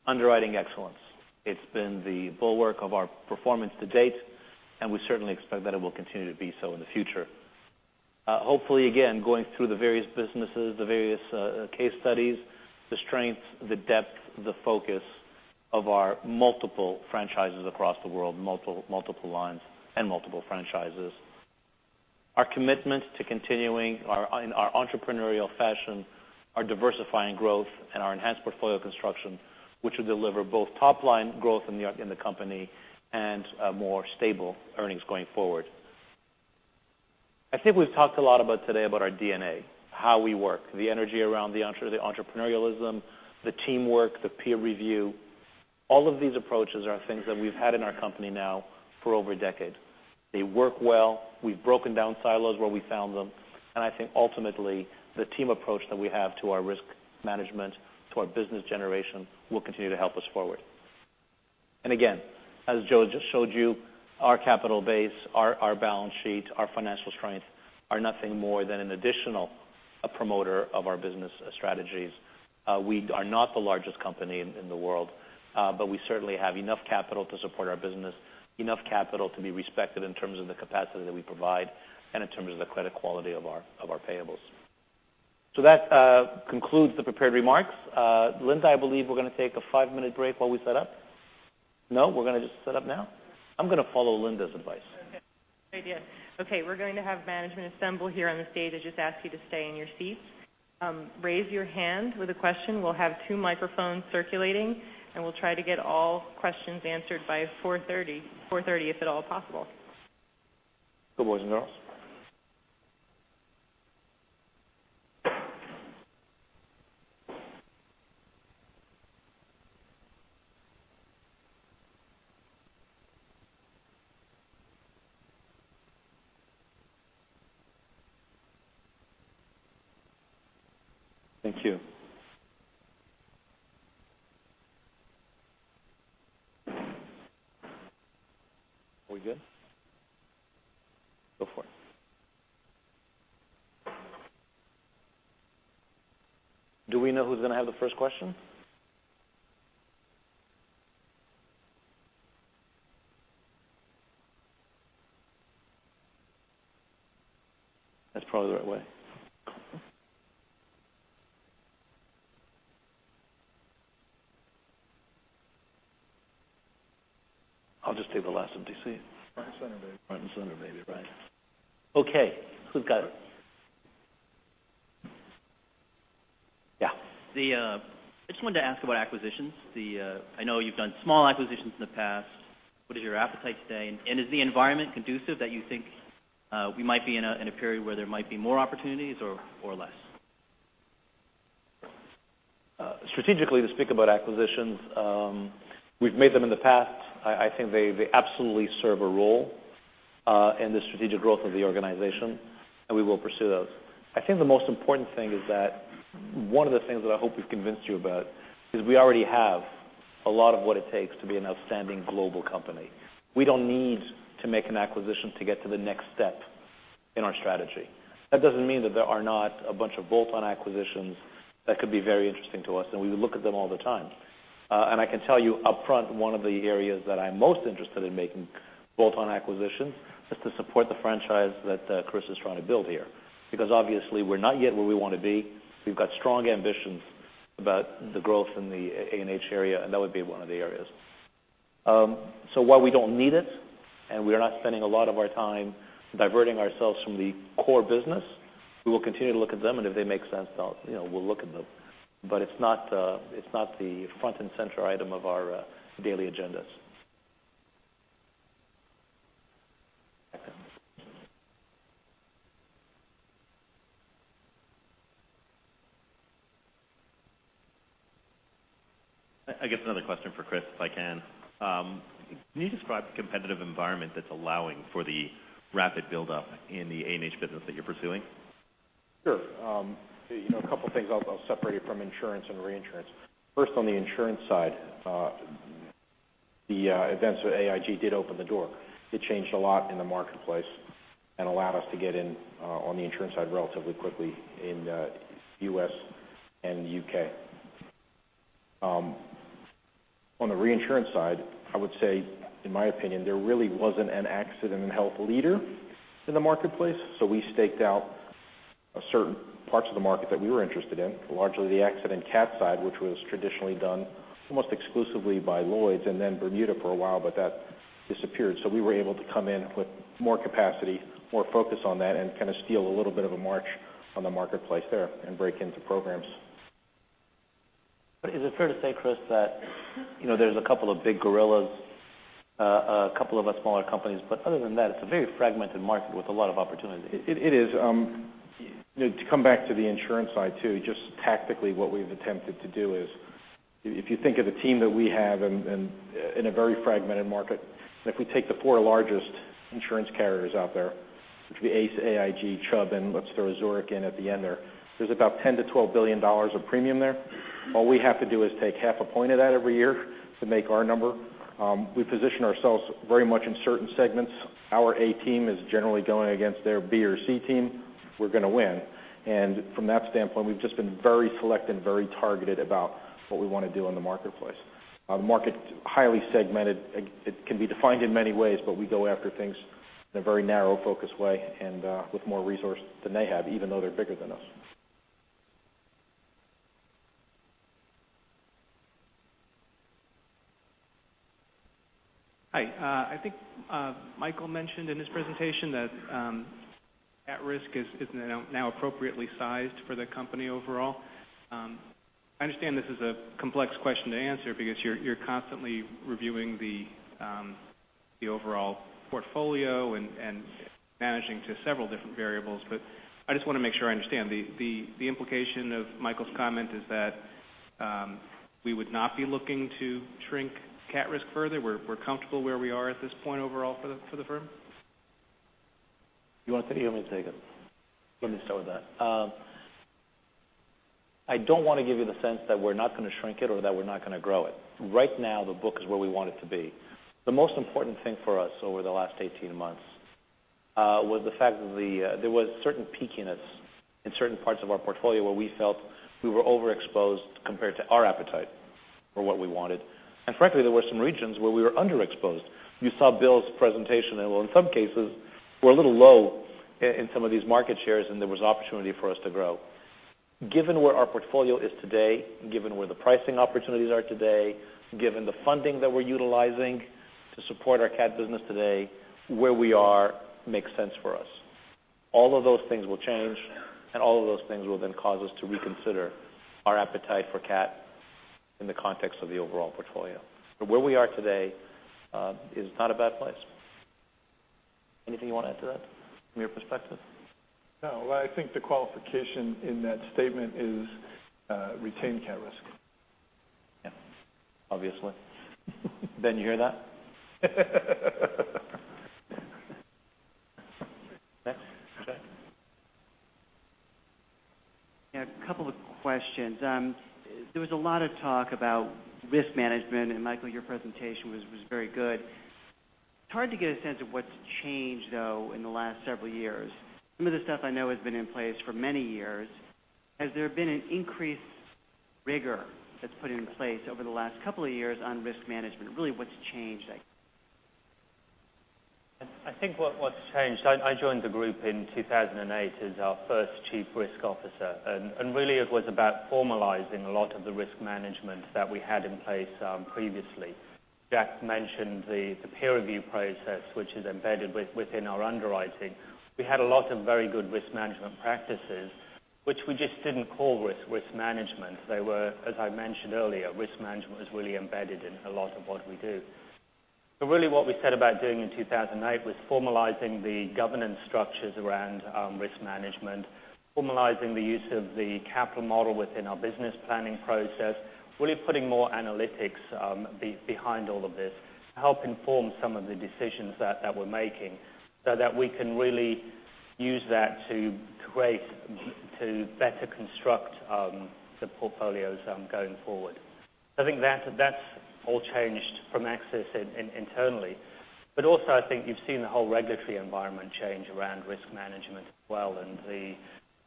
Underwriting excellence. It's been the bulwark of our performance to date, and we certainly expect that it will continue to be so in the future. Hopefully, again, going through the various businesses, the various case studies, the strengths, the depth, the focus of our multiple franchises across the world, multiple lines and multiple franchises. Our commitment to continuing in our entrepreneurial fashion, our diversifying growth, and our enhanced portfolio construction, which will deliver both top-line growth in the company, and more stable earnings going forward. I think we've talked a lot about today about our DNA, how we work, the energy around the entrepreneurialism, the teamwork, the peer review. All of these approaches are things that we've had in our company now for over a decade. They work well. We've broken down silos where we found them. I think ultimately, the team approach that we have to our risk management, to our business generation, will continue to help us forward. Again, as Joe just showed you, our capital base, our balance sheet, our financial strength are nothing more than an additional promoter of our business strategies. We are not the largest company in the world, but we certainly have enough capital to support our business, enough capital to be respected in terms of the capacity that we provide, and in terms of the credit quality of our payables. That concludes the prepared remarks. Linda, I believe we're going to take a five-minute break while we set up. No? We're going to just set up now? I'm going to follow Linda's advice. Great deal. We're going to have management assemble here on the stage. I just ask you to stay in your seats. Raise your hand with a question. We'll have two microphones circulating, and we'll try to get all questions answered by 4:30, if at all possible. Good, boys and girls. Thank you. Are we good? Go for it. Do we know who's going to have the first question? That's probably the right way. I'll just take the last one. Do you see? Front and center, baby. Front and center, baby, right. Okay. We've got it. Yeah. I just wanted to ask about acquisitions. I know you've done small acquisitions in the past. What is your appetite today? Is the environment conducive that you think we might be in a period where there might be more opportunities or less? Strategically, to speak about acquisitions, we've made them in the past. I think they absolutely serve a role in the strategic growth of the organization, and we will pursue those. I think the most important thing is that one of the things that I hope we've convinced you about is we already have a lot of what it takes to be an outstanding global company. We don't need to make an acquisition to get to the next step in our strategy. That doesn't mean that there are not a bunch of bolt-on acquisitions that could be very interesting to us, and we would look at them all the time. I can tell you up front, one of the areas that I'm most interested in making bolt-on acquisitions is to support the franchise that Chris is trying to build here. Obviously, we're not yet where we want to be. We've got strong ambitions about the growth in the A&H area, and that would be one of the areas. While we don't need it, and we are not spending a lot of our time diverting ourselves from the core business, we will continue to look at them, and if they make sense, we'll look at them. It's not the front and center item of our daily agendas. I guess another question for Chris, if I can. Can you describe the competitive environment that's allowing for the rapid buildup in the A&H business that you're pursuing? Sure. A couple things. I'll separate it from insurance and reinsurance. First, on the insurance side, the events with AIG did open the door. It changed a lot in the marketplace and allowed us to get in on the insurance side relatively quickly in the U.S. and the U.K. On the reinsurance side, I would say, in my opinion, there really wasn't an accident and health leader in the marketplace, we staked out certain parts of the market that we were interested in, largely the accident cat side, which was traditionally done almost exclusively by Lloyd's and then Bermuda for a while, but that disappeared. We were able to come in with more capacity, more focus on that, and kind of steal a little bit of a march on the marketplace there and break into programs. Is it fair to say, Chris, that there's a couple of big gorillas, a couple of smaller companies, but other than that, it's a very fragmented market with a lot of opportunities? It is. To come back to the insurance side, too, just tactically what we've attempted to do is if you think of the team that we have in a very fragmented market, if we take the four largest insurance carriers out there, which would be AIG, Chubb, and let's throw Zurich in at the end there. There's about $10 billion-$12 billion of premium there. All we have to do is take half a point of that every year to make our number. We position ourselves very much in certain segments. Our A team is generally going against their B or C team. We're going to win. From that standpoint, we've just been very select and very targeted about what we want to do in the marketplace. Our market is highly segmented. It can be defined in many ways. We go after things in a very narrow, focused way and with more resources than they have, even though they're bigger than us. Hi. I think Michael mentioned in his presentation that cat risk is now appropriately sized for the company overall. I understand this is a complex question to answer because you're constantly reviewing the overall portfolio and managing to several different variables. I just want to make sure I understand. The implication of Michael's comment is that we would not be looking to shrink cat risk further? We're comfortable where we are at this point overall for the firm? You want to take it or me take it? Let me start with that. I don't want to give you the sense that we're not going to shrink it or that we're not going to grow it. Right now, the book is where we want it to be. The most important thing for us over the last 18 months was the fact that there was certain peakiness in certain parts of our portfolio where we felt we were overexposed compared to our appetite for what we wanted. Frankly, there were some regions where we were underexposed. You saw Bill's presentation, and, well, in some cases, we're a little low in some of these market shares, and there was opportunity for us to grow. Given where our portfolio is today, given where the pricing opportunities are today, given the funding that we're utilizing to support our cat business today, where we are makes sense for us. All of those things will change, and all of those things will then cause us to reconsider our appetite for cat in the context of the overall portfolio. Where we are today is not a bad place. Anything you want to add to that from your perspective? No. I think the qualification in that statement is retained cat risk. Yeah. Obviously. Ben, you hear that? Jack? Jack. Yeah, a couple of questions. There was a lot of talk about risk management, Michael, your presentation was very good. It's hard to get a sense of what's changed, though, in the last several years. Some of the stuff I know has been in place for many years. Has there been an increased rigor that's put in place over the last couple of years on risk management? Really, what's changed, I guess? I think what's changed, I joined the group in 2008 as our first chief risk officer, really it was about formalizing a lot of the risk management that we had in place previously. Jack mentioned the peer review process, which is embedded within our underwriting. We had a lot of very good risk management practices, which we just didn't call risk management. They were, as I mentioned earlier, risk management was really embedded in a lot of what we do. Really what we set about doing in 2008 was formalizing the governance structures around risk management, formalizing the use of the capital model within our business planning process, really putting more analytics behind all of this to help inform some of the decisions that we're making so that we can really use that to better construct the portfolios going forward. I think that's all changed from AXIS internally. Also, I think you've seen the whole regulatory environment change around risk management as well, and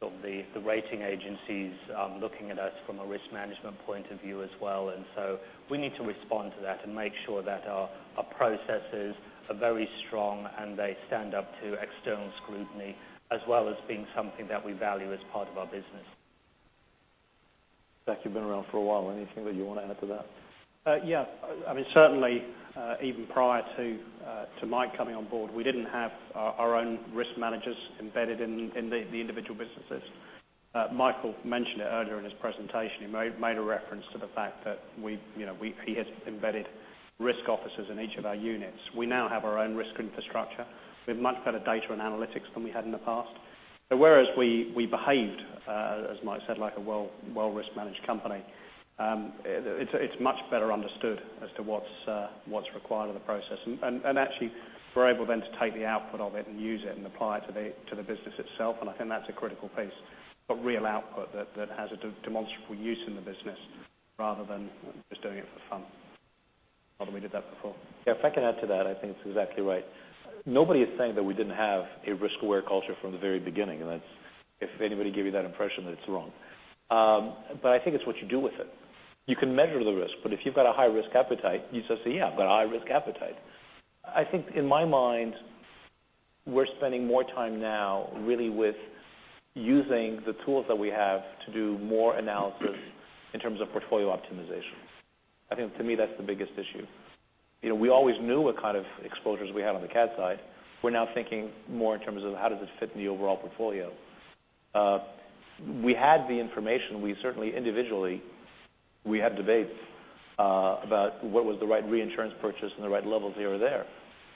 the rating agencies are looking at us from a risk management point of view as well. We need to respond to that and make sure that our processes are very strong and they stand up to external scrutiny, as well as being something that we value as part of our business. Jack, you've been around for a while. Anything that you want to add to that? Certainly even prior to Mike coming on board, we didn't have our own risk managers embedded in the individual businesses. Michael mentioned it earlier in his presentation. He made a reference to the fact that he has embedded risk officers in each of our units. We now have our own risk infrastructure with much better data and analytics than we had in the past. Whereas we behaved, as Mike said, like a well risk managed company, it's much better understood as to what's required of the process. We're able then to take the output of it and use it and apply it to the business itself, and I think that's a critical piece. A real output that has a demonstrable use in the business rather than just doing it for fun. Not that we did that before. If I can add to that, I think it's exactly right. Nobody is saying that we didn't have a risk-aware culture from the very beginning, and if anybody gave you that impression, then it's wrong. I think it's what you do with it. You can measure the risk, if you've got a high-risk appetite, you just say, "Yeah, I've got a high-risk appetite." I think in my mind, we're spending more time now really with using the tools that we have to do more analysis in terms of portfolio optimization. I think for me, that's the biggest issue. We always knew what kind of exposures we had on the cat side. We're now thinking more in terms of how does this fit in the overall portfolio? We had the information. We certainly individually had debates about what was the right reinsurance purchase and the right levels here or there.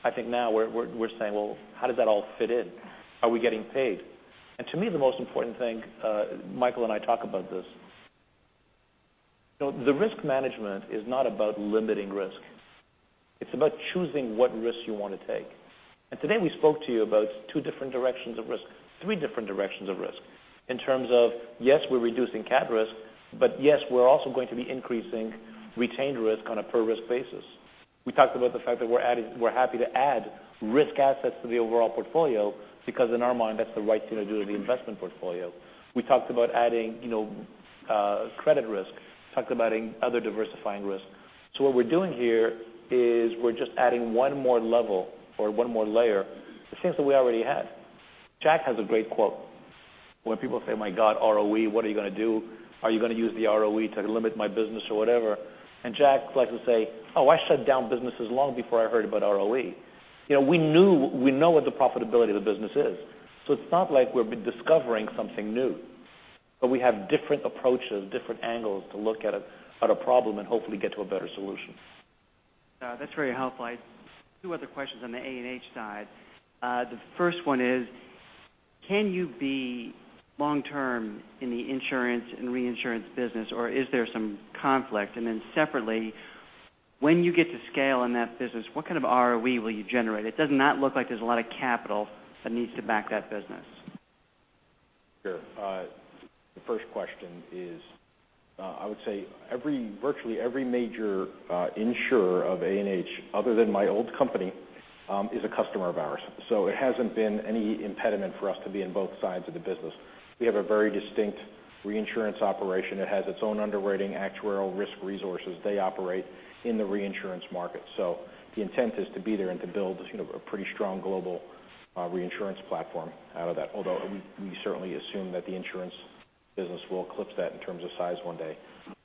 I think now we're saying, "Well, how does that all fit in? Are we getting paid?" To me, the most important thing, Michael and I talk about this. The risk management is not about limiting risk. It's about choosing what risks you want to take. Today we spoke to you about two different directions of risk, three different directions of risk In terms of, yes, we're reducing cat risk, but yes, we're also going to be increasing retained risk on a per-risk basis. We talked about the fact that we're happy to add risk assets to the overall portfolio because in our mind, that's the right thing to do to the investment portfolio. We talked about adding credit risk. We talked about other diversifying risk. What we're doing here is we're just adding one more level or one more layer to things that we already had. Jack has a great quote. When people say, "My God, ROE, what are you going to do? Are you going to use the ROE to limit my business or whatever?" Jack likes to say, "Oh, I shut down businesses long before I heard about ROE." We know what the profitability of the business is. It's not like we've been discovering something new, we have different approaches, different angles to look at a problem and hopefully get to a better solution. That's very helpful. Two other questions on the A&H side. The first one is, can you be long-term in the insurance and reinsurance business, or is there some conflict? Then separately, when you get to scale in that business, what kind of ROE will you generate? It does not look like there's a lot of capital that needs to back that business. Sure. The first question is, I would say virtually every major insurer of A&H other than my old company is a customer of ours. It hasn't been any impediment for us to be in both sides of the business. We have a very distinct reinsurance operation. It has its own underwriting actuarial risk resources. They operate in the reinsurance market. The intent is to be there and to build a pretty strong global reinsurance platform out of that. Although we certainly assume that the insurance business will eclipse that in terms of size one day.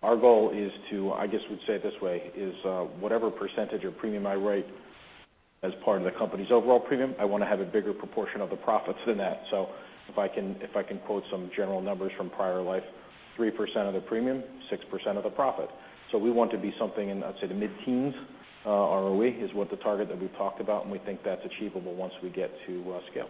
Our goal is to, I guess we'd say it this way, is whatever % of premium I write as part of the company's overall premium, I want to have a bigger proportion of the profits than that. If I can quote some general numbers from prior life, 3% of the premium, 6% of the profit. We want to be something in, I'd say, the mid-teens ROE is what the target that we've talked about, and we think that's achievable once we get to scale.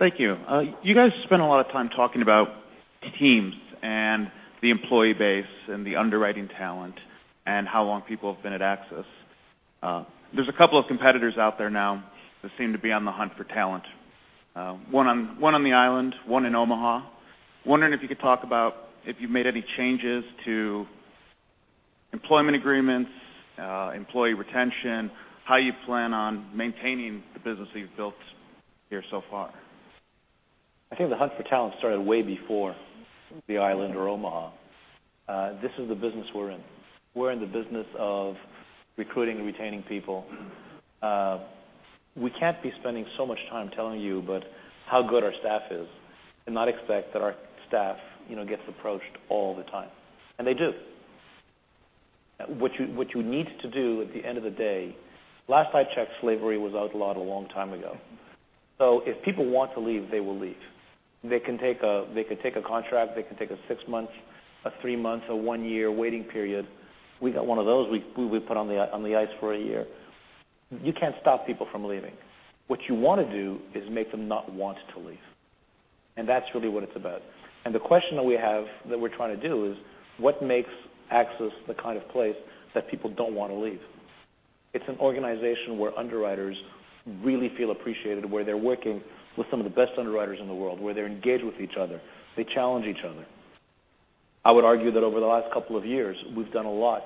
Thank you. You guys spend a lot of time talking about teams and the employee base and the underwriting talent, and how long people have been at AXIS. There's a couple of competitors out there now that seem to be on the hunt for talent. One on the island, one in Omaha. Wondering if you could talk about if you've made any changes to employment agreements, employee retention, how you plan on maintaining the business that you've built here so far. I think the hunt for talent started way before the island or Omaha. This is the business we're in. We're in the business of recruiting and retaining people. We can't be spending so much time telling you about how good our staff is and not expect that our staff gets approached all the time. They do. What you need to do at the end of the day, last I checked, slavery was outlawed a long time ago. If people want to leave, they will leave. They can take a contract. They can take a six months, a three months, a one year waiting period. We got one of those. We put on the ice for a year. You can't stop people from leaving. What you want to do is make them not want to leave. That's really what it's about. The question that we have that we're trying to do is, what makes AXIS the kind of place that people don't want to leave? It's an organization where underwriters really feel appreciated, where they're working with some of the best underwriters in the world, where they're engaged with each other. They challenge each other. I would argue that over the last couple of years, we've done a lot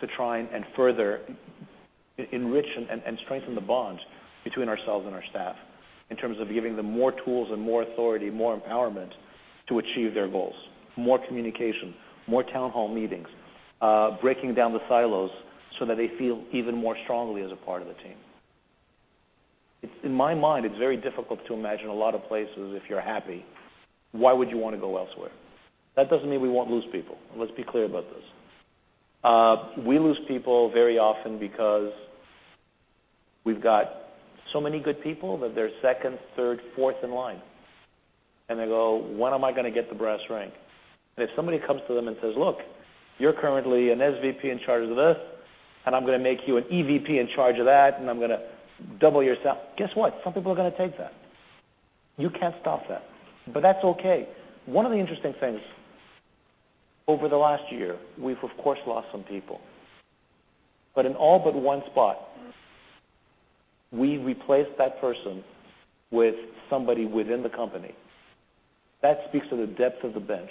to try and further enrich and strengthen the bonds between ourselves and our staff in terms of giving them more tools and more authority, more empowerment to achieve their goals, more communication, more town hall meetings breaking down the silos so that they feel even more strongly as a part of the team. In my mind, it's very difficult to imagine a lot of places if you're happy, why would you want to go elsewhere? That doesn't mean we won't lose people. Let's be clear about this. We lose people very often because we've got so many good people that they're second, third, fourth in line. They go, "When am I going to get the brass rank?" If somebody comes to them and says, "Look, you're currently an SVP in charge of this, I'm going to make you an EVP in charge of that, I'm going to double your stuff." Guess what? Some people are going to take that. You can't stop that. That's okay. One of the interesting things over the last year, we've of course lost some people. In all but one spot, we replaced that person with somebody within the company. That speaks to the depth of the bench.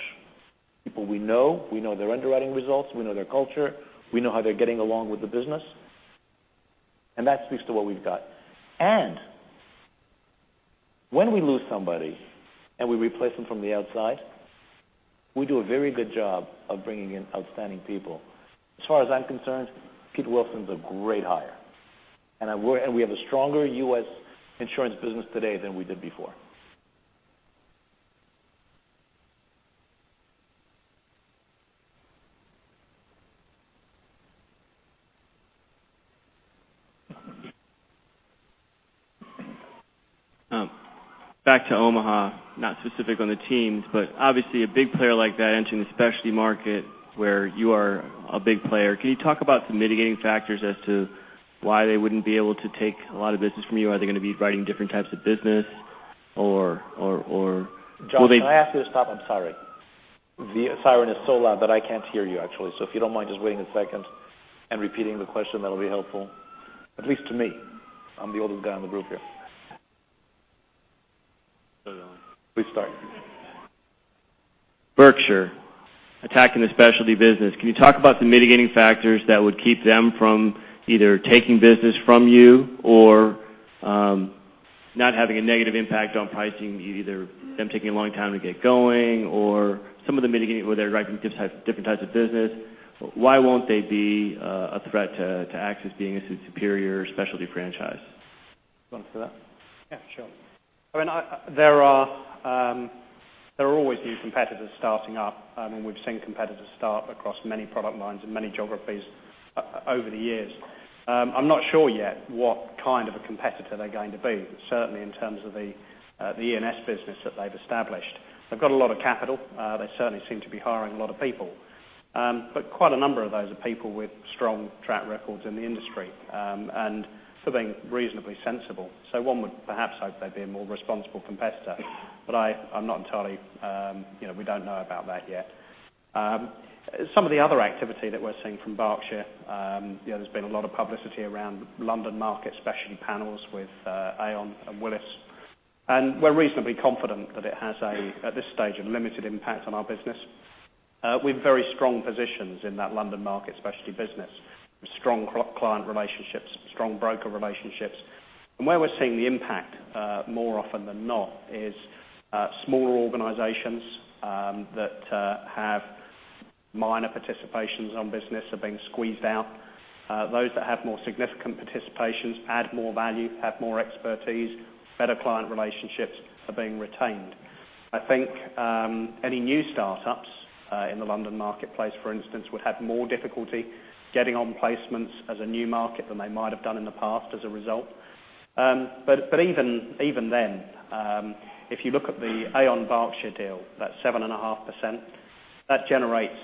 People we know, we know their underwriting results, we know their culture, we know how they're getting along with the business, that speaks to what we've got. When we lose somebody and we replace them from the outside, we do a very good job of bringing in outstanding people. As far as I'm concerned, Pete Wilson's a great hire. We have a stronger U.S. insurance business today than we did before. Back to Omaha, not specific on the teams. Obviously a big player like that entering the specialty market where you are a big player. Can you talk about some mitigating factors as to why they wouldn't be able to take a lot of business from you? Are they going to be writing different types of business? Will they- John, can I ask you to stop? I'm sorry. The siren is so loud that I can't hear you, actually. If you don't mind just waiting a second and repeating the question, that'll be helpful. At least to me. I'm the oldest guy in the group here. Sorry, Alan. Please start. Berkshire attacking the specialty business. Can you talk about the mitigating factors that would keep them from either taking business from you or not having a negative impact on pricing, either them taking a long time to get going or some of the mitigating where they're writing different types of business? Why won't they be a threat to AXIS being a superior specialty franchise? You want to say that? Yeah, sure. There are always new competitors starting up. We've seen competitors start across many product lines and many geographies over the years. I'm not sure yet what kind of a competitor they're going to be, certainly in terms of the E&S business that they've established. They've got a lot of capital. They certainly seem to be hiring a lot of people. Quite a number of those are people with strong track records in the industry, being reasonably sensible. One would perhaps hope they'd be a more responsible competitor, but we don't know about that yet. Some of the other activity that we're seeing from Berkshire, there's been a lot of publicity around London market specialty panels with Aon and Willis, and we're reasonably confident that it has, at this stage, a limited impact on our business. We've very strong positions in that London market specialty business, with strong client relationships, strong broker relationships. Where we're seeing the impact, more often than not, is smaller organizations that have minor participations on business are being squeezed out. Those that have more significant participations, add more value, have more expertise, better client relationships, are being retained. I think any new startups in the London marketplace, for instance, would have more difficulty getting on placements as a new market than they might have done in the past as a result. Even then, if you look at the Aon-Berkshire deal, that 7.5%, that generates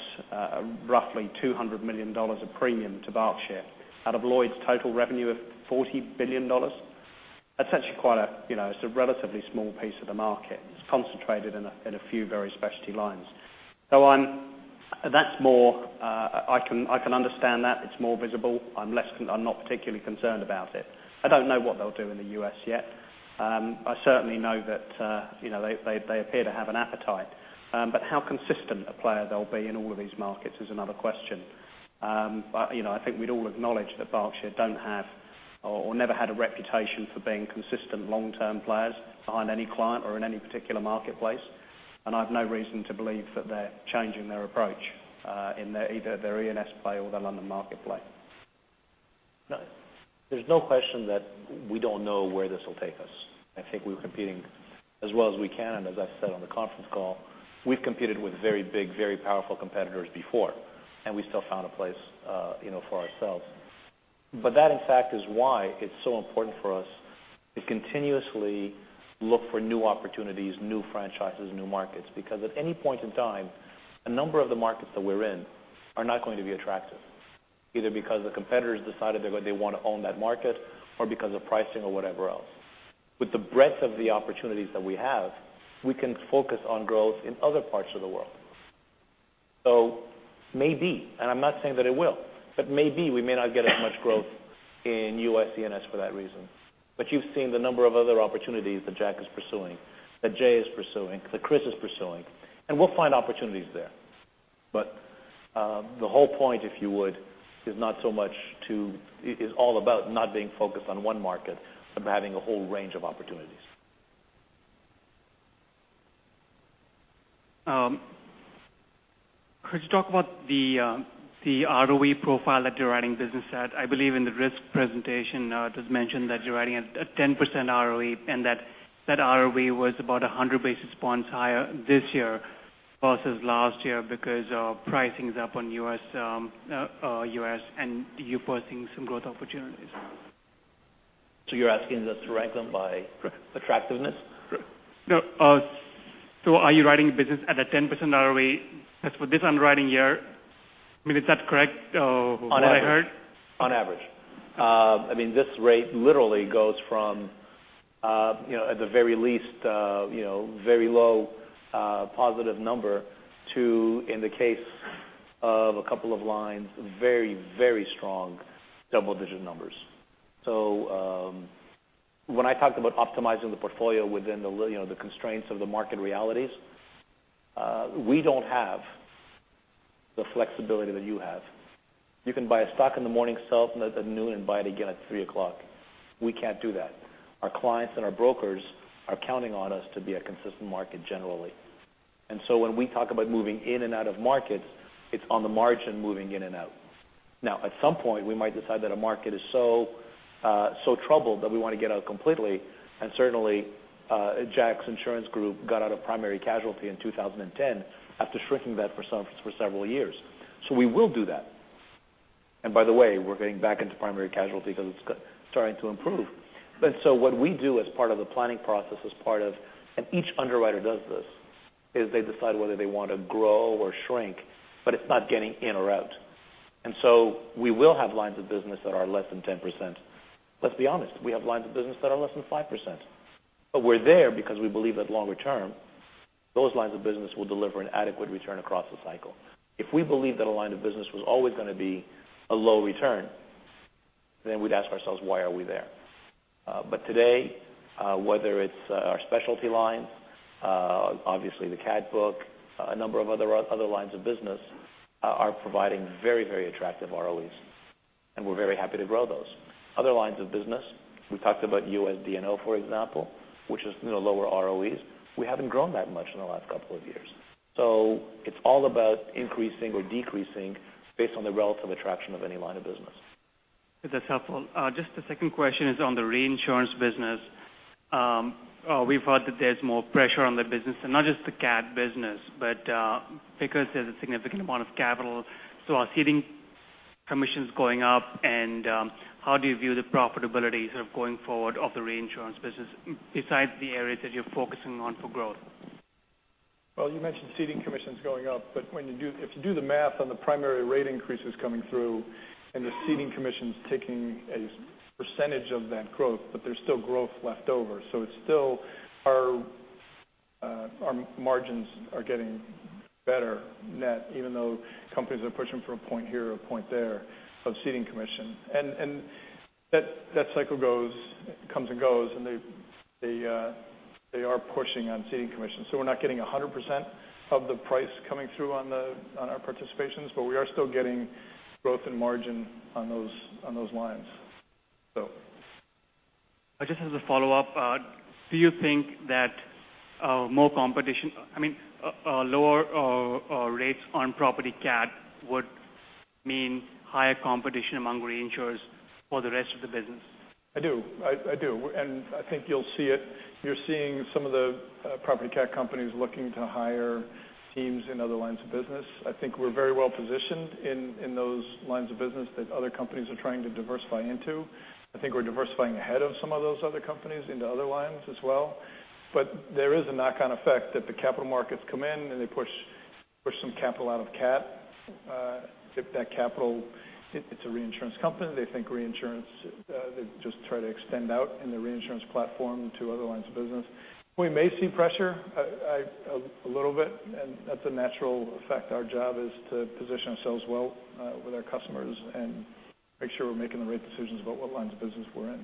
roughly $200 million of premium to Berkshire out of Lloyd's total revenue of $40 billion. It's a relatively small piece of the market. It's concentrated in a few very specialty lines. I can understand that. It's more visible. I'm not particularly concerned about it. I don't know what they'll do in the U.S. yet. I certainly know that they appear to have an appetite. How consistent a player they'll be in all of these markets is another question. I think we'd all acknowledge that Berkshire don't have or never had a reputation for being consistent long-term players behind any client or in any particular marketplace. I've no reason to believe that they're changing their approach in either their E&S play or their London market play. That, in fact, is why it's so important for us to continuously look for new opportunities, new franchises, new markets, because at any point in time, a number of the markets that we're in are not going to be attractive, either because the competitors decided they want to own that market or because of pricing or whatever else. With the breadth of the opportunities that we have, we can focus on growth in other parts of the world. Maybe, and I'm not saying that it will, but maybe we may not get as much growth in U.S. E&S for that reason. You've seen the number of other opportunities that Jack is pursuing, that Jay is pursuing, that Chris is pursuing, and we'll find opportunities there. The whole point, if you would, is all about not being focused on one market, but having a whole range of opportunities. Could you talk about the ROE profile that you're writing business at? I believe in the risk presentation, it was mentioned that you're writing at a 10% ROE and that that ROE was about 100 basis points higher this year versus last year because pricing's up on U.S. and you foresee some growth opportunities. You're asking us to rank them by attractiveness? Correct. No. Are you writing business at a 10% ROE as for this underwriting year? I mean, is that correct from what I heard? On average. This rate literally goes from at the very least, very low positive number to, in the case of a couple of lines, very strong double-digit numbers. When I talked about optimizing the portfolio within the constraints of the market realities, we don't have the flexibility that you have. You can buy a stock in the morning, sell it at noon, and buy it again at 3:00. We can't do that. Our clients and our brokers are counting on us to be a consistent market generally. When we talk about moving in and out of markets, it's on the margin moving in and out. At some point, we might decide that a market is so troubled that we want to get out completely, and certainly Jack's insurance group got out of primary casualty in 2010 after shrinking that for several years. We will do that. By the way, we're getting back into primary casualty because it's starting to improve. What we do as part of the planning process, each underwriter does this, is they decide whether they want to grow or shrink, but it's not getting in or out. We will have lines of business that are less than 10%. Let's be honest, we have lines of business that are less than 5%. We're there because we believe that longer term, those lines of business will deliver an adequate return across the cycle. If we believe that a line of business was always going to be a low return, then we'd ask ourselves, why are we there? Today, whether it's our specialty line, obviously the cat book, a number of other lines of business are providing very attractive ROEs. We're very happy to grow those. Other lines of business, we talked about US D&O, for example, which is lower ROEs. We haven't grown that much in the last couple of years. It's all about increasing or decreasing based on the relative attraction of any line of business. That's helpful. Just the second question is on the reinsurance business. We've heard that there's more pressure on the business, and not just the cat business, but because there's a significant amount of capital. Are ceding commissions going up, and how do you view the profitability going forward of the reinsurance business besides the areas that you're focusing on for growth? You mentioned ceding commissions going up, but if you do the math on the primary rate increases coming through and the ceding commissions taking a percentage of that growth, but there's still growth left over. Our margins are getting better net, even though companies are pushing for a point here, a point there of ceding commission. That cycle comes and goes, and they are pushing on ceding commissions. We're not getting 100% of the price coming through on our participations, but we are still getting growth and margin on those lines. Just as a follow-up, do you think that lower rates on property cat would mean higher competition among reinsurers for the rest of the business? I do. I think you'll see it. You're seeing some of the property cat companies looking to hire teams in other lines of business. I think we're very well-positioned in those lines of business that other companies are trying to diversify into. I think we're diversifying ahead of some of those other companies into other lines as well. There is a knock-on effect that the capital markets come in, and they push some capital out of cat. If that capital, it's a reinsurance company, they think reinsurance, they just try to extend out in the reinsurance platform to other lines of business. We may see pressure a little bit, and that's a natural effect. Our job is to position ourselves well with our customers and make sure we're making the right decisions about what lines of business we're in.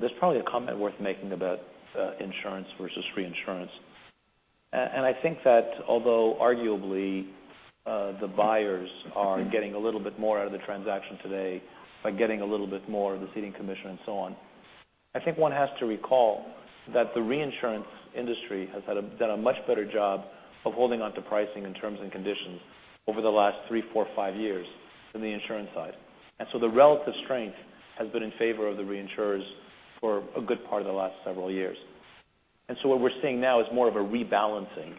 There's probably a comment worth making about insurance versus reinsurance. I think that although arguably the buyers are getting a little bit more out of the transaction today by getting a little bit more of the ceding commission and so on, I think one has to recall that the reinsurance industry has done a much better job of holding onto pricing and terms and conditions over the last three, four, five years than the insurance side. The relative strength has been in favor of the reinsurers for a good part of the last several years. What we're seeing now is more of a rebalancing,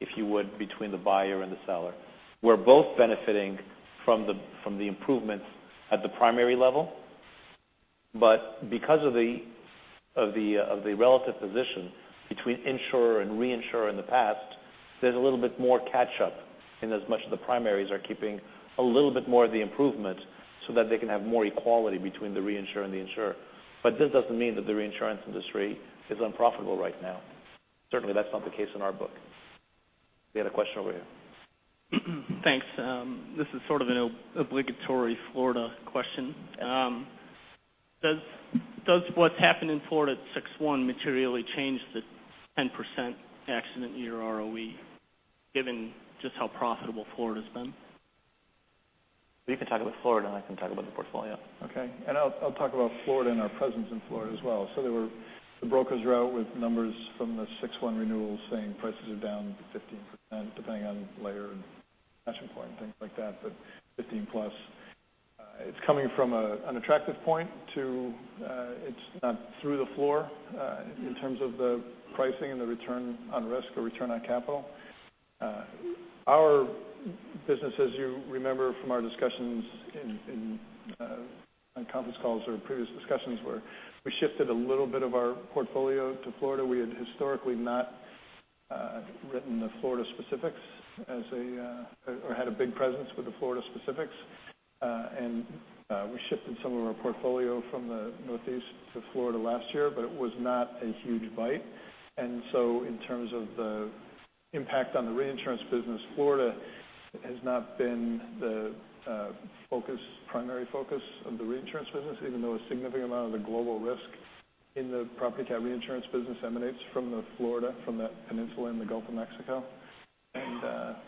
if you would, between the buyer and the seller. We're both benefiting from the improvements at the primary level. Because of the relative position between insurer and reinsurer in the past, there's a little bit more catch-up in as much as the primaries are keeping a little bit more of the improvement so that they can have more equality between the reinsurer and the insurer. This doesn't mean that the reinsurance industry is unprofitable right now. Certainly, that's not the case in our book. We had a question over here. Thanks. This is sort of an obligatory Florida question. Does what's happened in Florida at six one materially change the 10% accident year ROE, given just how profitable Florida's been? You can talk about Florida, I can talk about the portfolio. Okay. I'll talk about Florida and our presence in Florida as well. The brokers are out with numbers from the 6/1 renewals saying prices are down 15%, depending on layer and attachment point and things like that, but 15% plus. It's coming from an attractive point to. It's not through the floor in terms of the pricing and the return on risk or return on capital. Our business, as you remember from our discussions in conference calls or previous discussions, where we shifted a little bit of our portfolio to Florida. We had historically not written the Florida specifics or had a big presence with the Florida specifics. We shifted some of our portfolio from the Northeast to Florida last year, but it was not a huge bite. In terms of the impact on the reinsurance business, Florida has not been the primary focus of the reinsurance business, even though a significant amount of the global risk in the property cat reinsurance business emanates from the Florida, from that peninsula in the Gulf of Mexico. I'll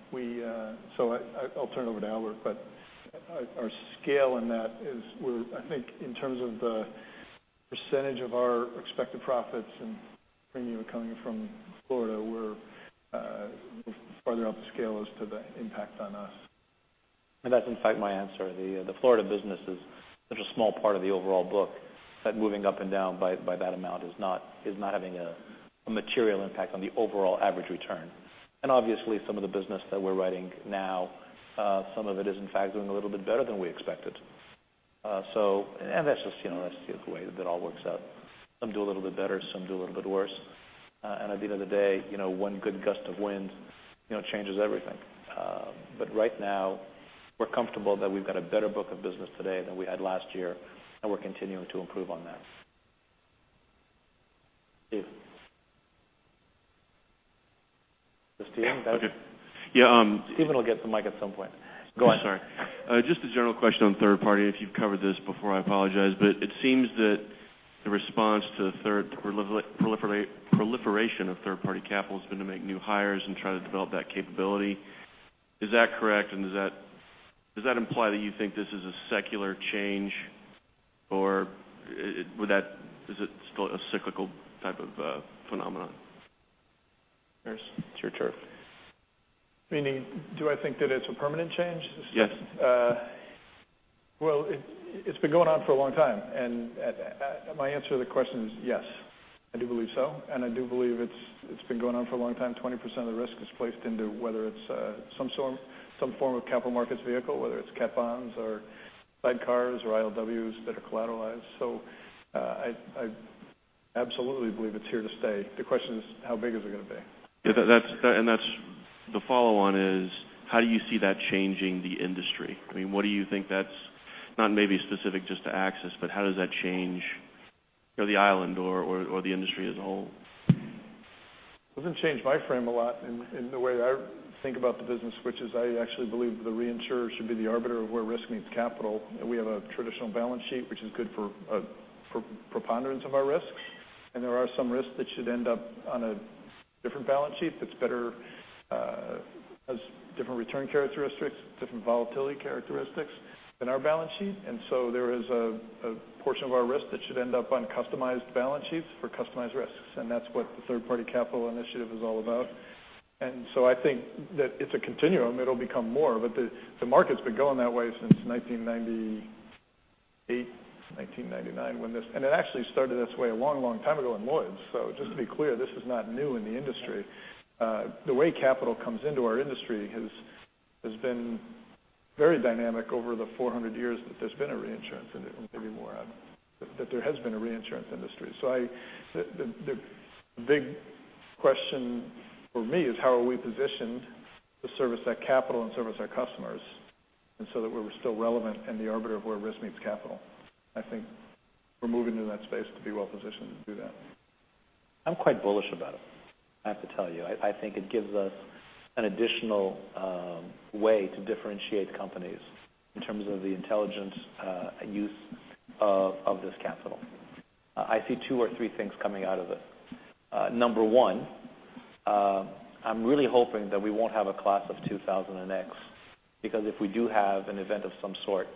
turn it over to Albert, but our scale in that is I think in terms of the percentage of our expected profits and premium coming from Florida, we're farther up the scale as to the impact on us. That's in fact my answer. The Florida business is such a small part of the overall book that moving up and down by that amount is not having a material impact on the overall average return. Obviously, some of the business that we're writing now, some of it is in fact doing a little bit better than we expected. That's just the way that it all works out. Some do a little bit better, some do a little bit worse. At the end of the day, one good gust of wind changes everything. Right now, we're comfortable that we've got a better book of business today than we had last year, and we're continuing to improve on that. Steve. Is Steve done? Yeah. Okay. Steve will get the mic at some point. Go ahead. Sorry. Just a general question on third-party. If you've covered this before, I apologize. It seems that the response to the proliferation of third-party capital has been to make new hires and try to develop that capability. Is that correct, and does that imply that you think this is a secular change, or is it still a cyclical type of phenomenon? Jay, it's your turf. Meaning do I think that it's a permanent change? Yes. Well, it's been going on for a long time, My answer to the question is yes. I do believe so, I do believe it's been going on for a long time. 20% of the risk is placed into whether it's some form of capital markets vehicle, whether it's cat bonds or sidecars or ILWs that are collateralized. I absolutely believe it's here to stay. The question is how big is it going to be? The follow on is how do you see that changing the industry? What do you think that's, not maybe specific just to AXIS, but how does that change the industry or the industry as a whole? It doesn't change my frame a lot in the way I think about the business, which is I actually believe the reinsurer should be the arbiter of where risk meets capital. We have a traditional balance sheet, which is good for a preponderance of our risks, There are some risks that should end up on a different balance sheet that has different return characteristics, different volatility characteristics than our balance sheet. There is a portion of our risk that should end up on customized balance sheets for customized risks. That's what the third-party capital initiative is all about. I think that it's a continuum. It'll become more of it. The market's been going that way since 1998, 1999. It actually started this way a long time ago in Lloyd's. Just to be clear, this is not new in the industry. The way capital comes into our industry has been very dynamic over the 400 years that there has been a reinsurance industry. The big question for me is how are we positioned to service that capital and service our customers so that we're still relevant in the arbiter of where risk meets capital? I think we're moving into that space to be well positioned to do that. I'm quite bullish about it, I have to tell you. I think it gives us an additional way to differentiate companies in terms of the intelligent use of this capital. I see two or three things coming out of it. Number one, I'm really hoping that we won't have a class of 2000 and X because if we do have an event of some sort,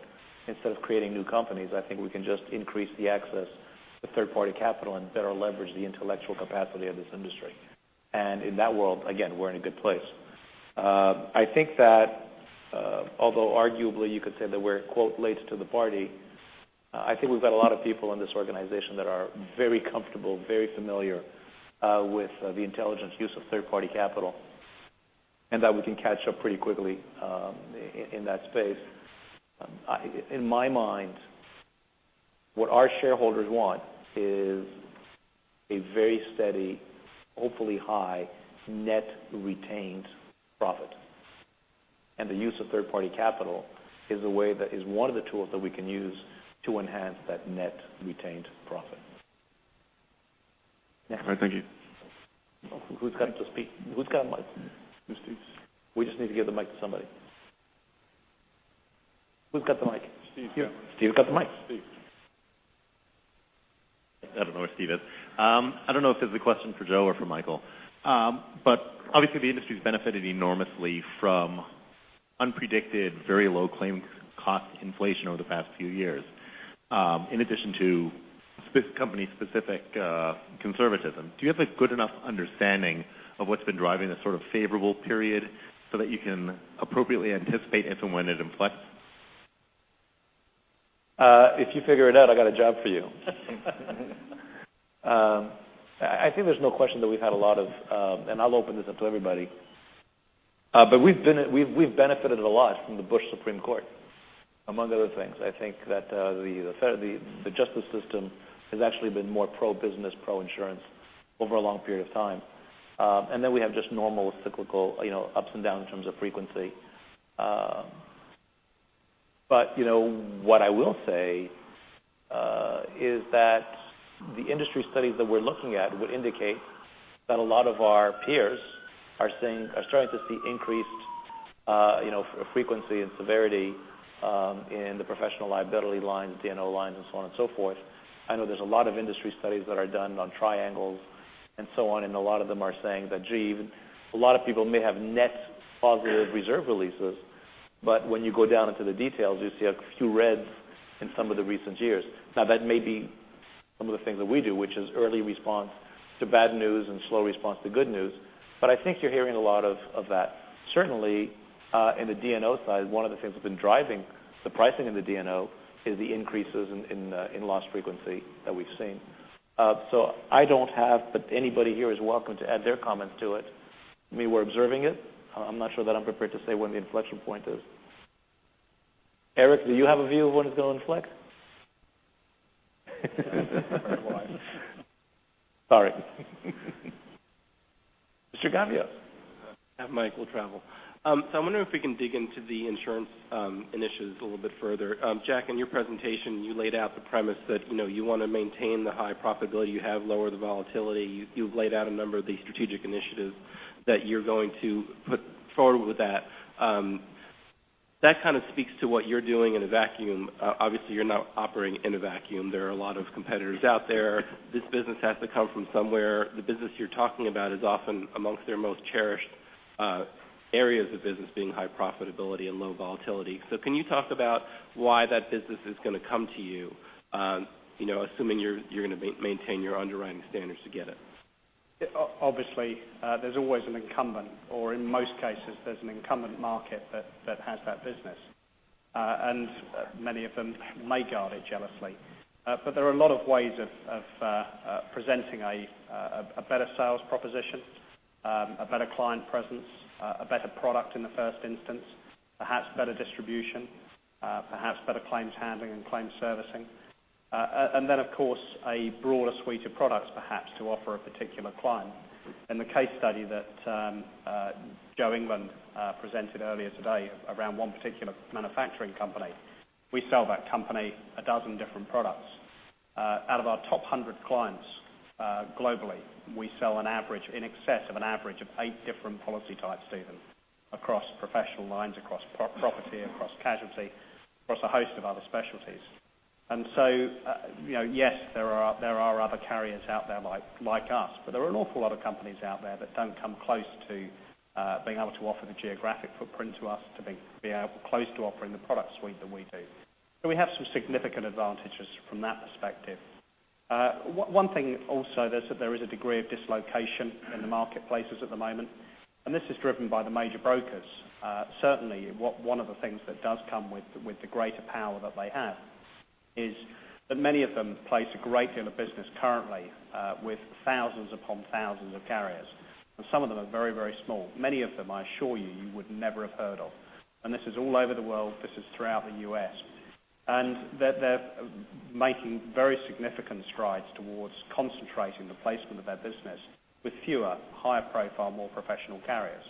instead of creating new companies, I think we can just increase the access to third-party capital and better leverage the intellectual capacity of this industry. In that world, again, we're in a good place. I think that although arguably you could say that we're, quote, "late to the party," I think we've got a lot of people in this organization that are very comfortable, very familiar with the intelligent use of third-party capital and that we can catch up pretty quickly in that space. In my mind, what our shareholders want is a very steady, hopefully high net retained profit. The use of third-party capital is one of the tools that we can use to enhance that net retained profit. All right, thank you. Who's got to speak? Who's got a mic? That's Steve's. We just need to give the mic to somebody. Who's got the mic? Steve's got it. Steve's got the mic. Steve. I don't know where Steve is. I don't know if this is a question for Joe or for Michael. Obviously the industry's benefited enormously from unpredicted very low claims cost inflation over the past few years. In addition to company-specific conservatism. Do you have a good enough understanding of what's been driving this sort of favorable period so that you can appropriately anticipate if and when it inflects? If you figure it out, I've got a job for you. I think there's no question that we've had a lot of, I'll open this up to everybody, we've benefited a lot from the Bush Supreme Court, among other things. I think that the justice system has actually been more pro-business, pro-insurance over a long period of time. We have just normal cyclical ups and downs in terms of frequency. What I will say is that the industry studies that we're looking at would indicate that a lot of our peers are starting to see increased frequency and severity in the professional liability lines, D&O lines, and so on and so forth. I know there's a lot of industry studies that are done on triangles and so on. A lot of them are saying that, gee, a lot of people may have net positive reserve releases, when you go down into the details, you see a few reds in some of the recent years. That may be some of the things that we do, which is early response to bad news and slow response to good news. I think you're hearing a lot of that. Certainly, in the D&O side, one of the things that's been driving the pricing in the D&O is the increases in loss frequency that we've seen. Anybody here is welcome to add their comments to it. We were observing it. I'm not sure that I'm prepared to say when the inflection point is. Eric, do you have a view of when it's going to inflect? Sorry. Mr. Gieseke. Have mic will travel. I'm wondering if we can dig into the insurance initiatives a little bit further. Jack, in your presentation, you laid out the premise that you want to maintain the high profitability you have, lower the volatility. You've laid out a number of the strategic initiatives that you're going to put forward with that. That kind of speaks to what you're doing in a vacuum. Obviously, you're not operating in a vacuum. There are a lot of competitors out there. This business has to come from somewhere. The business you're talking about is often amongst their most cherished areas of business, being high profitability and low volatility. Can you talk about why that business is going to come to you, assuming you're going to maintain your underwriting standards to get it? Obviously, there's always an incumbent, or in most cases, there's an incumbent market that has that business. Many of them may guard it jealously. There are a lot of ways of presenting a better sales proposition, a better client presence, a better product in the first instance, perhaps better distribution, perhaps better claims handling and claims servicing. Then, of course, a broader suite of products, perhaps, to offer a particular client. In the case study that Joseph England presented earlier today around one particular manufacturing company, we sell that company a dozen different products. Out of our top 100 clients globally, we sell in excess of an average of 8 different policy types to them across professional lines, across property, across casualty, across a host of other specialties. Yes, there are other carriers out there like us, but there are an awful lot of companies out there that don't come close to being able to offer the geographic footprint to us to be close to offering the product suite that we do. We have some significant advantages from that perspective. One thing also, there is a degree of dislocation in the marketplaces at the moment, this is driven by the major brokers. Certainly, one of the things that does come with the greater power that they have is that many of them place a great deal of business currently with thousands upon thousands of carriers. Some of them are very, very small. Many of them, I assure you would never have heard of. This is all over the world. This is throughout the U.S. They're making very significant strides towards concentrating the placement of their business with fewer, higher profile, more professional carriers.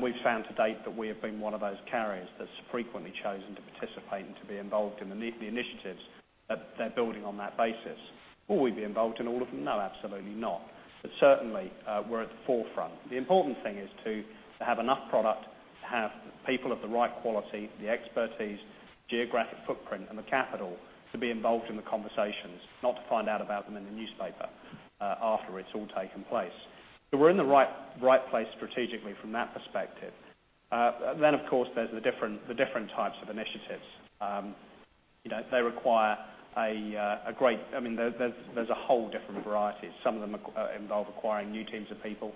We've found to date that we have been one of those carriers that's frequently chosen to participate and to be involved in the initiatives that they're building on that basis. Will we be involved in all of them? No, absolutely not. Certainly, we're at the forefront. The important thing is to have enough product, to have people of the right quality, the expertise, geographic footprint, and the capital to be involved in the conversations, not to find out about them in the newspaper after it's all taken place. We're in the right place strategically from that perspective. Of course, there's the different types of initiatives. There's a whole different variety. Some of them involve acquiring new teams of people.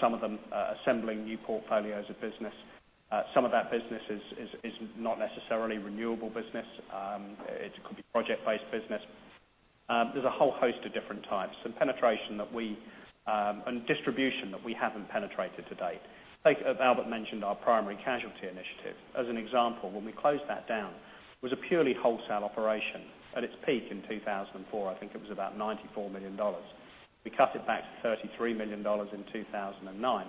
Some of them assembling new portfolios of business. Some of that business is not necessarily renewable business. It could be project-based business. There's a whole host of different types and distribution that we haven't penetrated to date. Albert mentioned our primary casualty initiative as an example. When we closed that down, it was a purely wholesale operation. At its peak in 2004, I think it was about $94 million. We cut it back to $33 million in 2009.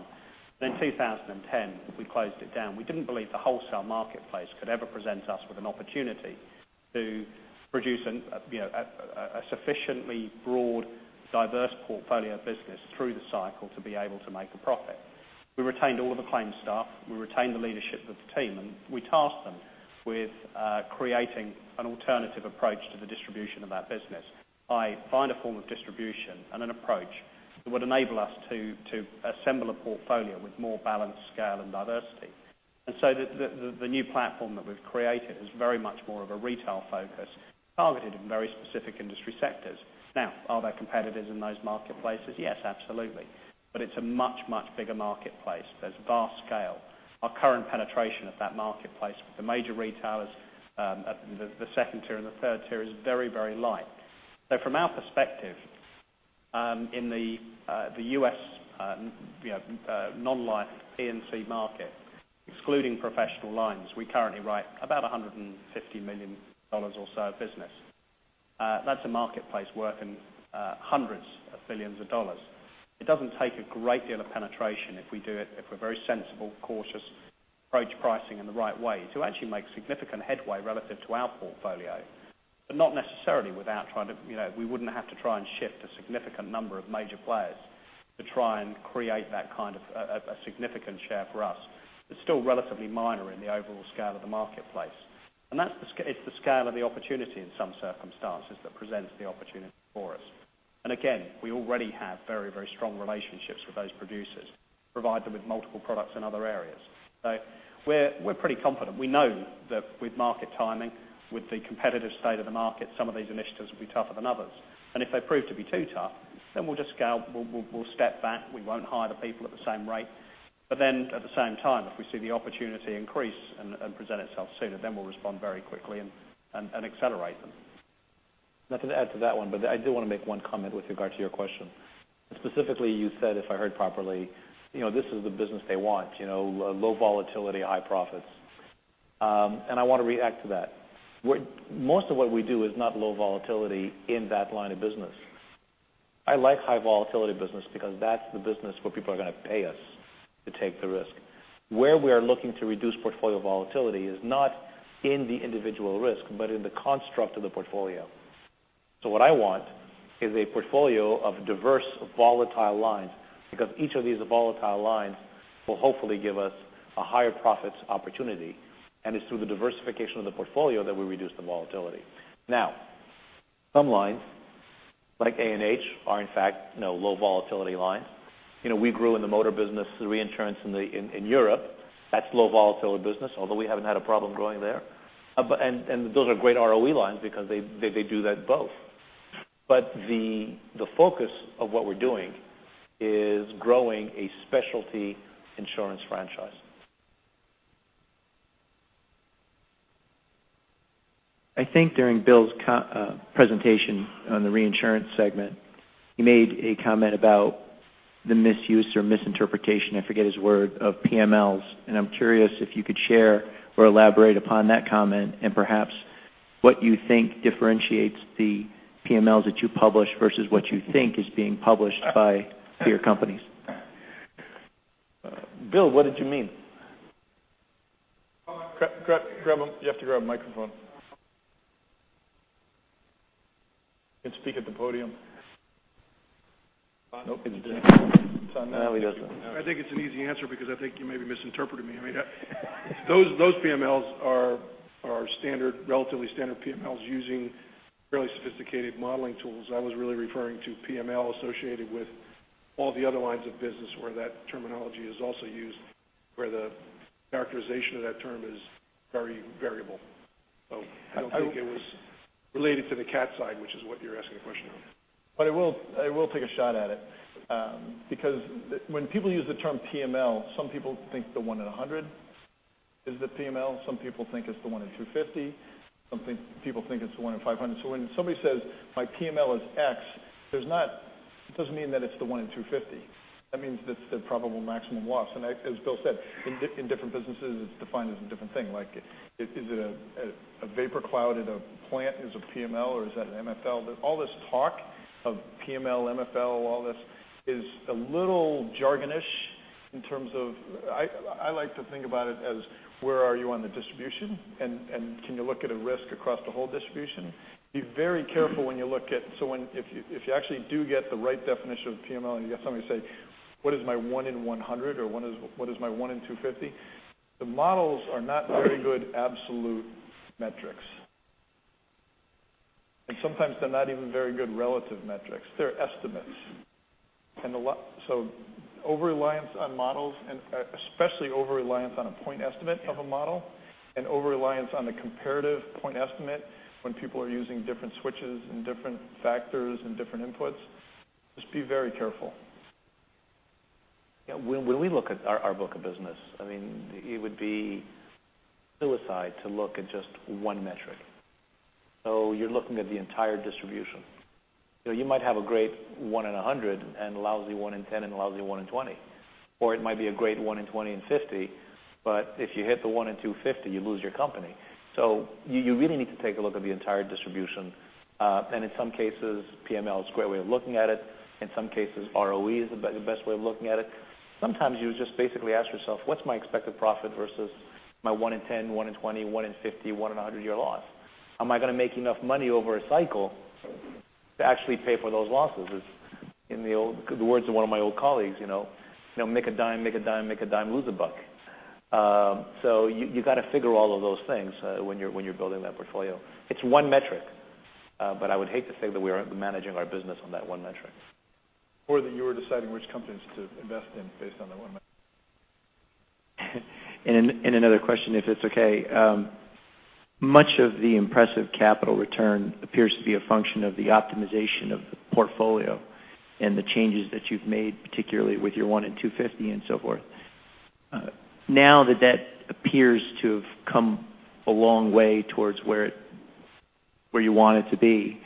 2010, we closed it down. We didn't believe the wholesale marketplace could ever present us with an opportunity to produce a sufficiently broad, diverse portfolio business through the cycle to be able to make a profit. We retained all of the claims staff. We retained the leadership of the team, and we tasked them with creating an alternative approach to the distribution of that business by find a form of distribution and an approach that would enable us to assemble a portfolio with more balanced scale and diversity. The new platform that we've created is very much more of a retail focus targeted at very specific industry sectors. Now, are there competitors in those marketplaces? Yes, absolutely. It's a much, much bigger marketplace. There's vast scale. Our current penetration of that marketplace with the major retailers, the second tier and the third tier is very, very light. From our perspective, in the U.S. non-life P&C market, excluding professional lines, we currently write about $150 million or so of business. That's a marketplace worth hundreds of billions of dollars. It doesn't take a great deal of penetration if we're very sensible, cautious, approach pricing in the right way to actually make significant headway relative to our portfolio. Not necessarily without trying to We wouldn't have to try and shift a significant number of major players to try and create that kind of a significant share for us. It's still relatively minor in the overall scale of the marketplace. It's the scale of the opportunity in some circumstances that presents the opportunity for us. Again, we already have very, very strong relationships with those producers, provide them with multiple products in other areas. We're pretty confident. We know that with market timing, with the competitive state of the market, some of these initiatives will be tougher than others. If they prove to be too tough, we'll just scale. We'll step back. We won't hire the people at the same rate. At the same time, if we see the opportunity increase and present itself sooner, then we'll respond very quickly and accelerate them. Nothing to add to that one, but I do want to make one comment with regard to your question. Specifically, you said, if I heard properly, this is the business they want, low volatility, high profits. I want to react to that. Most of what we do is not low volatility in that line of business. I like high volatility business because that's the business where people are going to pay us to take the risk. Where we are looking to reduce portfolio volatility is not in the individual risk, but in the construct of the portfolio. What I want is a portfolio of diverse volatile lines, because each of these volatile lines will hopefully give us a higher profits opportunity. It's through the diversification of the portfolio that we reduce the volatility. Some lines like A&H are in fact low volatility lines. We grew in the motor business through reinsurance in Europe. That's low volatility business, although we haven't had a problem growing there. Those are great ROE lines because they do that both. The focus of what we're doing is growing a specialty insurance franchise. I think during Bill's presentation on the reinsurance segment, he made a comment about the misuse or misinterpretation, I forget his word, of PMLs, and I'm curious if you could share or elaborate upon that comment and perhaps what you think differentiates the PMLs that you publish versus what you think is being published by peer companies. Bill, what did you mean? You have to grab a microphone. You can speak at the podium. Nope, he's done. No, he doesn't. I think it's an easy answer because I think you maybe misinterpreted me. Those PMLs are relatively standard PMLs using fairly sophisticated modeling tools. I was really referring to PML associated with all the other lines of business where that terminology is also used, where the characterization of that term is very variable. I don't think it was related to the cat side, which is what you're asking a question on. I will take a shot at it. When people use the term PML, some people think the one in 100 is the PML. Some people think it's the one in 250. Some people think it's the one in 500. When somebody says my PML is X, it doesn't mean that it's the one in 250. That means that it's the probable maximum loss. As Bill said, in different businesses it's defined as a different thing. Like is it a vapor cloud at a plant is a PML or is that an MFL? All this talk of PML, MFL, all this is a little jargon-ish in terms of, I like to think about it as where are you on the distribution and can you look at a risk across the whole distribution? Be very careful when you look at, if you actually do get the right definition of PML and you have somebody say, what is my one in 100 or what is my one in 250? The models are not very good absolute metrics. Sometimes they're not even very good relative metrics. They're estimates. Over-reliance on models and especially over-reliance on a point estimate of a model and over-reliance on the comparative point estimate when people are using different switches and different factors and different inputs, just be very careful. Yeah. When we look at our book of business, it would be suicide to look at just one metric. You're looking at the entire distribution. You might have a great one in 100 and lousy one in 10 and lousy one in 20. It might be a great one in 20 and 50, but if you hit the one in 250, you lose your company. You really need to take a look at the entire distribution. In some cases, PML is a great way of looking at it. In some cases, ROE is the best way of looking at it. Sometimes you just basically ask yourself, what's my expected profit versus my one in 10, one in 20, one in 50, one in 100 year loss? Am I going to make enough money over a cycle to actually pay for those losses? In the words of one of my old colleagues, make a dime, make a dime, make a dime, lose a buck. You got to figure all of those things when you're building that portfolio. It's one metric, but I would hate to say that we are managing our business on that one metric. That you are deciding which companies to invest in based on that one metric. Another question, if it's okay. Much of the impressive capital return appears to be a function of the optimization of the portfolio and the changes that you've made, particularly with your 1 in 250 and so forth. That appears to have come a long way towards where you want it to be.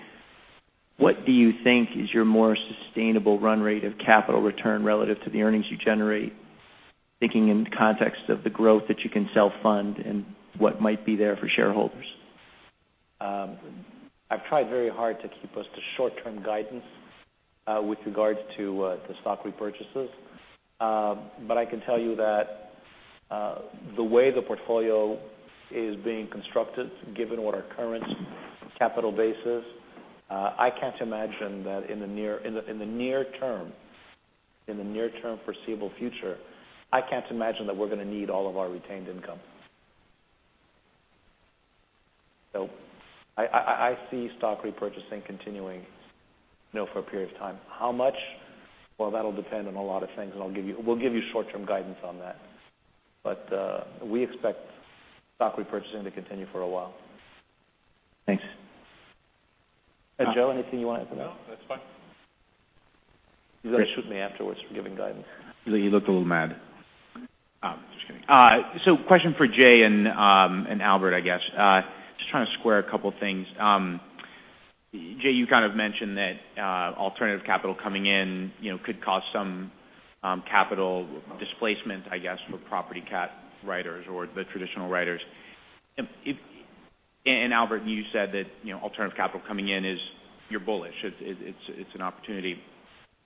What do you think is your more sustainable run rate of capital return relative to the earnings you generate, thinking in context of the growth that you can self-fund and what might be there for shareholders? I've tried very hard to keep us to short-term guidance with regards to the stock repurchases. I can tell you that the way the portfolio is being constructed, given what our current capital base is, I can't imagine that in the near term foreseeable future, I can't imagine that we're going to need all of our retained income. I see stock repurchasing continuing for a period of time. How much? Well, that'll depend on a lot of things, and we'll give you short-term guidance on that. We expect stock repurchasing to continue for a while. Thanks. Joe, anything you want to add to that? No, that's fine. You're going to shoot me afterwards for giving guidance. You looked a little mad. I'm just kidding. Question for Jay and Albert, I guess. Just trying to square a couple things. Jay, you kind of mentioned that alternative capital coming in could cause some capital displacement, I guess, for property cat writers or the traditional writers. Albert, you said that alternative capital coming in is, you're bullish. It's an opportunity.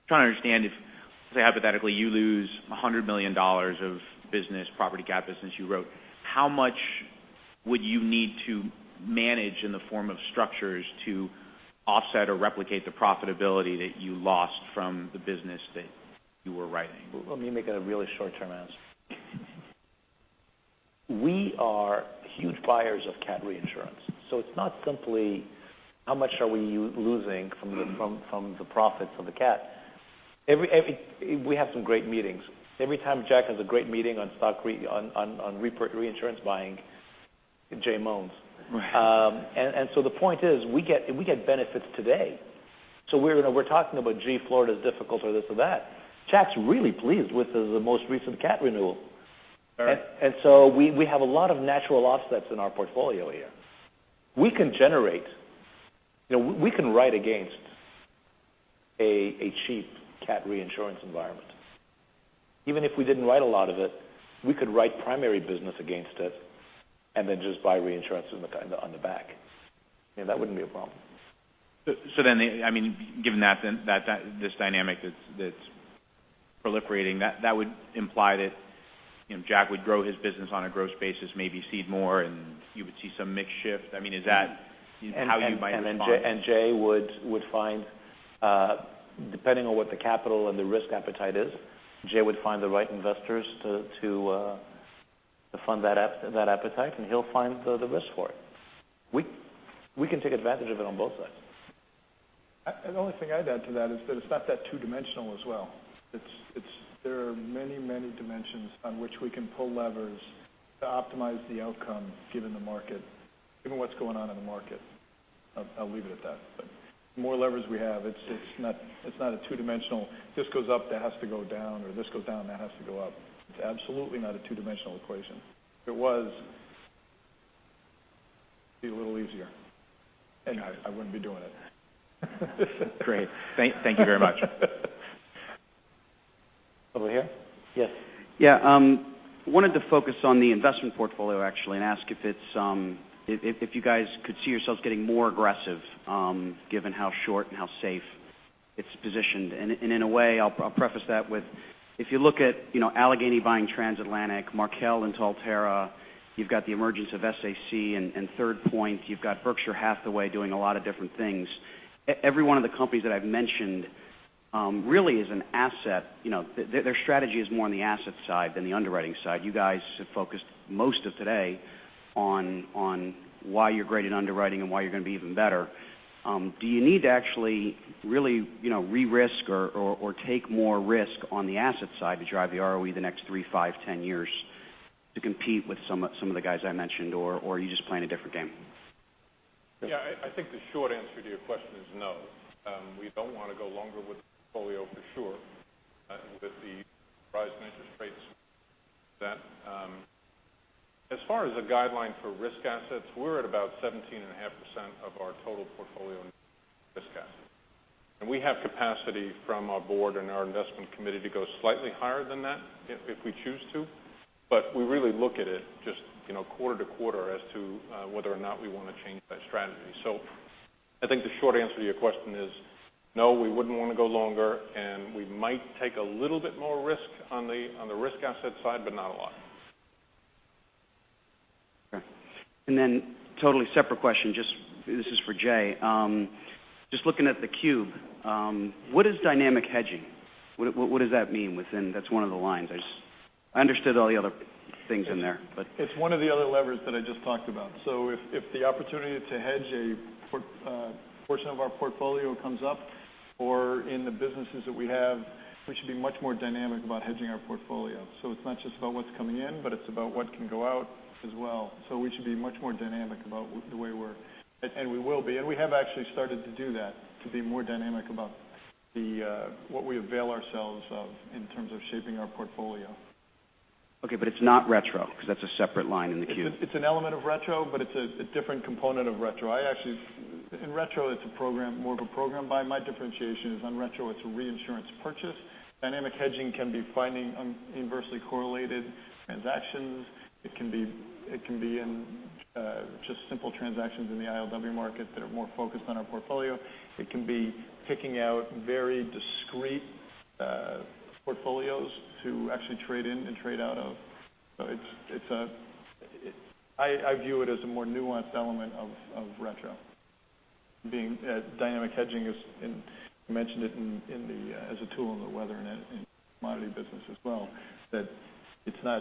Trying to understand if, say hypothetically, you lose $100 million of business, property cat business you wrote, how much would you need to manage in the form of structures to offset or replicate the profitability that you lost from the business that you were writing? Let me make a really short-term answer. We are huge buyers of cat reinsurance. It's not simply how much are we losing from the profits on the cat. We have some great meetings. Every time Jack has a great meeting on reinsurance buying, Jay moans. Right. The point is, we get benefits today. We're talking about, gee, Florida's difficult or this or that. Jack's really pleased with the most recent cat renewal. All right. We have a lot of natural offsets in our portfolio here. We can write against a cheap cat reinsurance environment. Even if we didn't write a lot of it, we could write primary business against it and then just buy reinsurance on the back. That wouldn't be a problem. Given this dynamic that's proliferating, that would imply that Jack would grow his business on a gross basis, maybe cede more, and you would see some mix shift. Is that how you might respond? Jay would find, depending on what the capital and the risk appetite is, Jay would find the right investors to fund that appetite, and he'll find the risk for it. We can take advantage of it on both sides. The only thing I'd add to that is that it's not that two-dimensional as well. There are many dimensions on which we can pull levers to optimize the outcome given the market, given what's going on in the market. I'll leave it at that. The more levers we have, it's not a two-dimensional, this goes up, that has to go down, or this goes down, that has to go up. It's absolutely not a two-dimensional equation. If it was, it'd be a little easier, and I wouldn't be doing it. Great. Thank you very much. Over here? Yes. Yeah. Wanted to focus on the investment portfolio actually, and ask if you guys could see yourselves getting more aggressive given how short and how safe it's positioned. In a way, I'll preface that with, if you look at Alleghany buying Transatlantic, Markel into Alterra, you've got the emergence of SAC Re and Third Point LLC, you've got Berkshire Hathaway doing a lot of different things. Every one of the companies that I've mentioned really is an asset. Their strategy is more on the asset side than the underwriting side. You guys have focused most of today on why you're great at underwriting and why you're going to be even better. Do you need to actually really re-risk or take more risk on the asset side to drive the ROE the next three, five, 10 years to compete with some of the guys I mentioned, or are you just playing a different game? Yeah. I think the short answer to your question is no. We don't want to go longer with the portfolio for sure with the rise in interest rates. As far as a guideline for risk assets, we're at about 17.5% of our total portfolio in risk assets. We have capacity from our board and our investment committee to go slightly higher than that if we choose to. We really look at it just quarter-to-quarter as to whether or not we want to change that strategy. I think the short answer to your question is no, we wouldn't want to go longer, and we might take a little bit more risk on the risk asset side, but not a lot. Okay. Then totally separate question, this is for Jay Nichols. Just looking at the cube. What is dynamic hedging? What does that mean within. That's one of the lines. I understood all the other things in there. It's one of the other levers that I just talked about. If the opportunity to hedge a portion of our portfolio comes up, or in the businesses that we have, we should be much more dynamic about hedging our portfolio. It's not just about what's coming in, but it's about what can go out as well. We should be much more dynamic about the way we're. We will be. We have actually started to do that, to be more dynamic about what we avail ourselves of in terms of shaping our portfolio. Okay, it's not retrocession because that's a separate line in the cube. It's an element of retrocession, but it's a different component of retrocession. In retrocession, it's more of a program buy. My differentiation is on retrocession, it's a reinsurance purchase. Dynamic hedging can be finding inversely correlated transactions. It can be in just simple transactions in the ILW market that are more focused on our portfolio. It can be picking out very discrete portfolios to actually trade in and trade out of. I view it as a more nuanced element of retrocession. You mentioned it as a tool in the weather and commodity business as well, that it's not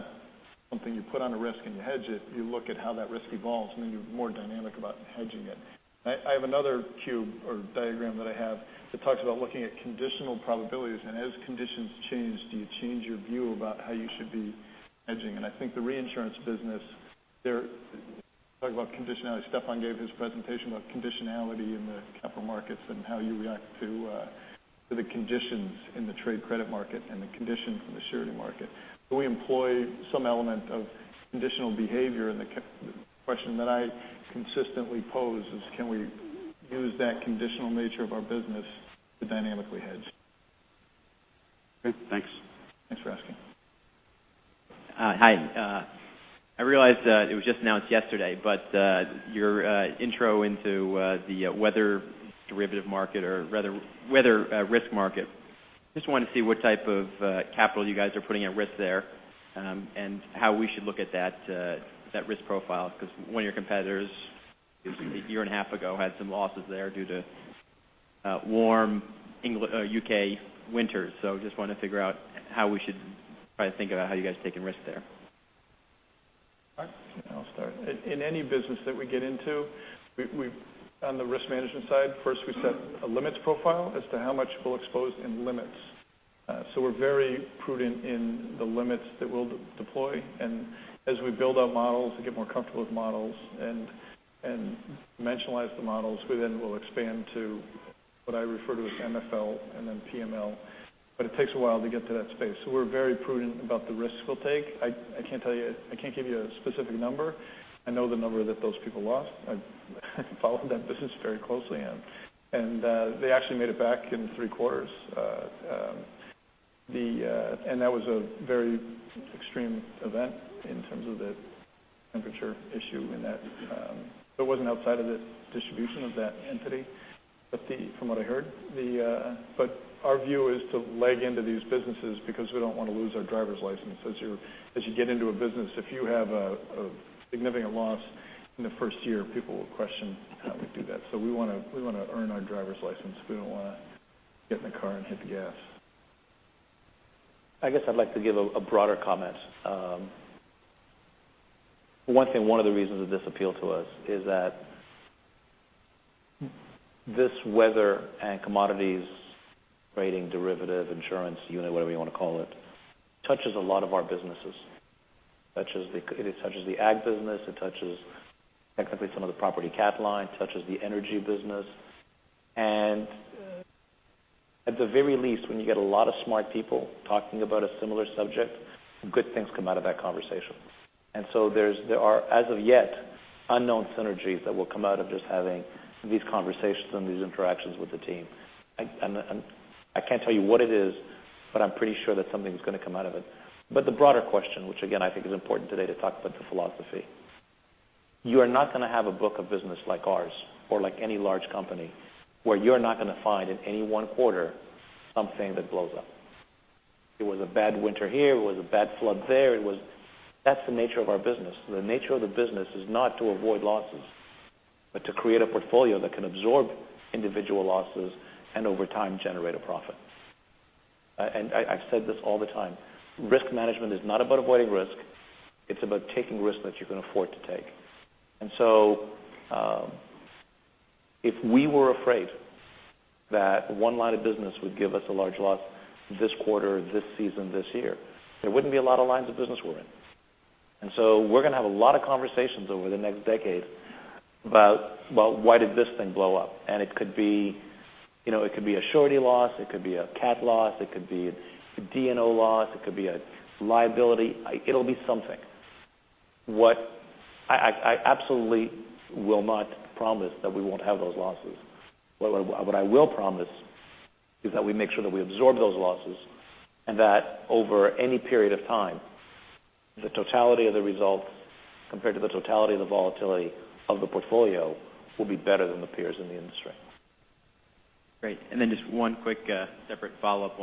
something you put on a risk and you hedge it. You look at how that risk evolves, and then you're more dynamic about hedging it. I have another cube or diagram that I have that talks about looking at conditional probabilities. As conditions change, do you change your view about how you should be hedging? I think the reinsurance business. Talk about conditionality. Stephan gave his presentation about conditionality in the capital markets and how you react to the conditions in the trade credit market and the conditions in the surety market. Do we employ some element of conditional behavior? The question that I consistently pose is: can we use that conditional nature of our business to dynamically hedge? Okay, thanks. Thanks for asking. Hi. I realize it was just announced yesterday, your intro into the weather derivative market or weather risk market. Just wanted to see what type of capital you guys are putting at risk there and how we should look at that risk profile, because one of your competitors a year and a half ago had some losses there due to warm U.K. winters. Just want to figure out how we should probably think about how you guys are taking risks there. All right. I'll start. In any business that we get into, on the risk management side, first we set a limits profile as to how much we'll expose in limits. We're very prudent in the limits that we'll deploy. As we build out models and get more comfortable with models and dimensionalize the models, we then will expand to what I refer to as MFL and then PML. It takes a while to get to that space. We're very prudent about the risks we'll take. I can't give you a specific number. I know the number that those people lost. I follow that business very closely, and they actually made it back in three quarters. That was a very extreme event in terms of the temperature issue in that. It wasn't outside of the distribution of that entity from what I heard. Our view is to leg into these businesses because we don't want to lose our driver's license. As you get into a business, if you have a significant loss in the first year, people will question how we do that. We want to earn our driver's license. We don't want to get in the car and hit the gas. I guess I'd like to give a broader comment. One of the reasons that this appealed to us is that this weather and commodities rating derivative insurance unit, whatever you want to call it, touches a lot of our businesses. It touches the ag business, it touches technically some of the property cat lines, touches the energy business. At the very least, when you get a lot of smart people talking about a similar subject, good things come out of that conversation. There are, as of yet, unknown synergies that will come out of just having these conversations and these interactions with the team. I can't tell you what it is, but I'm pretty sure that something's going to come out of it. The broader question, which again, I think is important today to talk about the philosophy. You are not going to have a book of business like ours or like any large company where you're not going to find in any one quarter something that blows up. It was a bad winter here, it was a bad flood there. That's the nature of our business. The nature of the business is not to avoid losses, but to create a portfolio that can absorb individual losses and over time generate a profit. I've said this all the time, risk management is not about avoiding risk. It's about taking risk that you can afford to take. If we were afraid that one line of business would give us a large loss this quarter, this season, this year, there wouldn't be a lot of lines of business we're in. We're going to have a lot of conversations over the next decade about why did this thing blow up? It could be a surety loss, it could be a cat loss, it could be a D&O loss, it could be a liability. It'll be something. I absolutely will not promise that we won't have those losses. What I will promise is that we make sure that we absorb those losses and that over any period of time, the totality of the result compared to the totality of the volatility of the portfolio will be better than the peers in the industry. Great. Just one quick separate follow-up.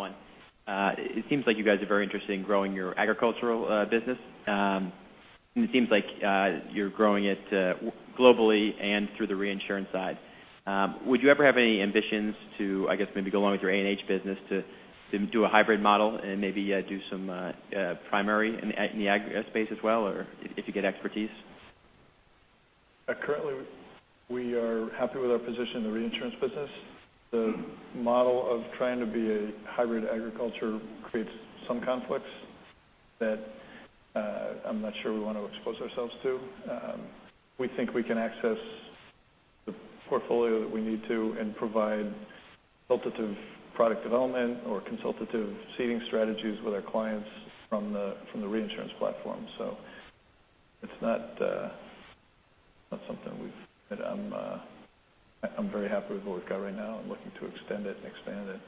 It seems like you guys are very interested in growing your agricultural business. It seems like you're growing it globally and through the reinsurance side. Would you ever have any ambitions to, I guess maybe go along with your A&H business to do a hybrid model and maybe do some primary in the ag space as well, or if you get expertise? Currently, we are happy with our position in the reinsurance business. The model of trying to be a hybrid agriculture creates some conflicts that I'm not sure we want to expose ourselves to. We think we can access the portfolio that we need to and provide consultative product development or consultative seeding strategies with our clients from the reinsurance platform. It's not something I'm very happy with what we've got right now and looking to extend it and expand it.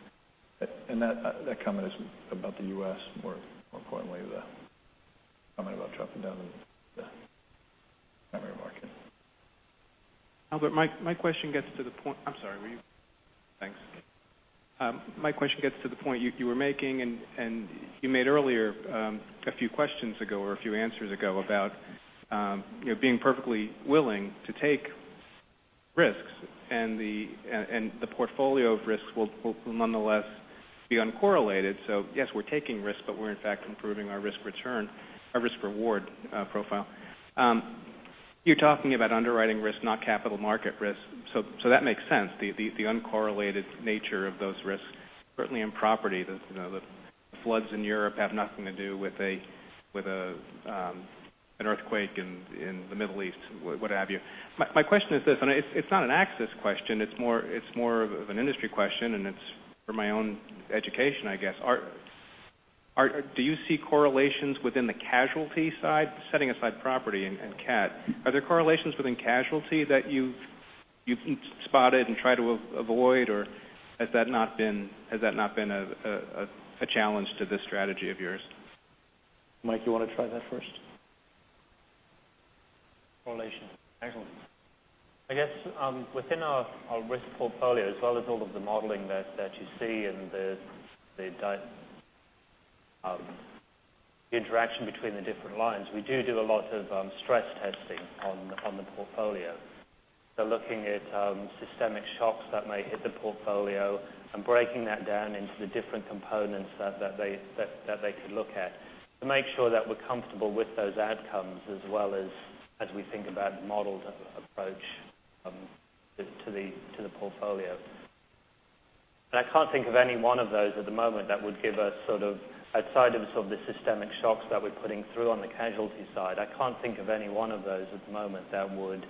That comment is about the U.S. more importantly, the comment about chopping down the primary market. Albert, my question gets to the point. I'm sorry, were you? Thanks. My question gets to the point you were making and you made earlier, a few questions ago or a few answers ago about being perfectly willing to take risks and the portfolio of risks will nonetheless be uncorrelated. Yes, we're taking risk, but we're in fact improving our risk reward profile. You're talking about underwriting risk, not capital market risk. That makes sense. The uncorrelated nature of those risks, certainly in property, the floods in Europe have nothing to do with an earthquake in the Middle East, what have you. My question is this, it's not an AXIS question, it's more of an industry question, and it's for my own education, I guess. Do you see correlations within the casualty side, setting aside property and cat? Are there correlations within casualty that you've spotted and try to avoid or has that not been a challenge to this strategy of yours? Mike, you want to try that first? Correlation. Excellent. I guess within our risk portfolio as well as all of the modeling that you see and the interaction between the different lines, we do a lot of stress testing on the portfolio. Looking at systemic shocks that may hit the portfolio and breaking that down into the different components that they could look at to make sure that we're comfortable with those outcomes as well as we think about the modeled approach to the portfolio. I can't think of any one of those at the moment that would give us sort of outside of the sort of the systemic shocks that we're putting through on the casualty side. I can't think of any one of those at the moment that would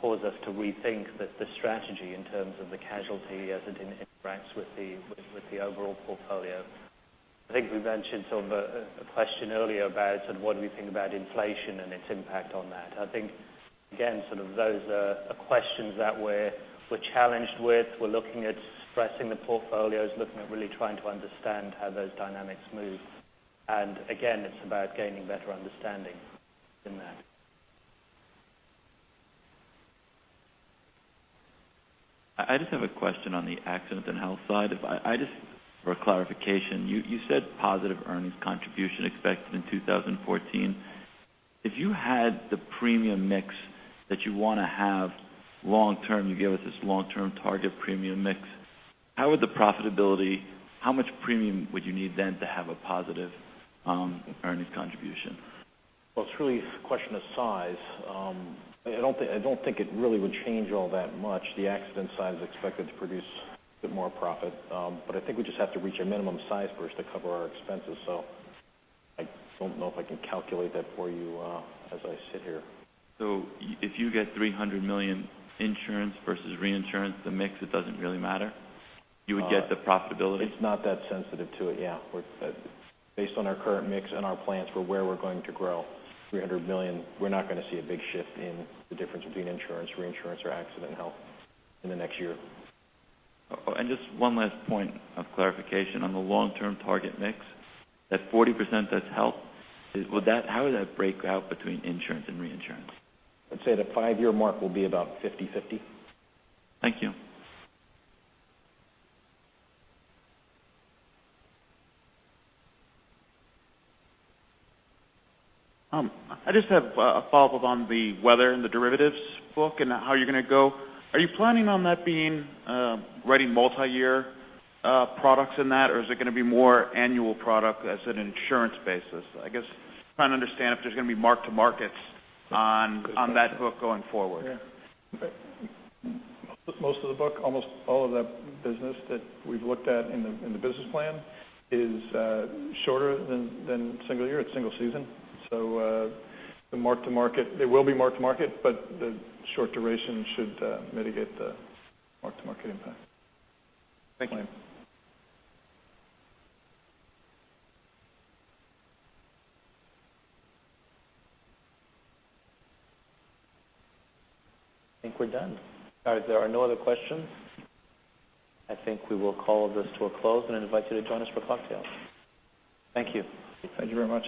cause us to rethink the strategy in terms of the casualty as it interacts with the overall portfolio. I think we mentioned sort of a question earlier about sort of what we think about inflation and its impact on that. I think again, sort of those are questions that we're challenged with. We're looking at stressing the portfolios, looking at really trying to understand how those dynamics move. Again, it's about gaining better understanding in that. I just have a question on the accident and health side. Just for clarification, you said positive earnings contribution expected in 2014. If you had the premium mix that you want to have long term, you gave us this long term target premium mix, how would the profitability, how much premium would you need then to have a positive earnings contribution? Well, it's really a question of size. I don't think it really would change all that much. The accident side is expected to produce a bit more profit. I think we just have to reach a minimum size first to cover our expenses. I don't know if I can calculate that for you as I sit here. If you get $300 million insurance versus reinsurance, the mix, it doesn't really matter? You would get the profitability? It's not that sensitive to it. Yeah. Based on our current mix and our plans for where we're going to grow, $300 million, we're not going to see a big shift in the difference between insurance, reinsurance or accident health in the next year. Just one last point of clarification. On the long-term target mix, that 40% that's health, how does that break out between insurance and reinsurance? I'd say the five-year mark will be about 50/50. Thank you. I just have a follow-up on the weather and the derivatives book and how you're going to go. Are you planning on that being writing multi-year products in that or is it going to be more annual product as an insurance basis? I guess trying to understand if there's going to be mark-to-markets on that book going forward. Yeah. Most of the book, almost all of the business that we've looked at in the business plan is shorter than single year. It's single season. It will be mark-to-market, but the short duration should mitigate the mark-to-market impact. Thank you. I think we're done. All right, if there are no other questions, I think we will call this to a close and invite you to join us for cocktails. Thank you. Thank you very much.